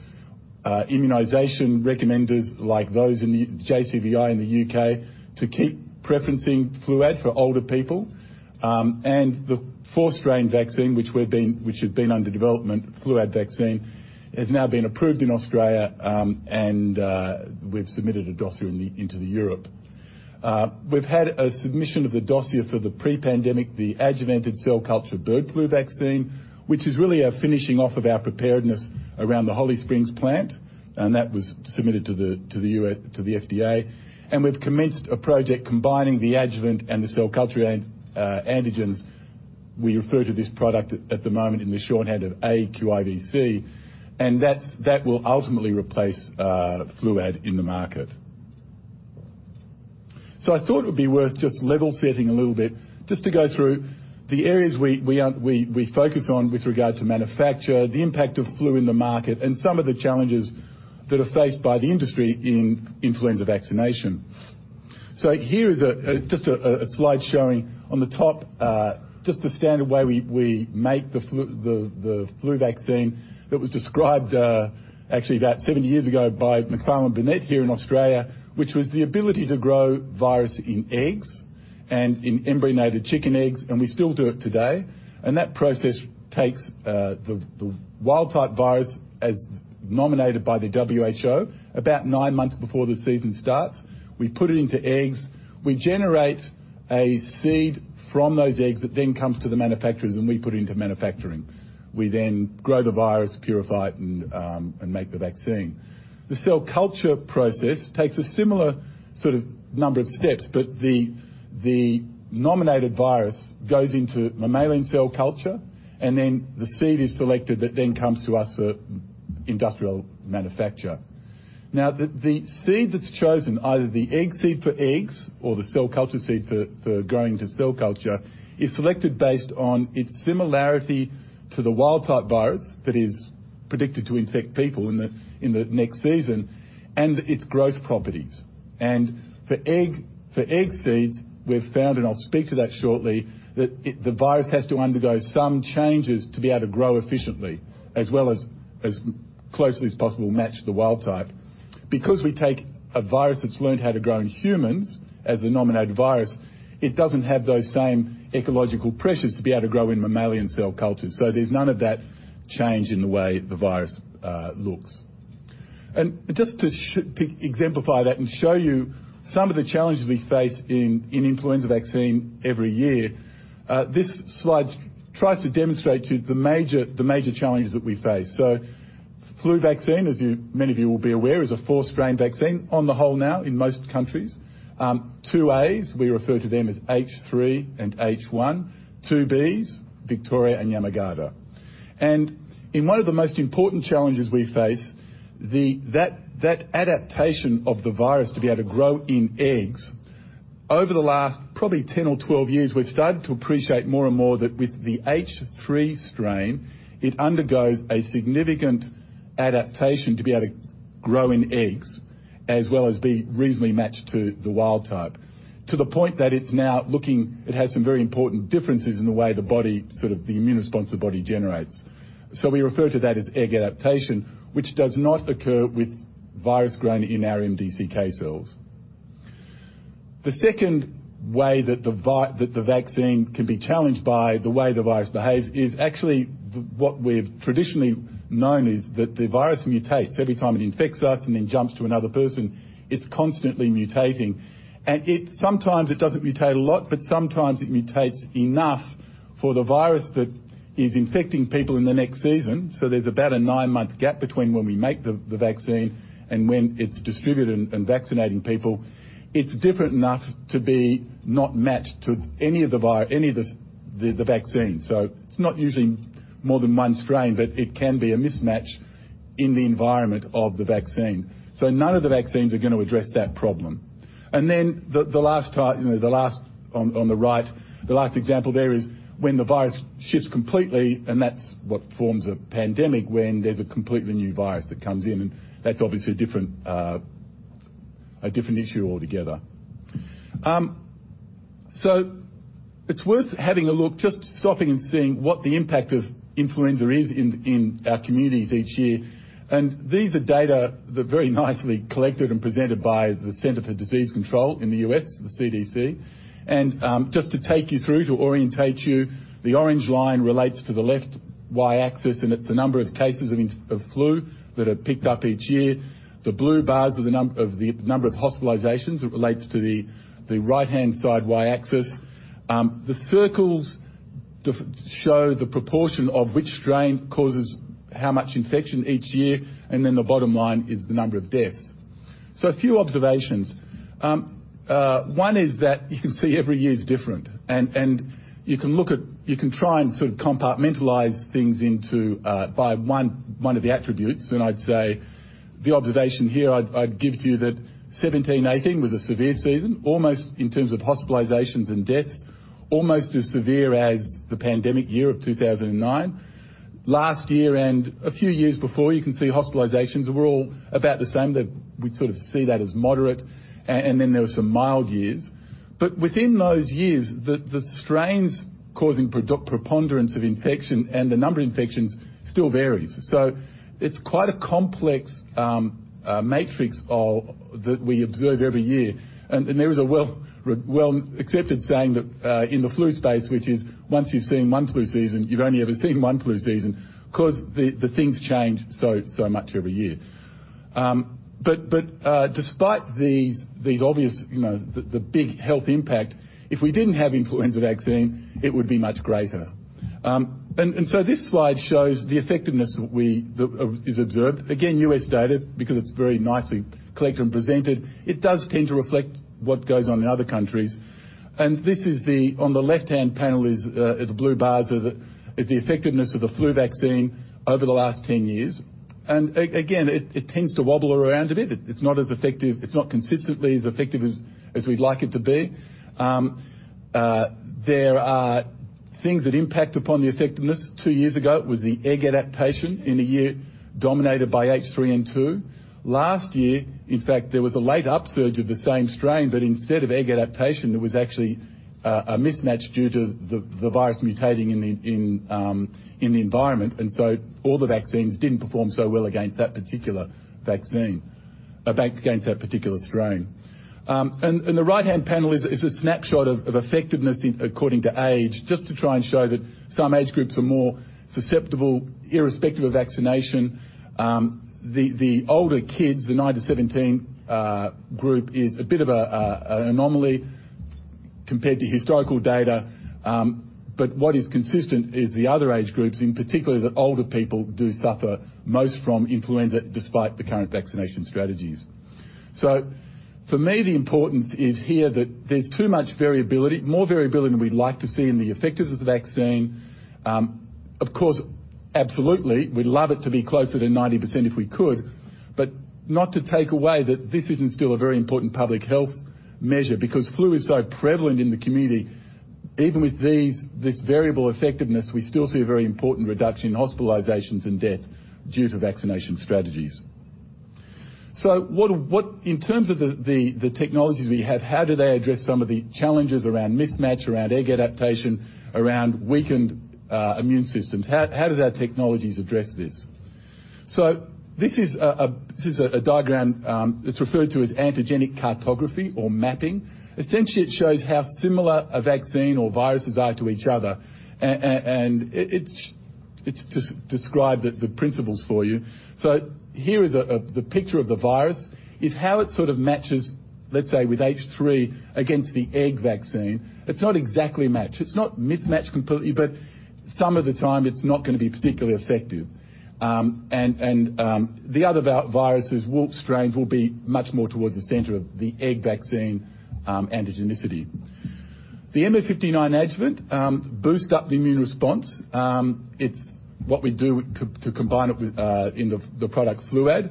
immunization recommenders like those in the JCVI in the U.K. to keep preferencing FLUAD for older people. The four-strain vaccine, which had been under development, FLUAD vaccine, has now been approved in Australia, and we've submitted a dossier into Europe. We've had a submission of the dossier for the pre-pandemic, the adjuvanted cell culture bird flu vaccine, which is really a finishing off of our preparedness around the Holly Springs plant, and that was submitted to the FDA. We've commenced a project combining the adjuvant and the cell culture antigens. We refer to this product at the moment in the shorthand of aQIVc, and that will ultimately replace FLUAD in the market. I thought it would be worth just level setting a little bit just to go through the areas we focus on with regard to manufacture, the impact of flu in the market, and some of the challenges that are faced by the industry in influenza vaccination. Here is just a slide showing on the top, just the standard way we make the flu vaccine that was described actually about 70 years ago by Macfarlane Burnet here in Australia, which was the ability to grow virus in eggs and in embryonated chicken eggs, and we still do it today. That process takes the wild type virus as nominated by the WHO about nine months before the season starts. We put it into eggs. We generate a seed from those eggs that then comes to the manufacturers, and we put it into manufacturing. We grow the virus, purify it, and make the vaccine. The cell culture process takes a similar sort of number of steps, the nominated virus goes into mammalian cell culture, the seed is selected that then comes to us for industrial manufacture. The seed that's chosen, either the egg seed for eggs or the cell culture seed for growing to cell culture, is selected based on its similarity to the wild type virus that is predicted to infect people in the next season and its growth properties. For egg seeds, we've found, and I'll speak to that shortly, that the virus has to undergo some changes to be able to grow efficiently, as well as closely as possible match the wild type. Because we take a virus that's learned how to grow in humans as the nominated virus, it doesn't have those same ecological pressures to be able to grow in mammalian cell cultures. There's none of that change in the way the virus looks. Just to exemplify that and show you some of the challenges we face in influenza vaccine every year, this slide tries to demonstrate to you the major challenges that we face. Flu vaccine, as many of you will be aware, is a four-strain vaccine on the whole now in most countries. Two As, we refer to them as H3 and H1. Two Bs, Victoria and Yamagata. In one of the most important challenges we face, that adaptation of the virus to be able to grow in eggs. Over the last probably 10 or 12 years, we've started to appreciate more and more that with the H3 strain, it undergoes a significant adaptation to be able to grow in eggs, as well as be reasonably matched to the wild type. To the point that it has some very important differences in the way the body, sort of the immune response the body generates. We refer to that as egg adaptation, which does not occur with virus grown in MDCK cells. The second way that the vaccine can be challenged by the way the virus behaves is actually what we've traditionally known is that the virus mutates every time it infects us and then jumps to another person. It's constantly mutating. Sometimes it doesn't mutate a lot, but sometimes it mutates enough for the virus that is infecting people in the next season. There's about a nine-month gap between when we make the vaccine and when it's distributed and vaccinating people. It's different enough to be not matched to any of the vaccine. It's not usually more than one strain, but it can be a mismatch in the environment of the vaccine. None of the vaccines are going to address that problem. Then the last on the right, the last example there is when the virus shifts completely, and that's what forms a pandemic, when there's a completely new virus that comes in. That's obviously a different issue altogether. It's worth having a look, just stopping and seeing what the impact of influenza is in our communities each year. These are data that very nicely collected and presented by the Centers for Disease Control in the U.S., the CDC. Just to take you through, to orientate you, the orange line relates to the left Y-axis, and it's the number of cases of flu that are picked up each year. The blue bars are the number of hospitalizations. It relates to the right-hand side Y-axis. The circles show the proportion of which strain causes how much infection each year, and then the bottom line is the number of deaths. A few observations. One is that you can see every year is different, and you can try and sort of compartmentalize things by one of the attributes. I'd say the observation here, I'd give to you that 2017, 2018 was a severe season, in terms of hospitalizations and deaths, almost as severe as the pandemic year of 2009. Last year and a few years before, you can see hospitalizations were all about the same. We'd sort of see that as moderate. There were some mild years. Within those years, the strains causing preponderance of infection and the number of infections still varies. It's quite a complex matrix that we observe every year. There is a well-accepted saying that in the flu space, which is, "Once you've seen one flu season, you've only ever seen one flu season," because the things change so much every year. Despite these obvious, the big health impact, if we didn't have influenza vaccine, it would be much greater. This slide shows the effectiveness is observed. Again, U.S. data, because it's very nicely collected and presented. It does tend to reflect what goes on in other countries. On the left-hand panel is the blue bars, is the effectiveness of the flu vaccine over the last 10 years. Again, it tends to wobble around a bit. It's not consistently as effective as we'd like it to be. There are things that impact upon the effectiveness. Two years ago, it was the egg adaptation in a year dominated by H3N2. Last year, in fact, there was a late upsurge of the same strain, but instead of egg adaptation, there was actually a mismatch due to the virus mutating in the environment. All the vaccines didn't perform so well against that particular strain. The right-hand panel is a snapshot of effectiveness according to age, just to try and show that some age groups are more susceptible irrespective of vaccination. The older kids, the 9 to 17 group, is a bit of an anomaly compared to historical data. What is consistent is the other age groups, in particular, the older people do suffer most from influenza despite the current vaccination strategies. For me, the importance is here that there's too much variability, more variability than we'd like to see in the effectiveness of the vaccine. Of course, absolutely, we'd love it to be closer to 90% if we could, but not to take away that this isn't still a very important public health measure, because flu is so prevalent in the community. Even with this variable effectiveness, we still see a very important reduction in hospitalizations and death due to vaccination strategies. In terms of the technologies we have, how do they address some of the challenges around mismatch, around egg adaptation, around weakened immune systems? How do our technologies address this? This is a diagram. It's referred to as antigenic cartography or mapping. Essentially, it shows how similar a vaccine or viruses are to each other, and it's described the principles for you. Here is the picture of the virus, is how it sort of matches, let's say, with H3 against the egg vaccine. It's not exactly a match. It's not mismatched completely, but some of the time, it's not going to be particularly effective. The other virus strains will be much more towards the center of the egg vaccine antigenicity. The MF59 adjuvant boosts up the immune response. It's what we do to combine it in the product FLUAD.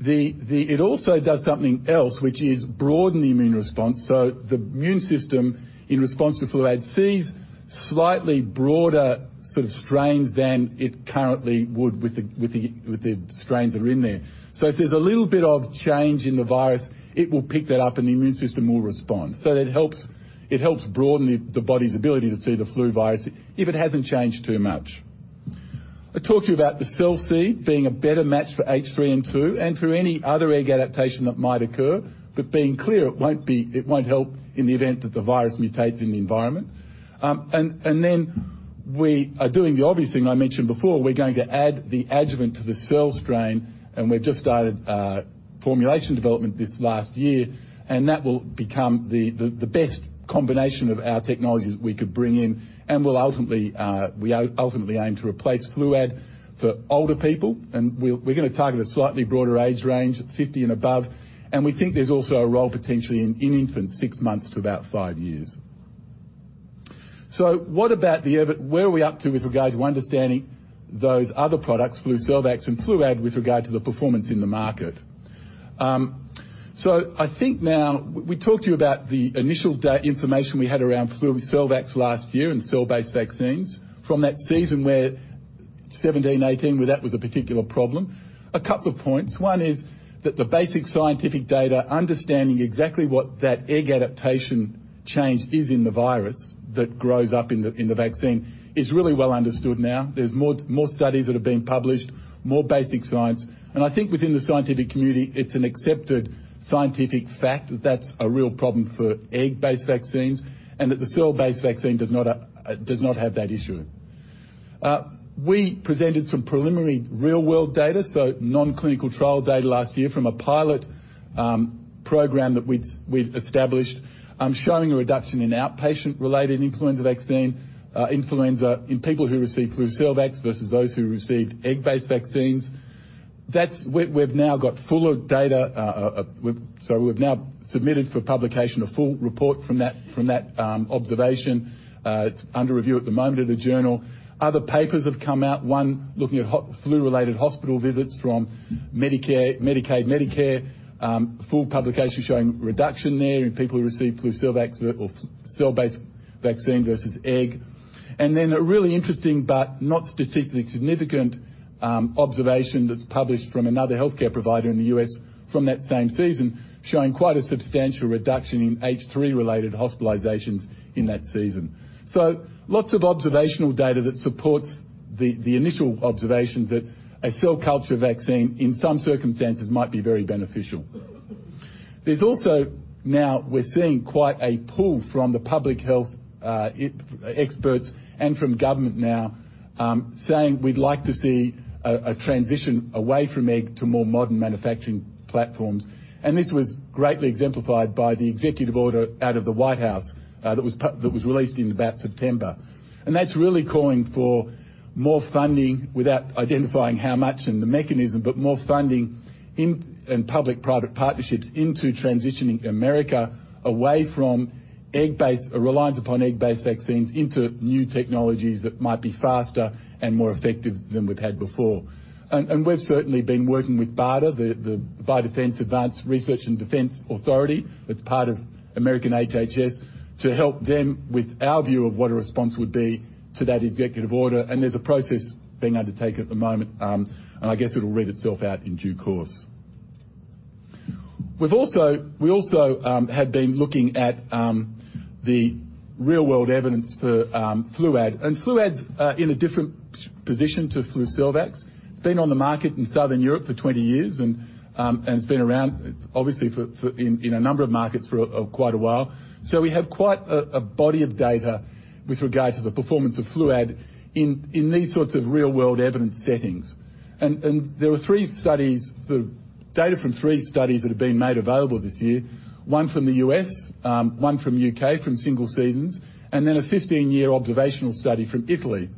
It also does something else, which is broaden the immune response. The immune system, in response to FLUAD, sees slightly broader sort of strains than it currently would with the strains that are in there. If there's a little bit of change in the virus, it will pick that up, and the immune system will respond. It helps broaden the body's ability to see the flu virus if it hasn't changed too much. I talked to you about the cell seed being a better match for H3N2, and for any other egg adaptation that might occur. Being clear, it won't help in the event that the virus mutates in the environment. We are doing the obvious thing I mentioned before. We're going to add the adjuvant to the cell strain, and we've just started formulation development this last year, and that will become the best combination of our technologies we could bring in, and we ultimately aim to replace FLUAD for older people, and we're going to target a slightly broader age range, 50 and above. We think there's also a role potentially in infants six months to about five years. Where are we up to with regard to understanding those other products, FLUCELVAX and FLUAD, with regard to the performance in the market? I think now, we talked to you about the initial data information we had around FLUCELVAX last year and cell-based vaccines from that season where 2017, 2018, where that was a particular problem. A couple of points. One is that the basic scientific data, understanding exactly what that egg adaptation change is in the virus that grows up in the vaccine, is really well understood now. There's more studies that are being published, more basic science. I think within the scientific community, it's an accepted scientific fact that that's a real problem for egg-based vaccines and that the cell-based vaccine does not have that issue. We presented some preliminary real world data, so non-clinical trial data last year from a pilot program that we've established, showing a reduction in outpatient-related influenza in people who received FLUCELVAX versus those who received egg-based vaccines. We've now got fuller data, so we've now submitted for publication a full report from that observation. It's under review at the moment at a journal. Other papers have come out, one looking at flu-related hospital visits from Medicaid, Medicare. Full publication showing reduction there in people who received FLUCELVAX or cell-based vaccine versus egg. A really interesting but not statistically significant observation that's published from another healthcare provider in the U.S. from that same season, showing quite a substantial reduction in H3-related hospitalizations in that season. Lots of observational data that supports the initial observations that a cell culture vaccine, in some circumstances, might be very beneficial. There's also, now we're seeing quite a pull from the public health experts and from government now, saying we'd like to see a transition away from egg to more modern manufacturing platforms. This was greatly exemplified by the executive order out of the White House that was released in about September. That's really calling for more funding without identifying how much and the mechanism, but more funding and public-private partnerships into transitioning America away from reliance upon egg-based vaccines into new technologies that might be faster and more effective than we've had before. We've certainly been working with BARDA, the Biomedical Advanced Research and Development Authority, that's part of U.S. HHS, to help them with our view of what a response would be to that executive order. There's a process being undertaken at the moment, and I guess it'll read itself out in due course. We also have been looking at the real world evidence for FLUAD. FLUAD's in a different position to FLUCELVAX. It's been on the market in Southern Europe for 20 years, and it's been around, obviously, in a number of markets for quite a while. We have quite a body of data with regard to the performance of FLUAD in these sorts of real world evidence settings. There were data from three studies that have been made available this year, one from the U.S., one from U.K., from single seasons, and then a 15-year observational study from Italy.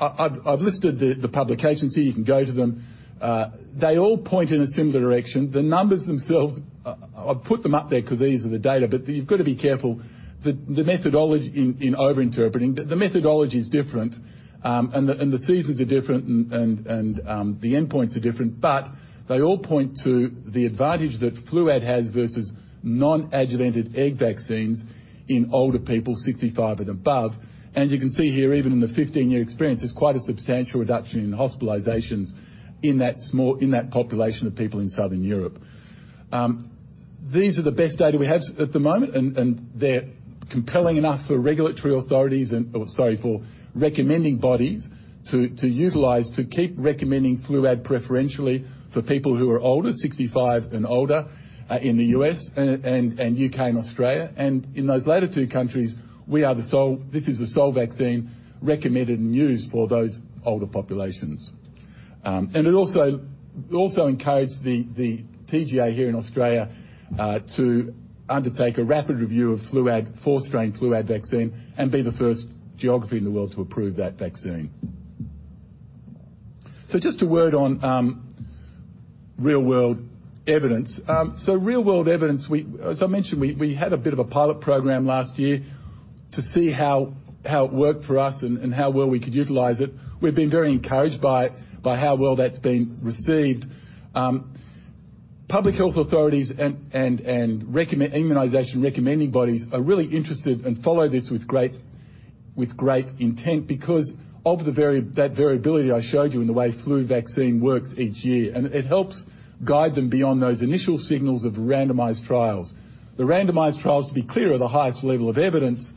I've listed the publications here. You can go to them. They all point in a similar direction. The numbers themselves, I've put them up there because these are the data, but you've got to be careful in over-interpreting. The methodology's different, the seasons are different, the endpoints are different, they all point to the advantage that FLUAD has versus non-adjuvanted egg vaccines in older people, 65 and above. You can see here, even in the 15-year experience, there's quite a substantial reduction in hospitalizations in that population of people in Southern Europe. These are the best data we have at the moment, they're compelling enough for regulatory authorities, for recommending bodies to utilize, to keep recommending FLUAD preferentially for people who are older, 65 and older, in the U.S., U.K., and Australia. In those latter two countries, this is the sole vaccine recommended and used for those older populations. It also encouraged the TGA here in Australia to undertake a rapid review of FLUAD, four-strain FLUAD vaccine, and be the first geography in the world to approve that vaccine. Just a word on real-world evidence. Real-world evidence, as I mentioned, we had a bit of a pilot program last year to see how it worked for us and how well we could utilize it. We've been very encouraged by how well that's been received. Public health authorities and immunization recommending bodies are really interested and follow this with great intent because of that variability I showed you in the way flu vaccine works each year. It helps guide them beyond those initial signals of randomized trials. The randomized trials, to be clear, are the highest level of evidence,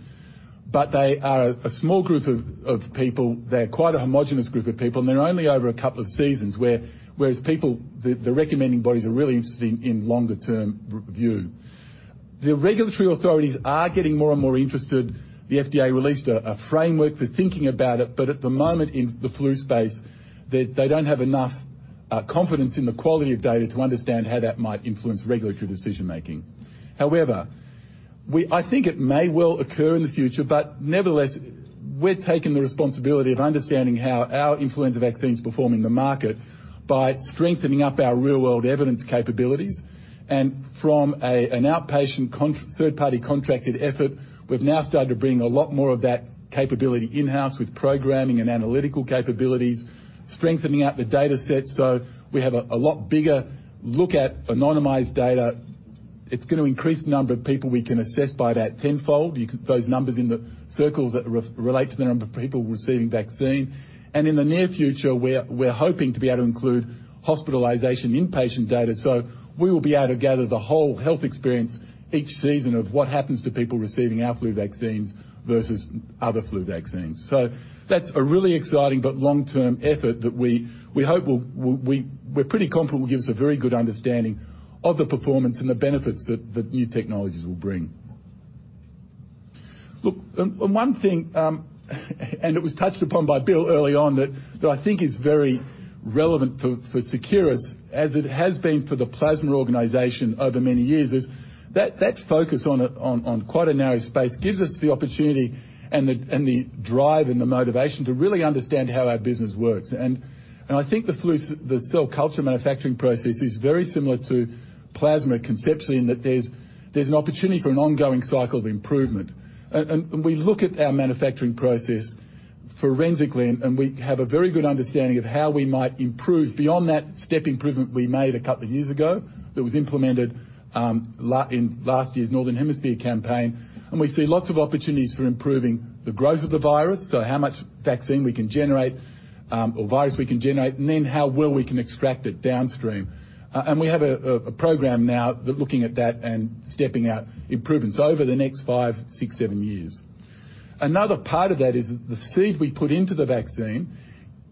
but they are a small group of people, they're quite a homogeneous group of people, and they're only over a couple of seasons, whereas people, the recommending bodies, are really interested in longer-term review. The regulatory authorities are getting more and more interested. The FDA released a framework for thinking about it. At the moment in the flu space, they don't have enough confidence in the quality of data to understand how that might influence regulatory decision-making. However, I think it may well occur in the future. Nevertheless, we're taking the responsibility of understanding how our influenza vaccine is performing in the market by strengthening up our real-world evidence capabilities. From an outpatient, third-party contracted effort, we've now started to bring a lot more of that capability in-house with programming and analytical capabilities, strengthening out the data set so we have a lot bigger look at anonymized data. It's going to increase the number of people we can assess by about tenfold. Those numbers in the circles that relate to the number of people receiving vaccine. In the near future, we're hoping to be able to include hospitalization inpatient data. We will be able to gather the whole health experience each season of what happens to people receiving our flu vaccines versus other flu vaccines. That's a really exciting but long-term effort that we're pretty confident will give us a very good understanding of the performance and the benefits that new technologies will bring. One thing, it was touched upon by Bill early on, that I think is very relevant for Seqirus, as it has been for the plasma organization over many years, is that focus on quite a narrow space gives us the opportunity and the drive and the motivation to really understand how our business works. I think the cell culture manufacturing process is very similar to plasma conceptually, in that there's an opportunity for an ongoing cycle of improvement. We look at our manufacturing process forensically, and we have a very good understanding of how we might improve beyond that step improvement we made a couple of years ago that was implemented in last year's Northern Hemisphere campaign. We see lots of opportunities for improving the growth of the virus, so how much vaccine we can generate, or virus we can generate, then how well we can extract it downstream. We have a program now, looking at that and stepping out improvements over the next five, six, seven years. Another part of that is the seed we put into the vaccine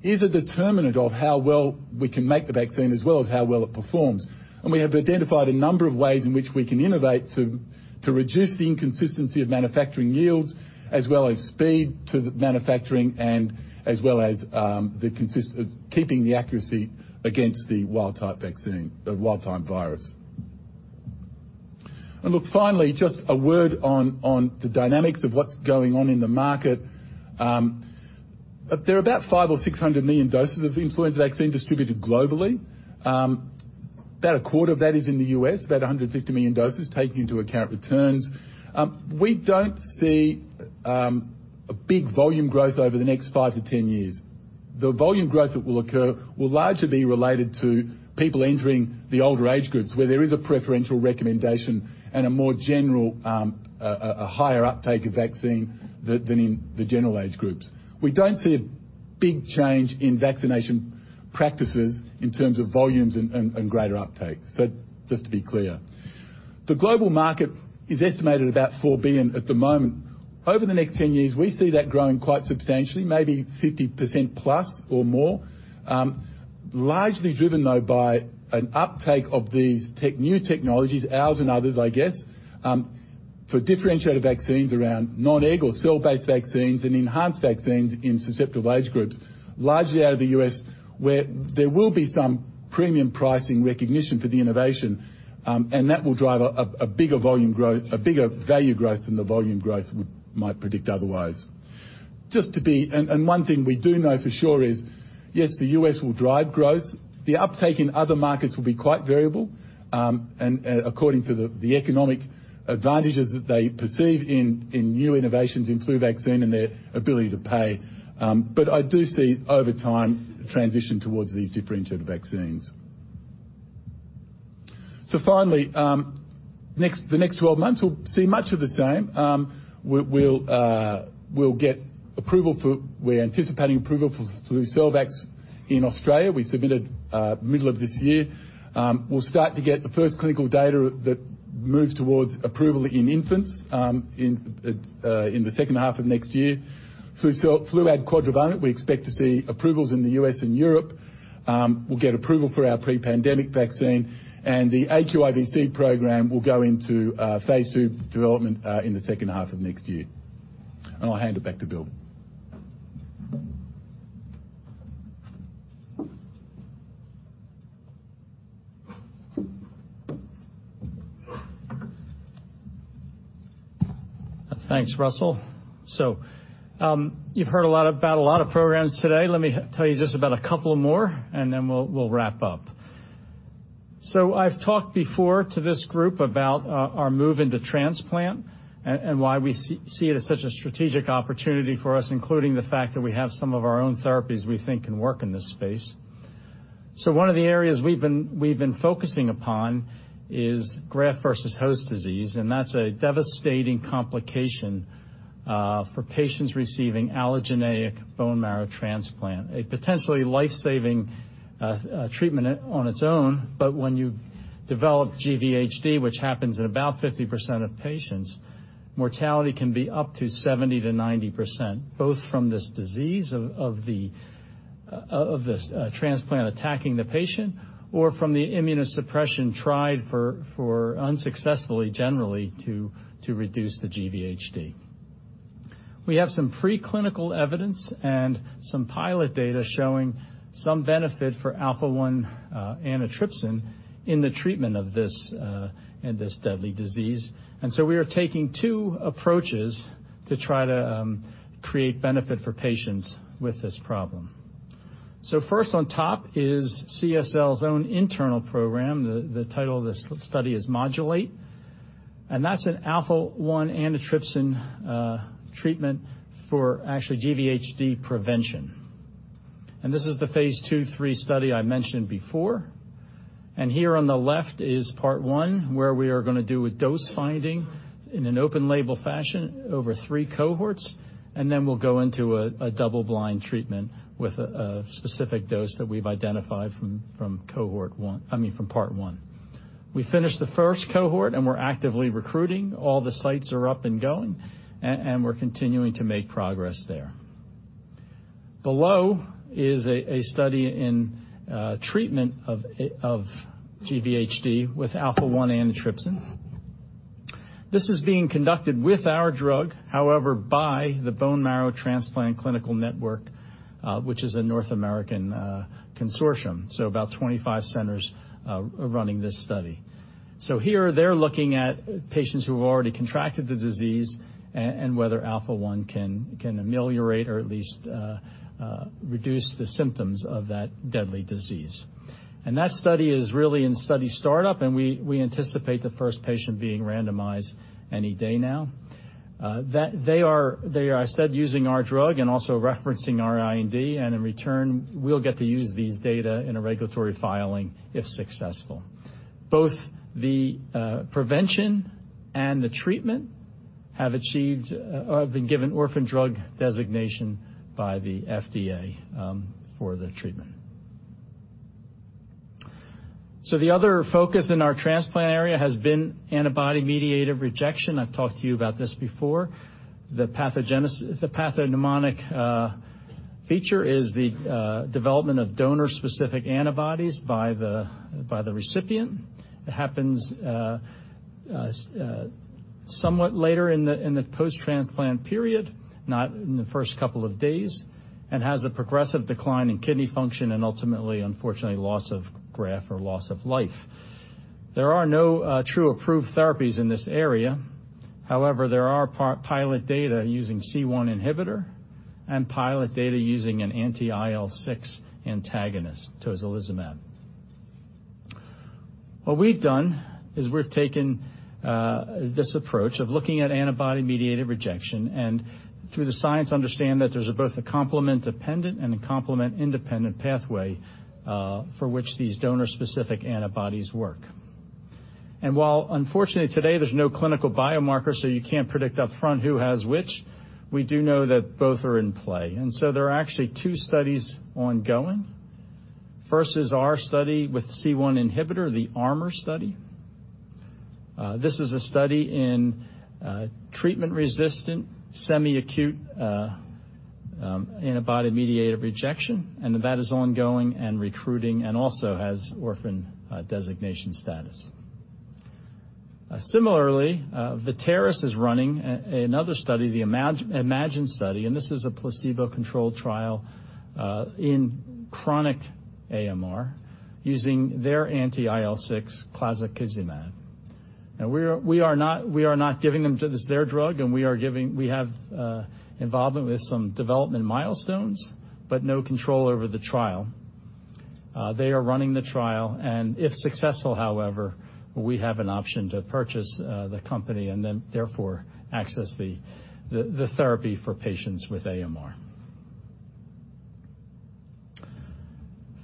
is a determinant of how well we can make the vaccine, as well as how well it performs. We have identified a number of ways in which we can innovate to reduce the inconsistency of manufacturing yields, as well as speed to the manufacturing, as well as keeping the accuracy against the wild type virus. Look, finally, just a word on the dynamics of what's going on in the market. There are about five or 600 million doses of influenza vaccine distributed globally. About a quarter of that is in the U.S., about 150 million doses, taking into account returns. We don't see a big volume growth over the next five to 10 years. The volume growth that will occur will largely be related to people entering the older age groups, where there is a preferential recommendation and a more general, higher uptake of vaccine than in the general age groups. We don't see a big change in vaccination practices in terms of volumes and greater uptake. Just to be clear. The global market is estimated about 4 billion at the moment. Over the next 10 years, we see that growing quite substantially, maybe 50% plus or more. Largely driven, though, by an uptake of these new technologies, ours and others, I guess, for differentiated vaccines around non-egg or cell-based vaccines and enhanced vaccines in susceptible age groups, largely out of the U.S., where there will be some premium pricing recognition for the innovation. That will drive a bigger value growth than the volume growth we might predict otherwise. One thing we do know for sure is, yes, the U.S. will drive growth. The uptake in other markets will be quite variable, and according to the economic advantages that they perceive in new innovations in flu vaccine and their ability to pay. I do see, over time, a transition towards these differentiated vaccines. Finally, the next 12 months, we'll see much of the same. We're anticipating approval for FLUCELVAX in Australia. We submitted middle of this year. We'll start to get the first clinical data. Move towards approval in infants in the second half of next year. FLUAD quadrivalent, we expect to see approvals in the U.S. and Europe. We'll get approval for our pre-pandemic vaccine. The aQIVc program will go into phase II development in the second half of next year. I'll hand it back to Bill. Thanks, Russell. You've heard about a lot of programs today. Let me tell you just about a couple more, and then we'll wrap up. I've talked before to this group about our move into transplant and why we see it as such a strategic opportunity for us, including the fact that we have some of our own therapies we think can work in this space. One of the areas we've been focusing upon is graft versus host disease, and that's a devastating complication for patients receiving allogeneic bone marrow transplant. A potentially life-saving treatment on its own, but when you develop GvHD, which happens in about 50% of patients, mortality can be up to 70%-90%, both from this disease of this transplant attacking the patient or from the immunosuppression tried unsuccessfully, generally, to reduce the GvHD. We have some preclinical evidence and some pilot data showing some benefit for alpha-1 antitrypsin in the treatment of this deadly disease. We are taking two approaches to try to create benefit for patients with this problem. First on top is CSL's own internal program. The title of this study is MODULAATE, and that's an alpha-1 antitrypsin treatment for actually GVHD prevention. This is the phase II/III study I mentioned before. Here on the left is part 1, where we are going to do a dose finding in an open label fashion over 3 cohorts, and then we'll go into a double-blind treatment with a specific dose that we've identified from cohort 1, I mean, from part 1. We finished the first cohort, and we're actively recruiting. All the sites are up and going, and we're continuing to make progress there. Below is a study in treatment of GvHD with alpha-1 antitrypsin. This is being conducted with our drug, however, by the Blood and Marrow Transplant Clinical Trials Network, which is a North American consortium. About 25 centers are running this study. Here, they're looking at patients who have already contracted the disease and whether alpha-1 can ameliorate or at least reduce the symptoms of that deadly disease. That study is really in study start-up, and we anticipate the first patient being randomized any day now. They are, I said, using our drug and also referencing our IND, and in return, we'll get to use these data in a regulatory filing if successful. Both the prevention and the treatment have been given orphan drug designation by the FDA for the treatment. The other focus in our transplant area has been antibody-mediated rejection. I've talked to you about this before. The pathognomonic feature is the development of donor-specific antibodies by the recipient. It happens somewhat later in the post-transplant period, not in the first couple of days, and has a progressive decline in kidney function and ultimately, unfortunately, loss of graft or loss of life. There are no true approved therapies in this area. There are pilot data using C1 inhibitor and pilot data using an anti-IL-6 antagonist, tocilizumab. What we've done is we've taken this approach of looking at antibody-mediated rejection and through the science, understand that there's both a complement-dependent and a complement-independent pathway for which these donor-specific antibodies work. While unfortunately today there's no clinical biomarker, so you can't predict up front who has which, we do know that both are in play. There are actually two studies ongoing. First is our study with C1 inhibitor, the ARMOR study. This is a study in treatment-resistant, semi-acute antibody-mediated rejection, and that is ongoing and recruiting and also has orphan designation status. Similarly, Vitaeris is running another study, the IMAGINE study, and this is a placebo-controlled trial in chronic AMR using their anti-IL-6, clazakizumab. Now we are not giving them their drug, and we have involvement with some development milestones, but no control over the trial. They are running the trial, and if successful, however, we have an option to purchase the company and then therefore access the therapy for patients with AMR.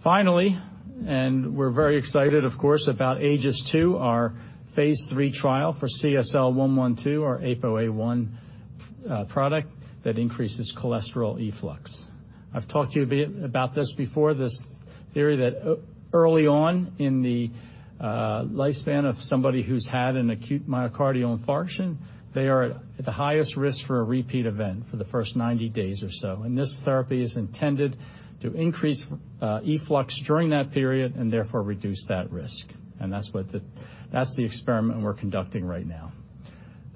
Finally, we're very excited, of course, about AEGIS-II, our phase III trial for CSL112, our apoA-I Product that increases cholesterol efflux. I've talked to you a bit about this before, this theory that early on in the lifespan of somebody who's had an acute myocardial infarction, they are at the highest risk for a repeat event for the first 90 days or so. This therapy is intended to increase efflux during that period and therefore reduce that risk. That's the experiment we're conducting right now.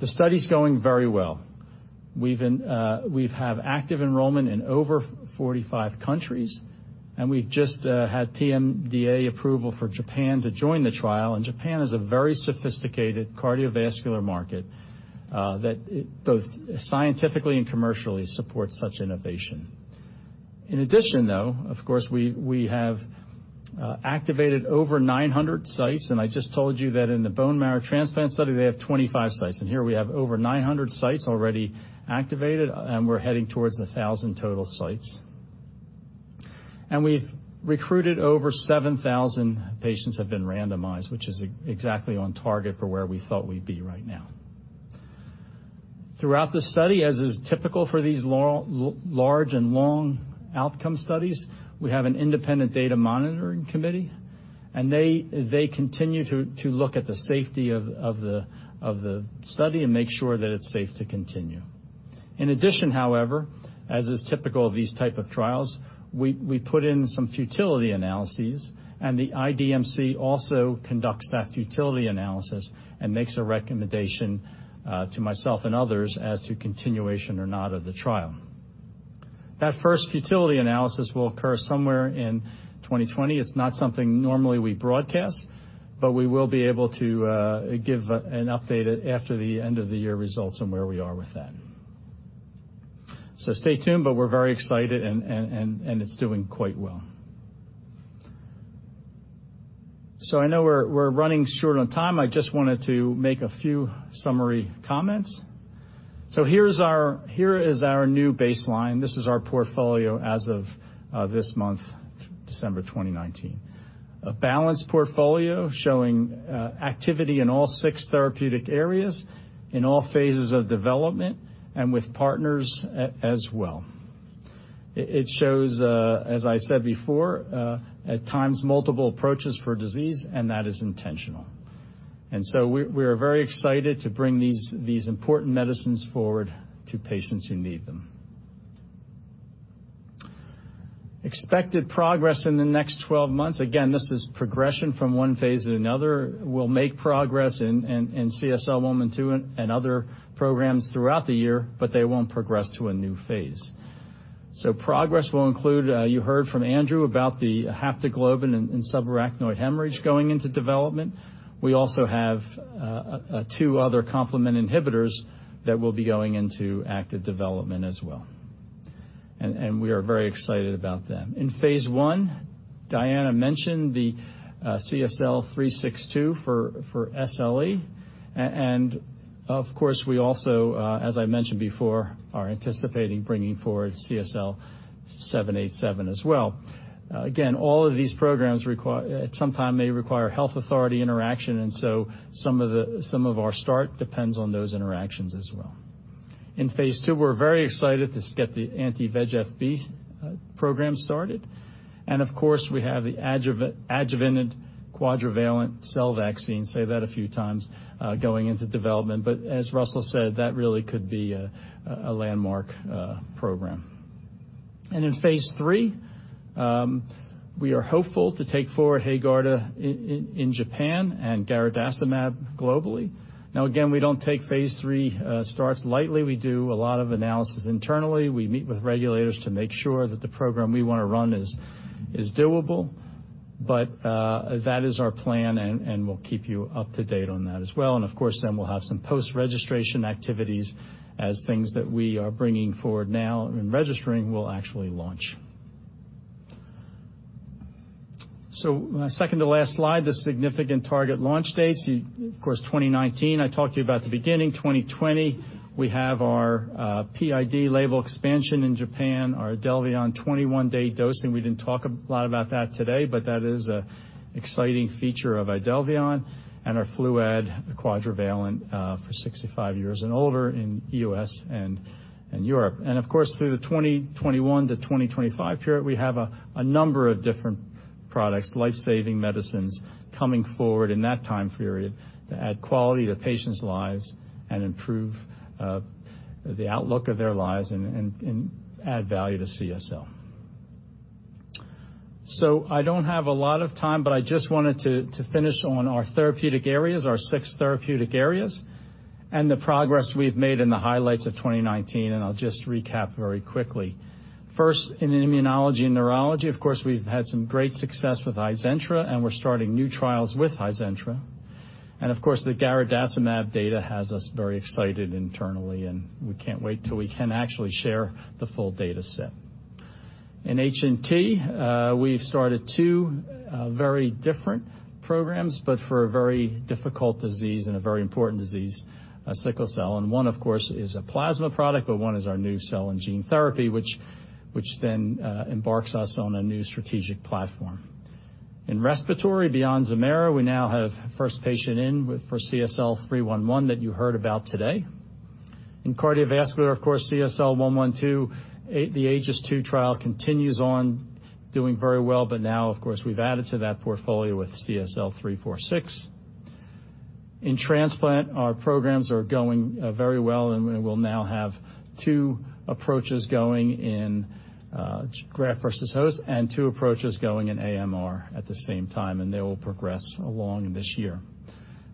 The study's going very well. We have active enrollment in over 45 countries, and we've just had PMDA approval for Japan to join the trial. Japan is a very sophisticated cardiovascular market that both scientifically and commercially supports such innovation. In addition though, of course, we have activated over 900 sites, and I just told you that in the bone marrow transplant study, they have 25 sites. Here we have over 900 sites already activated, and we're heading towards 1,000 total sites. We've recruited over 7,000 patients have been randomized, which is exactly on target for where we thought we'd be right now. Throughout the study, as is typical for these large and long outcome studies, we have an independent data monitoring committee, and they continue to look at the safety of the study and make sure that it's safe to continue. In addition, however, as is typical of these type of trials, we put in some futility analyses, and the IDMC also conducts that futility analysis and makes a recommendation to myself and others as to continuation or not of the trial. That first futility analysis will occur somewhere in 2020. It's not something normally we broadcast, but we will be able to give an update after the end of the year results on where we are with that. Stay tuned, but we're very excited, and it's doing quite well. I know we're running short on time. I just wanted to make a few summary comments. Here is our new baseline. This is our portfolio as of this month, December 2019. A balanced portfolio showing activity in all six therapeutic areas, in all phases of development, and with partners as well. It shows, as I said before, at times multiple approaches for disease, and that is intentional. We are very excited to bring these important medicines forward to patients who need them. Expected progress in the next 12 months. Again, this is progression from one phase to another. We'll make progress in CSL112 and other programs throughout the year, but they won't progress to a new phase. Progress will include, you heard from Andrew about the haptoglobin in subarachnoid hemorrhage going into development. We also have 2 other complement inhibitors that will be going into active development as well. We are very excited about them. In phase I, Diana mentioned the CSL362 for SLE, and of course, we also, as I mentioned before, are anticipating bringing forward CSL787 as well. Again, all of these programs at some time may require health authority interaction, and so some of our start depends on those interactions as well. In phase II, we are very excited to get the anti-VEGF B program started. Of course, we have the adjuvanted quadrivalent cell vaccine, say that a few times, going into development. But as Russell said, that really could be a landmark program. In phase III, we are hopeful to take forward HAEGARDA in Japan and garadacimab globally. Again, we don't take phase III starts lightly. We do a lot of analysis internally. We meet with regulators to make sure that the program we want to run is doable. That is our plan, and we'll keep you up to date on that as well. Of course, then we'll have some post-registration activities as things that we are bringing forward now and registering will actually launch. Second to last slide, the significant target launch dates. Of course, 2019, I talked to you about the beginning. 2020, we have our PID label expansion in Japan, our IDELVION 21-day dosing. We didn't talk a lot about that today, but that is an exciting feature of IDELVION, and our FLUAD quadrivalent for 65 years and older in U.S. and Europe. Of course, through the 2021 to 2025 period, we have a number of different products, life-saving medicines coming forward in that time period to add quality to patients' lives and improve the outlook of their lives and add value to CSL. I don't have a lot of time, but I just wanted to finish on our therapeutic areas, our six therapeutic areas, and the progress we've made in the highlights of 2019, and I'll just recap very quickly. First, in immunology and neurology, of course, we've had some great success with Hizentra, and we're starting new trials with Hizentra. Of course, the garadacimab data has us very excited internally, and we can't wait till we can actually share the full data set. In HNT, we've started two very different programs, but for a very difficult disease and a very important disease, sickle cell. One, of course, is a plasma product, but one is our new cell and gene therapy, which embarks us on a new strategic platform. In respiratory, beyond ZEMAIRA, we now have first patient in for CSL311 that you heard about today. In cardiovascular, of course, CSL112, the AEGIS-II trial continues on doing very well, but now, of course, we've added to that portfolio with CSL346. In transplant, our programs are going very well, and we will now have two approaches going in graft versus host and two approaches going in AMR at the same time, and they will progress along in this year.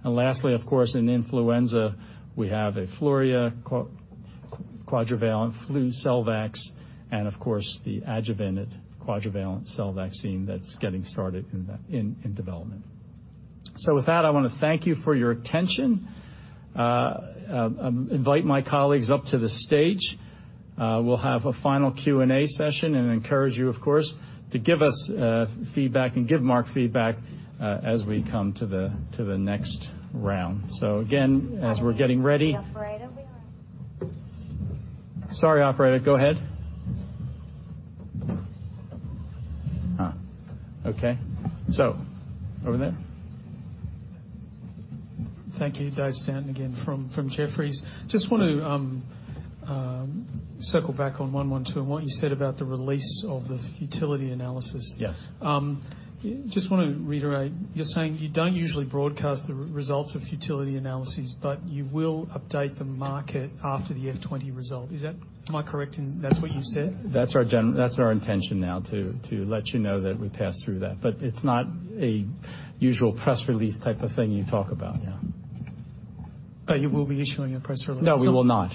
Lastly, of course, in influenza, we have a AFLURIA quadrivalent FLUCELVAX and, of course, the adjuvanted quadrivalent cell vaccine that's getting started in development. With that, I want to thank you for your attention, invite my colleagues up to the stage. We'll have a final Q&A session and encourage you, of course, to give us feedback and give Mark feedback as we come to the next round. Operator. Sorry, operator. Go ahead. Okay. Over there. Thank you. Dave Stanton again from Jefferies. Just want to circle back on 112 and what you said about the release of the futility analysis. Yes. Just want to reiterate, you're saying you don't usually broadcast the results of futility analysis, but you will update the market after the F20 result. Am I correct in That's what you said? That's our intention now, to let you know that we passed through that. It's not a usual press release type of thing you talk about, yeah. You will be issuing a press release? No, we will not.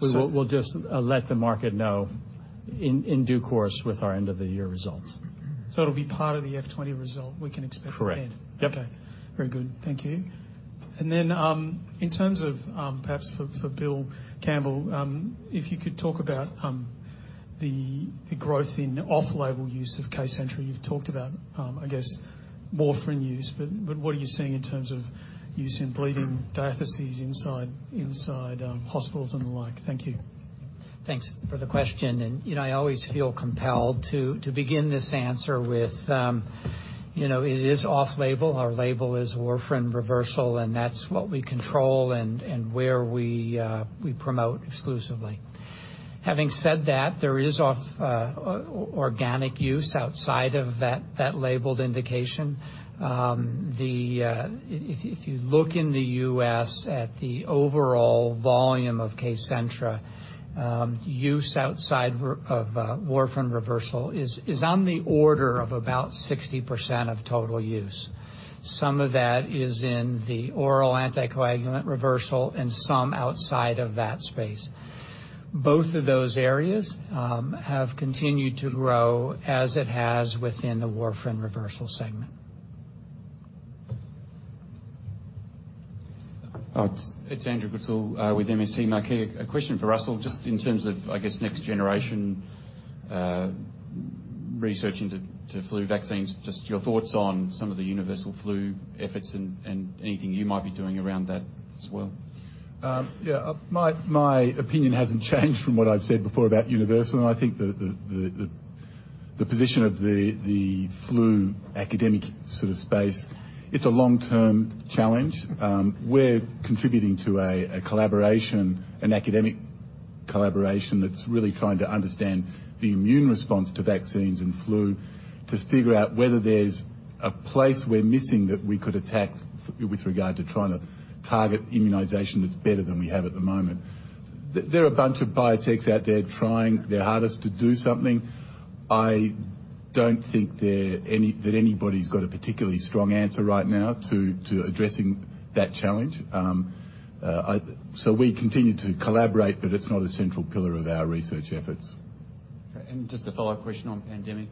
So- We'll just let the market know in due course with our end-of-the-year results. It'll be part of the FY 2020 result we can expect then. Correct. Yep. Okay. Very good. Thank you. In terms of, perhaps for Bill Campbell, if you could talk about the growth in off-label use of KCENTRA. You've talked about, I guess warfarin use, but what are you seeing in terms of use in bleeding diatheses inside hospitals and the like? Thank you. Thanks for the question. I always feel compelled to begin this answer with, it is off-label. Our label is warfarin reversal, and that's what we control and where we promote exclusively. Having said that, there is organic use outside of that labeled indication. If you look in the U.S. at the overall volume of KCENTRA, use outside of warfarin reversal is on the order of about 60% of total use. Some of that is in the oral anticoagulant reversal and some outside of that space. Both of those areas have continued to grow as it has within the warfarin reversal segment. It's Andrew Goodsall with MST Marquee. A question for Russell, just in terms of, I guess, next-generation research into flu vaccines, just your thoughts on some of the universal flu efforts and anything you might be doing around that as well. Yeah. My opinion hasn't changed from what I've said before about universal, and I think the position of the flu academic sort of space, it's a long-term challenge. We're contributing to an academic collaboration that's really trying to understand the immune response to vaccines and flu to figure out whether there's a place we're missing that we could attack with regard to trying to target immunization that's better than we have at the moment. There are a bunch of biotechs out there trying their hardest to do something. I don't think that anybody's got a particularly strong answer right now to addressing that challenge. We continue to collaborate, but it's not a central pillar of our research efforts. Okay, just a follow-up question on pandemic.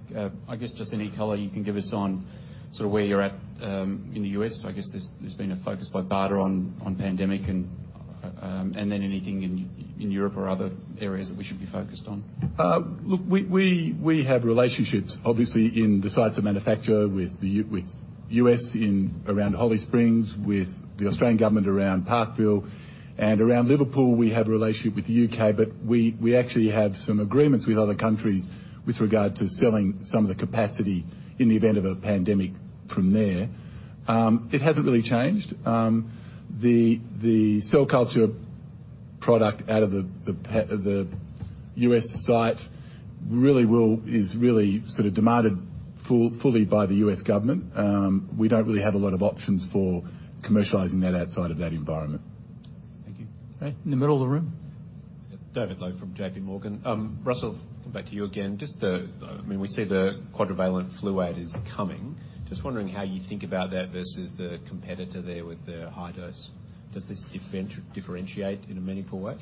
I guess just any color you can give us on sort of where you're at in the U.S. I guess there's been a focus by BARDA on pandemic and then anything in Europe or other areas that we should be focused on. Look, we have relationships, obviously, in the sites of manufacture with the U.S. around Holly Springs, with the Australian government around Parkville, and around Liverpool, we have a relationship with the U.K. We actually have some agreements with other countries with regard to selling some of the capacity in the event of a pandemic from there. It hasn't really changed. The cell culture product out of the U.S. site is really sort of demanded fully by the U.S. government. We don't really have a lot of options for commercializing that outside of that environment. Thank you. Right, in the middle of the room. David Low from J.P. Morgan. Russell, back to you again. We see the quadrivalent FLUAD is coming. Just wondering how you think about that versus the competitor there with the high dose. Does this differentiate in a meaningful way?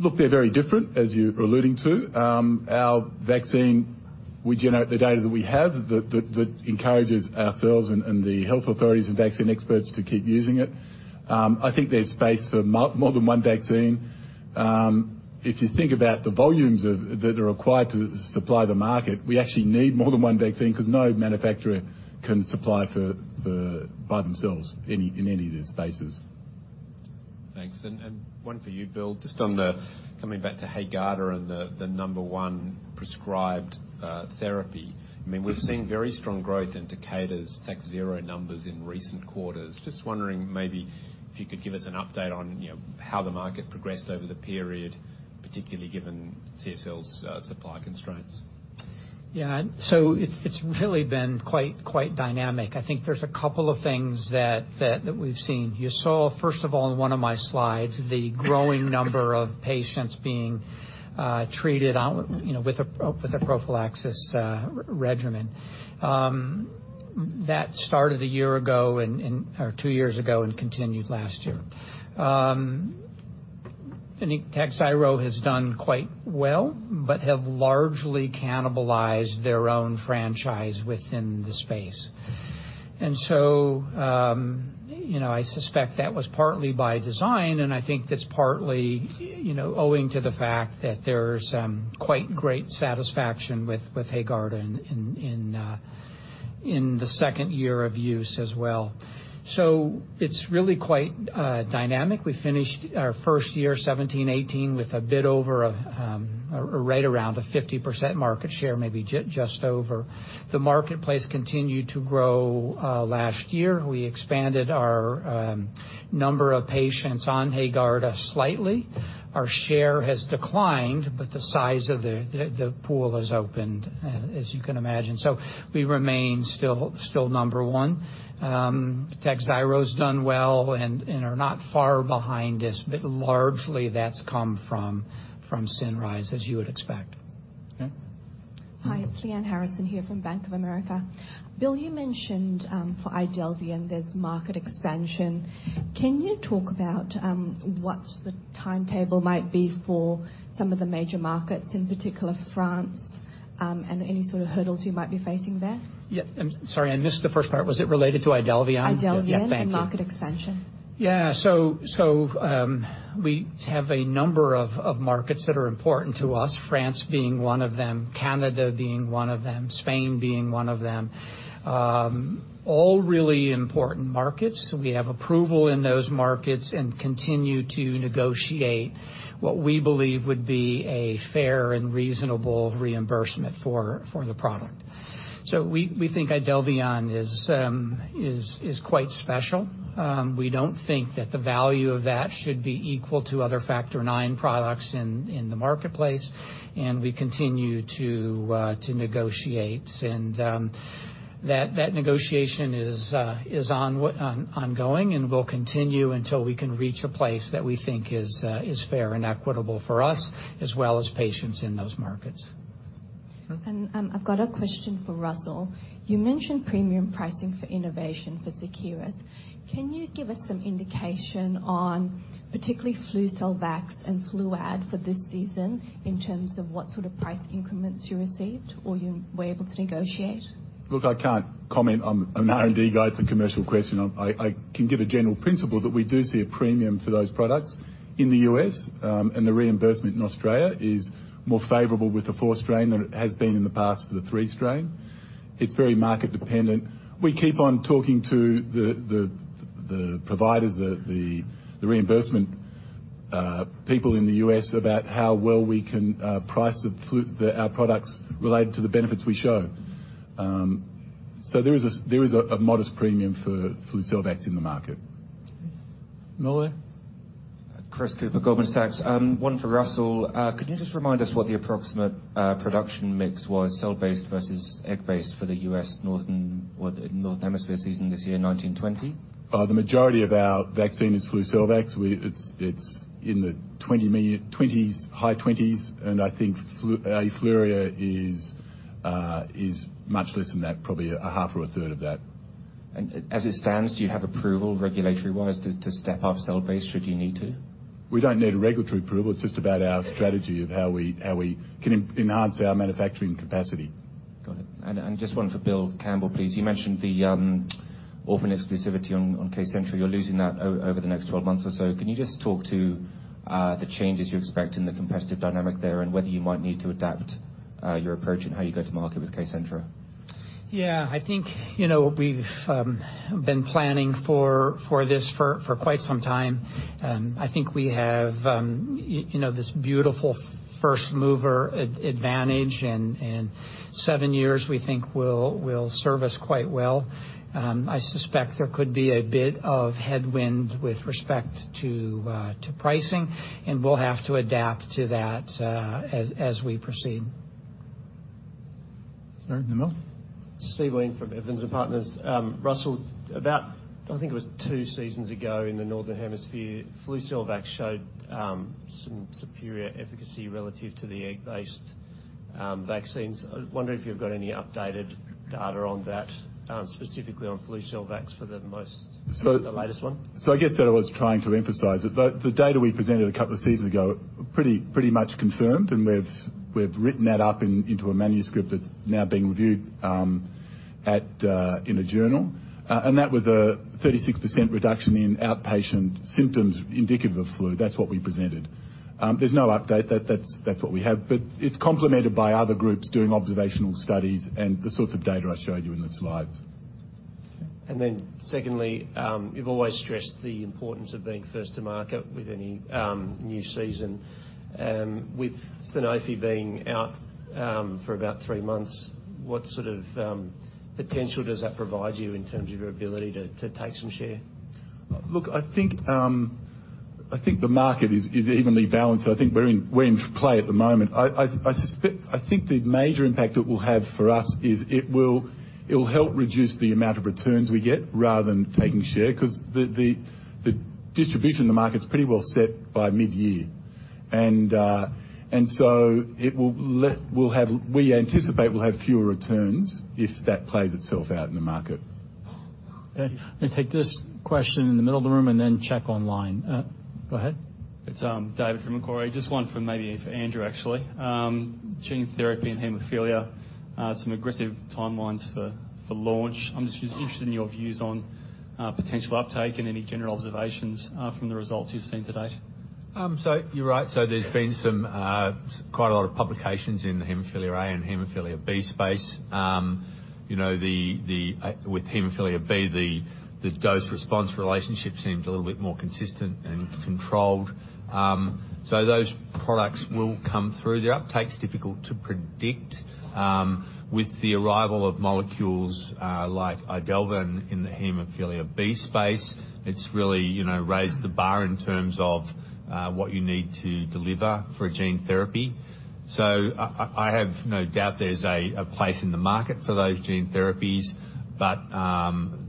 Look, they're very different, as you're alluding to. Our vaccine, we generate the data that we have that encourages ourselves and the health authorities and vaccine experts to keep using it. I think there's space for more than one vaccine. If you think about the volumes that are required to supply the market, we actually need more than one vaccine because no manufacturer can supply by themselves in any of these spaces. Thanks. One for you, Bill, just coming back to HAEGARDA and the number one prescribed therapy. We've seen very strong growth in Takeda's TAKHZYRO numbers in recent quarters. Just wondering maybe if you could give us an update on how the market progressed over the period, particularly given CSL's supply constraints. Yeah. It's really been quite dynamic. I think there's a couple of things that we've seen. You saw, first of all, in one of my slides, the growing number of patients being treated with a prophylaxis regimen. That started one year ago, or two years ago, and continued last year. I think TAKHZYRO has done quite well, but have largely cannibalized their own franchise within the space. I suspect that was partly by design, and I think that's partly owing to the fact that there's quite great satisfaction with HAEGARDA in the second year of use as well. It's really quite dynamic. We finished our first year, 2017-2018, with a bit over, or right around a 50% market share, maybe just over. The marketplace continued to grow last year. We expanded our number of patients on HAEGARDA slightly. Our share has declined, the size of the pool has opened, as you can imagine. We remain still number one. TAKHZYRO's done well and are not far behind us, but largely that's come from Cinryze, as you would expect. Okay. Hi, it's Leanne Harrison here from Bank of America. Bill, you mentioned for IDELVION, there's market expansion. Can you talk about what the timetable might be for some of the major markets, in particular France, and any sort of hurdles you might be facing there? Yeah. I'm sorry, I missed the first part. Was it related to Idelvion? Idelvion- Yeah, thank you. and market expansion. Yeah. We have a number of markets that are important to us, France being one of them, Canada being one of them, Spain being one of them. All really important markets. We have approval in those markets and continue to negotiate what we believe would be a fair and reasonable reimbursement for the product. We think IDELVION is quite special. We don't think that the value of that should be equal to other factor IX products in the marketplace, and we continue to negotiate. That negotiation is ongoing and will continue until we can reach a place that we think is fair and equitable for us, as well as patients in those markets. Okay. I've got a question for Russell. You mentioned premium pricing for innovation for Seqirus. Can you give us some indication on particularly FLUCELVAX and FLUAD for this season in terms of what sort of price increments you received or you were able to negotiate? Look, I can't comment. I'm an R&D guy, it's a commercial question. I can give a general principle that we do see a premium for those products in the U.S., and the reimbursement in Australia is more favorable with the 4-strain than it has been in the past for the 3-strain. It's very market dependent. We keep on talking to the providers, the reimbursement people in the U.S. about how well we can price our products related to the benefits we show. There is a modest premium for FLUCELVAX in the market. Okay. Miller? Chris Cooper, Goldman Sachs. One for Russell. Could you just remind us what the approximate production mix was cell-based versus egg-based for the U.S. Northern or the Northern Hemisphere season this year, 2019-2020? The majority of our vaccine is FLUCELVAX. It's in the high 20s, and I think AFLURIA is much less than that, probably a half or a third of that. As it stands, do you have approval regulatory-wise to step up cell-based should you need to? We don't need a regulatory approval. It's just about our strategy of how we can enhance our manufacturing capacity. Got it. Just one for Bill Campbell, please. You mentioned the orphan exclusivity on KCENTRA. You're losing that over the next 12 months or so. Can you just talk to the changes you expect in the competitive dynamic there and whether you might need to adapt your approach and how you go to market with KCENTRA? Yeah. I think we've been planning for this for quite some time. I think we have this beautiful first-mover advantage, and seven years we think will serve us quite well. I suspect there could be a bit of headwind with respect to pricing, and we'll have to adapt to that as we proceed. Steve Wheen from Evans & Partners. Russell, I think it was two seasons ago in the Northern Hemisphere, FLUCELVAX showed some superior efficacy relative to the egg-based vaccines. I was wondering if you've got any updated data on that, specifically on FLUCELVAX for the latest one? I guess that I was trying to emphasize that the data we presented a couple of seasons ago pretty much confirmed, and we've written that up into a manuscript that's now being reviewed in a journal. That was a 36% reduction in outpatient symptoms indicative of flu. That's what we presented. There's no update. That's what we have, but it's complemented by other groups doing observational studies and the sorts of data I showed you in the slides. Secondly, you've always stressed the importance of being first to market with any new season. With Sanofi being out for about three months, what sort of potential does that provide you in terms of your ability to take some share? Look, I think the market is evenly balanced. I think we're in play at the moment. I think the major impact it will have for us is it will help reduce the amount of returns we get rather than taking share, because the distribution in the market's pretty well set by mid-year. We anticipate we'll have fewer returns if that plays itself out in the market. Okay. Let me take this question in the middle of the room and then check online. Go ahead. It's David from Macquarie. Just one for maybe for Andrew, actually. Gene therapy and hemophilia, some aggressive timelines for launch. I'm just interested in your views on potential uptake and any general observations from the results you've seen to date. You're right. There's been quite a lot of publications in the hemophilia A and hemophilia B space. With hemophilia B, the dose response relationship seems a little bit more consistent and controlled. Those products will come through. The uptake's difficult to predict with the arrival of molecules like IDELVION in the hemophilia B space. It's really raised the bar in terms of what you need to deliver for a gene therapy. I have no doubt there's a place in the market for those gene therapies, but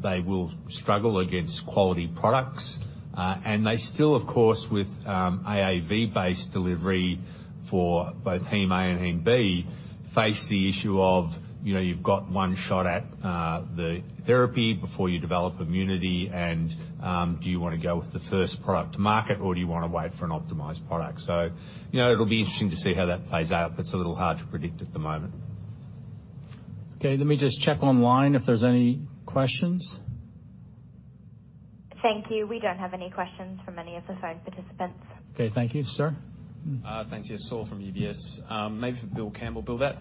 they will struggle against quality products. They still, of course, with AAV-based delivery for both hem A and hem B, face the issue of you've got one shot at the therapy before you develop immunity, and do you want to go with the first product to market or do you want to wait for an optimized product? It'll be interesting to see how that plays out, but it's a little hard to predict at the moment. Okay, let me just check online if there's any questions. Thank you. We don't have any questions from any of the phone participants. Okay, thank you. Sir? Thanks. Yeah, Saul from UBS. Maybe for Bill Campbell. Bill, that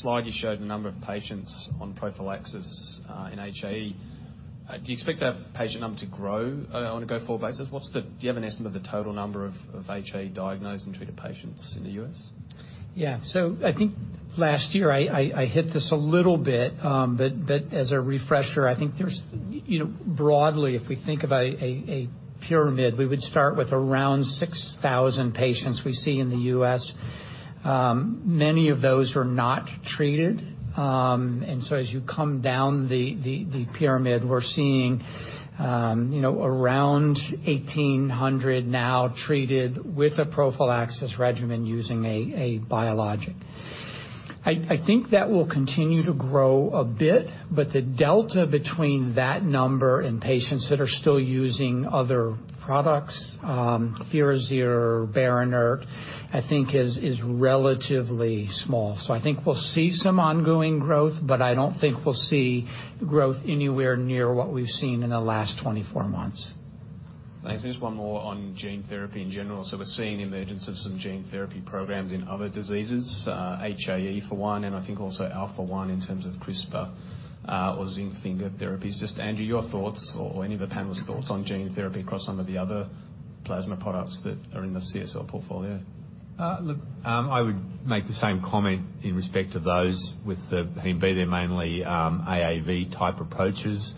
slide you showed the number of patients on prophylaxis in HAE. Do you expect that patient number to grow on a go-forward basis? Do you have an estimate of the total number of HAE diagnosed and treated patients in the U.S.? I think last year I hit this a little, but as a refresher, I think there's broadly, if we think of a pyramid, we would start with around 6,000 patients we see in the U.S. Many of those are not treated. As you come down the pyramid, we're seeing around 1,800 now treated with a prophylaxis regimen using a biologic. I think that will continue to grow a bit, the delta between that number and patients that are still using other products, Firazyr or Berinert, I think is relatively small. I think we'll see some ongoing growth, I don't think we'll see growth anywhere near what we've seen in the last 24 months. Thanks. Just one more on gene therapy in general. We're seeing emergence of some gene therapy programs in other diseases, HAE for one, and I think also alpha-1 in terms of CRISPR or zinc finger therapies. Just Andrew, your thoughts or any of the panelists' thoughts on gene therapy across some of the other plasma products that are in the CSL portfolio. I would make the same comment in respect of those with the hem B. They're mainly AAV type approaches.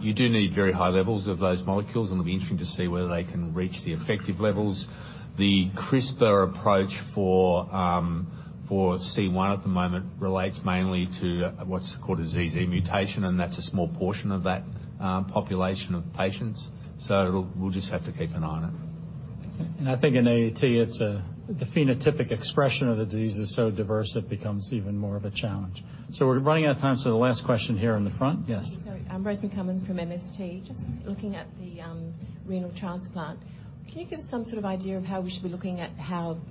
You do need very high levels of those molecules, and it'll be interesting to see whether they can reach the effective levels. The CRISPR approach for C1 at the moment relates mainly to what's called a ZZ mutation, and that's a small portion of that population of patients. We'll just have to keep an eye on it. I think in AAT, the phenotypic expression of the disease is so diverse, it becomes even more of a challenge. We're running out of time, so the last question here in the front. Yes. Sorry. I'm Rosemary Cummins from MST. Just looking at the renal transplant, can you give us some sort of idea of how we should be looking at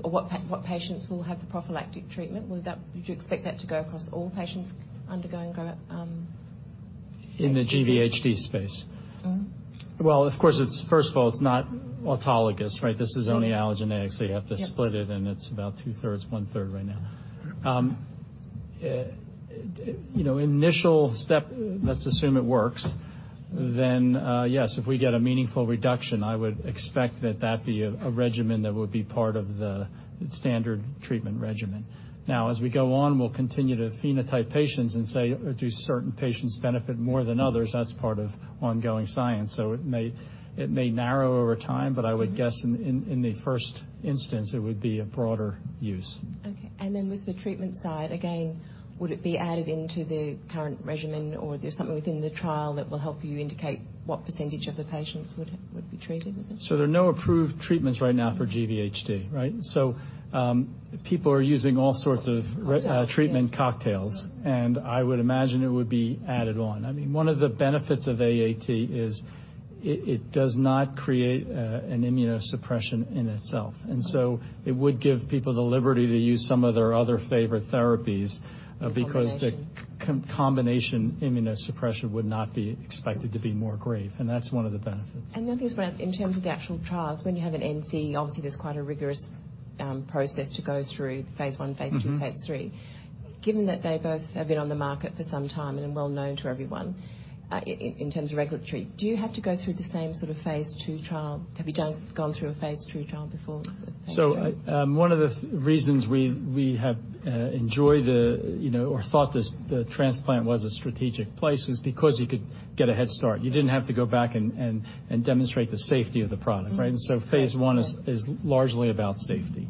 what patients will have the prophylactic treatment? Would you expect that to go across all patients undergoing- In the GvHD space? Well, of course, first of all, it's not autologous, right? This is only allogeneic, so you have to split it, and it's about two-thirds, one-third right now. Initial step, let's assume it works. Yes, if we get a meaningful reduction, I would expect that that be a regimen that would be part of the standard treatment regimen. Now, as we go on, we'll continue to phenotype patients and say, "Do certain patients benefit more than others?" That's part of ongoing science. It may narrow over time, but I would guess in the first instance, it would be a broader use. Okay. With the treatment side, again, would it be added into the current regimen, or is there something within the trial that will help you indicate what percentage of the patients would be treated with it? There are no approved treatments right now for GvHD, right? People are using all sorts of treatment cocktails, and I would imagine it would be added on. I mean, one of the benefits of AAT is it does not create an immunosuppression in itself. It would give people the liberty to use some of their other favorite therapies because the combination immunosuppression would not be expected to be more grave, and that's one of the benefits. The other thing is in terms of the actual trials, when you have an IND, obviously, there's quite a rigorous process to go through phase I, phase II, phase III. Given that they both have been on the market for some time and are well known to everyone in terms of regulatory, do you have to go through the same sort of phase II trial? Have you gone through a phase II trial before? One of the reasons we have enjoyed or thought the transplant was a strategic place is because you could get a head start. You didn't have to go back and demonstrate the safety of the product, right? Phase I is largely about safety.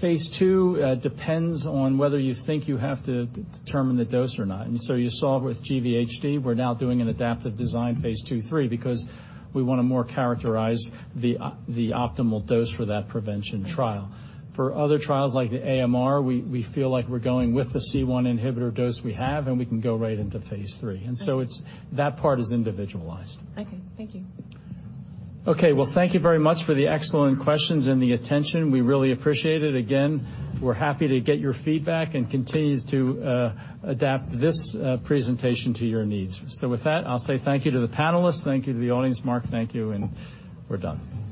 Phase II depends on whether you think you have to determine the dose or not. You saw with GvHD, we're now doing an adaptive design phase II/III because we want to more characterize the optimal dose for that prevention trial. For other trials like the AMR, we feel like we're going with the C1 inhibitor dose we have, and we can go right into phase III. That part is individualized. Okay. Thank you. Okay. Well, thank you very much for the excellent questions and the attention. We really appreciate it. Again, we're happy to get your feedback and continue to adapt this presentation to your needs. With that, I'll say thank you to the panelists. Thank you to the audience. Mark, thank you, and we're done.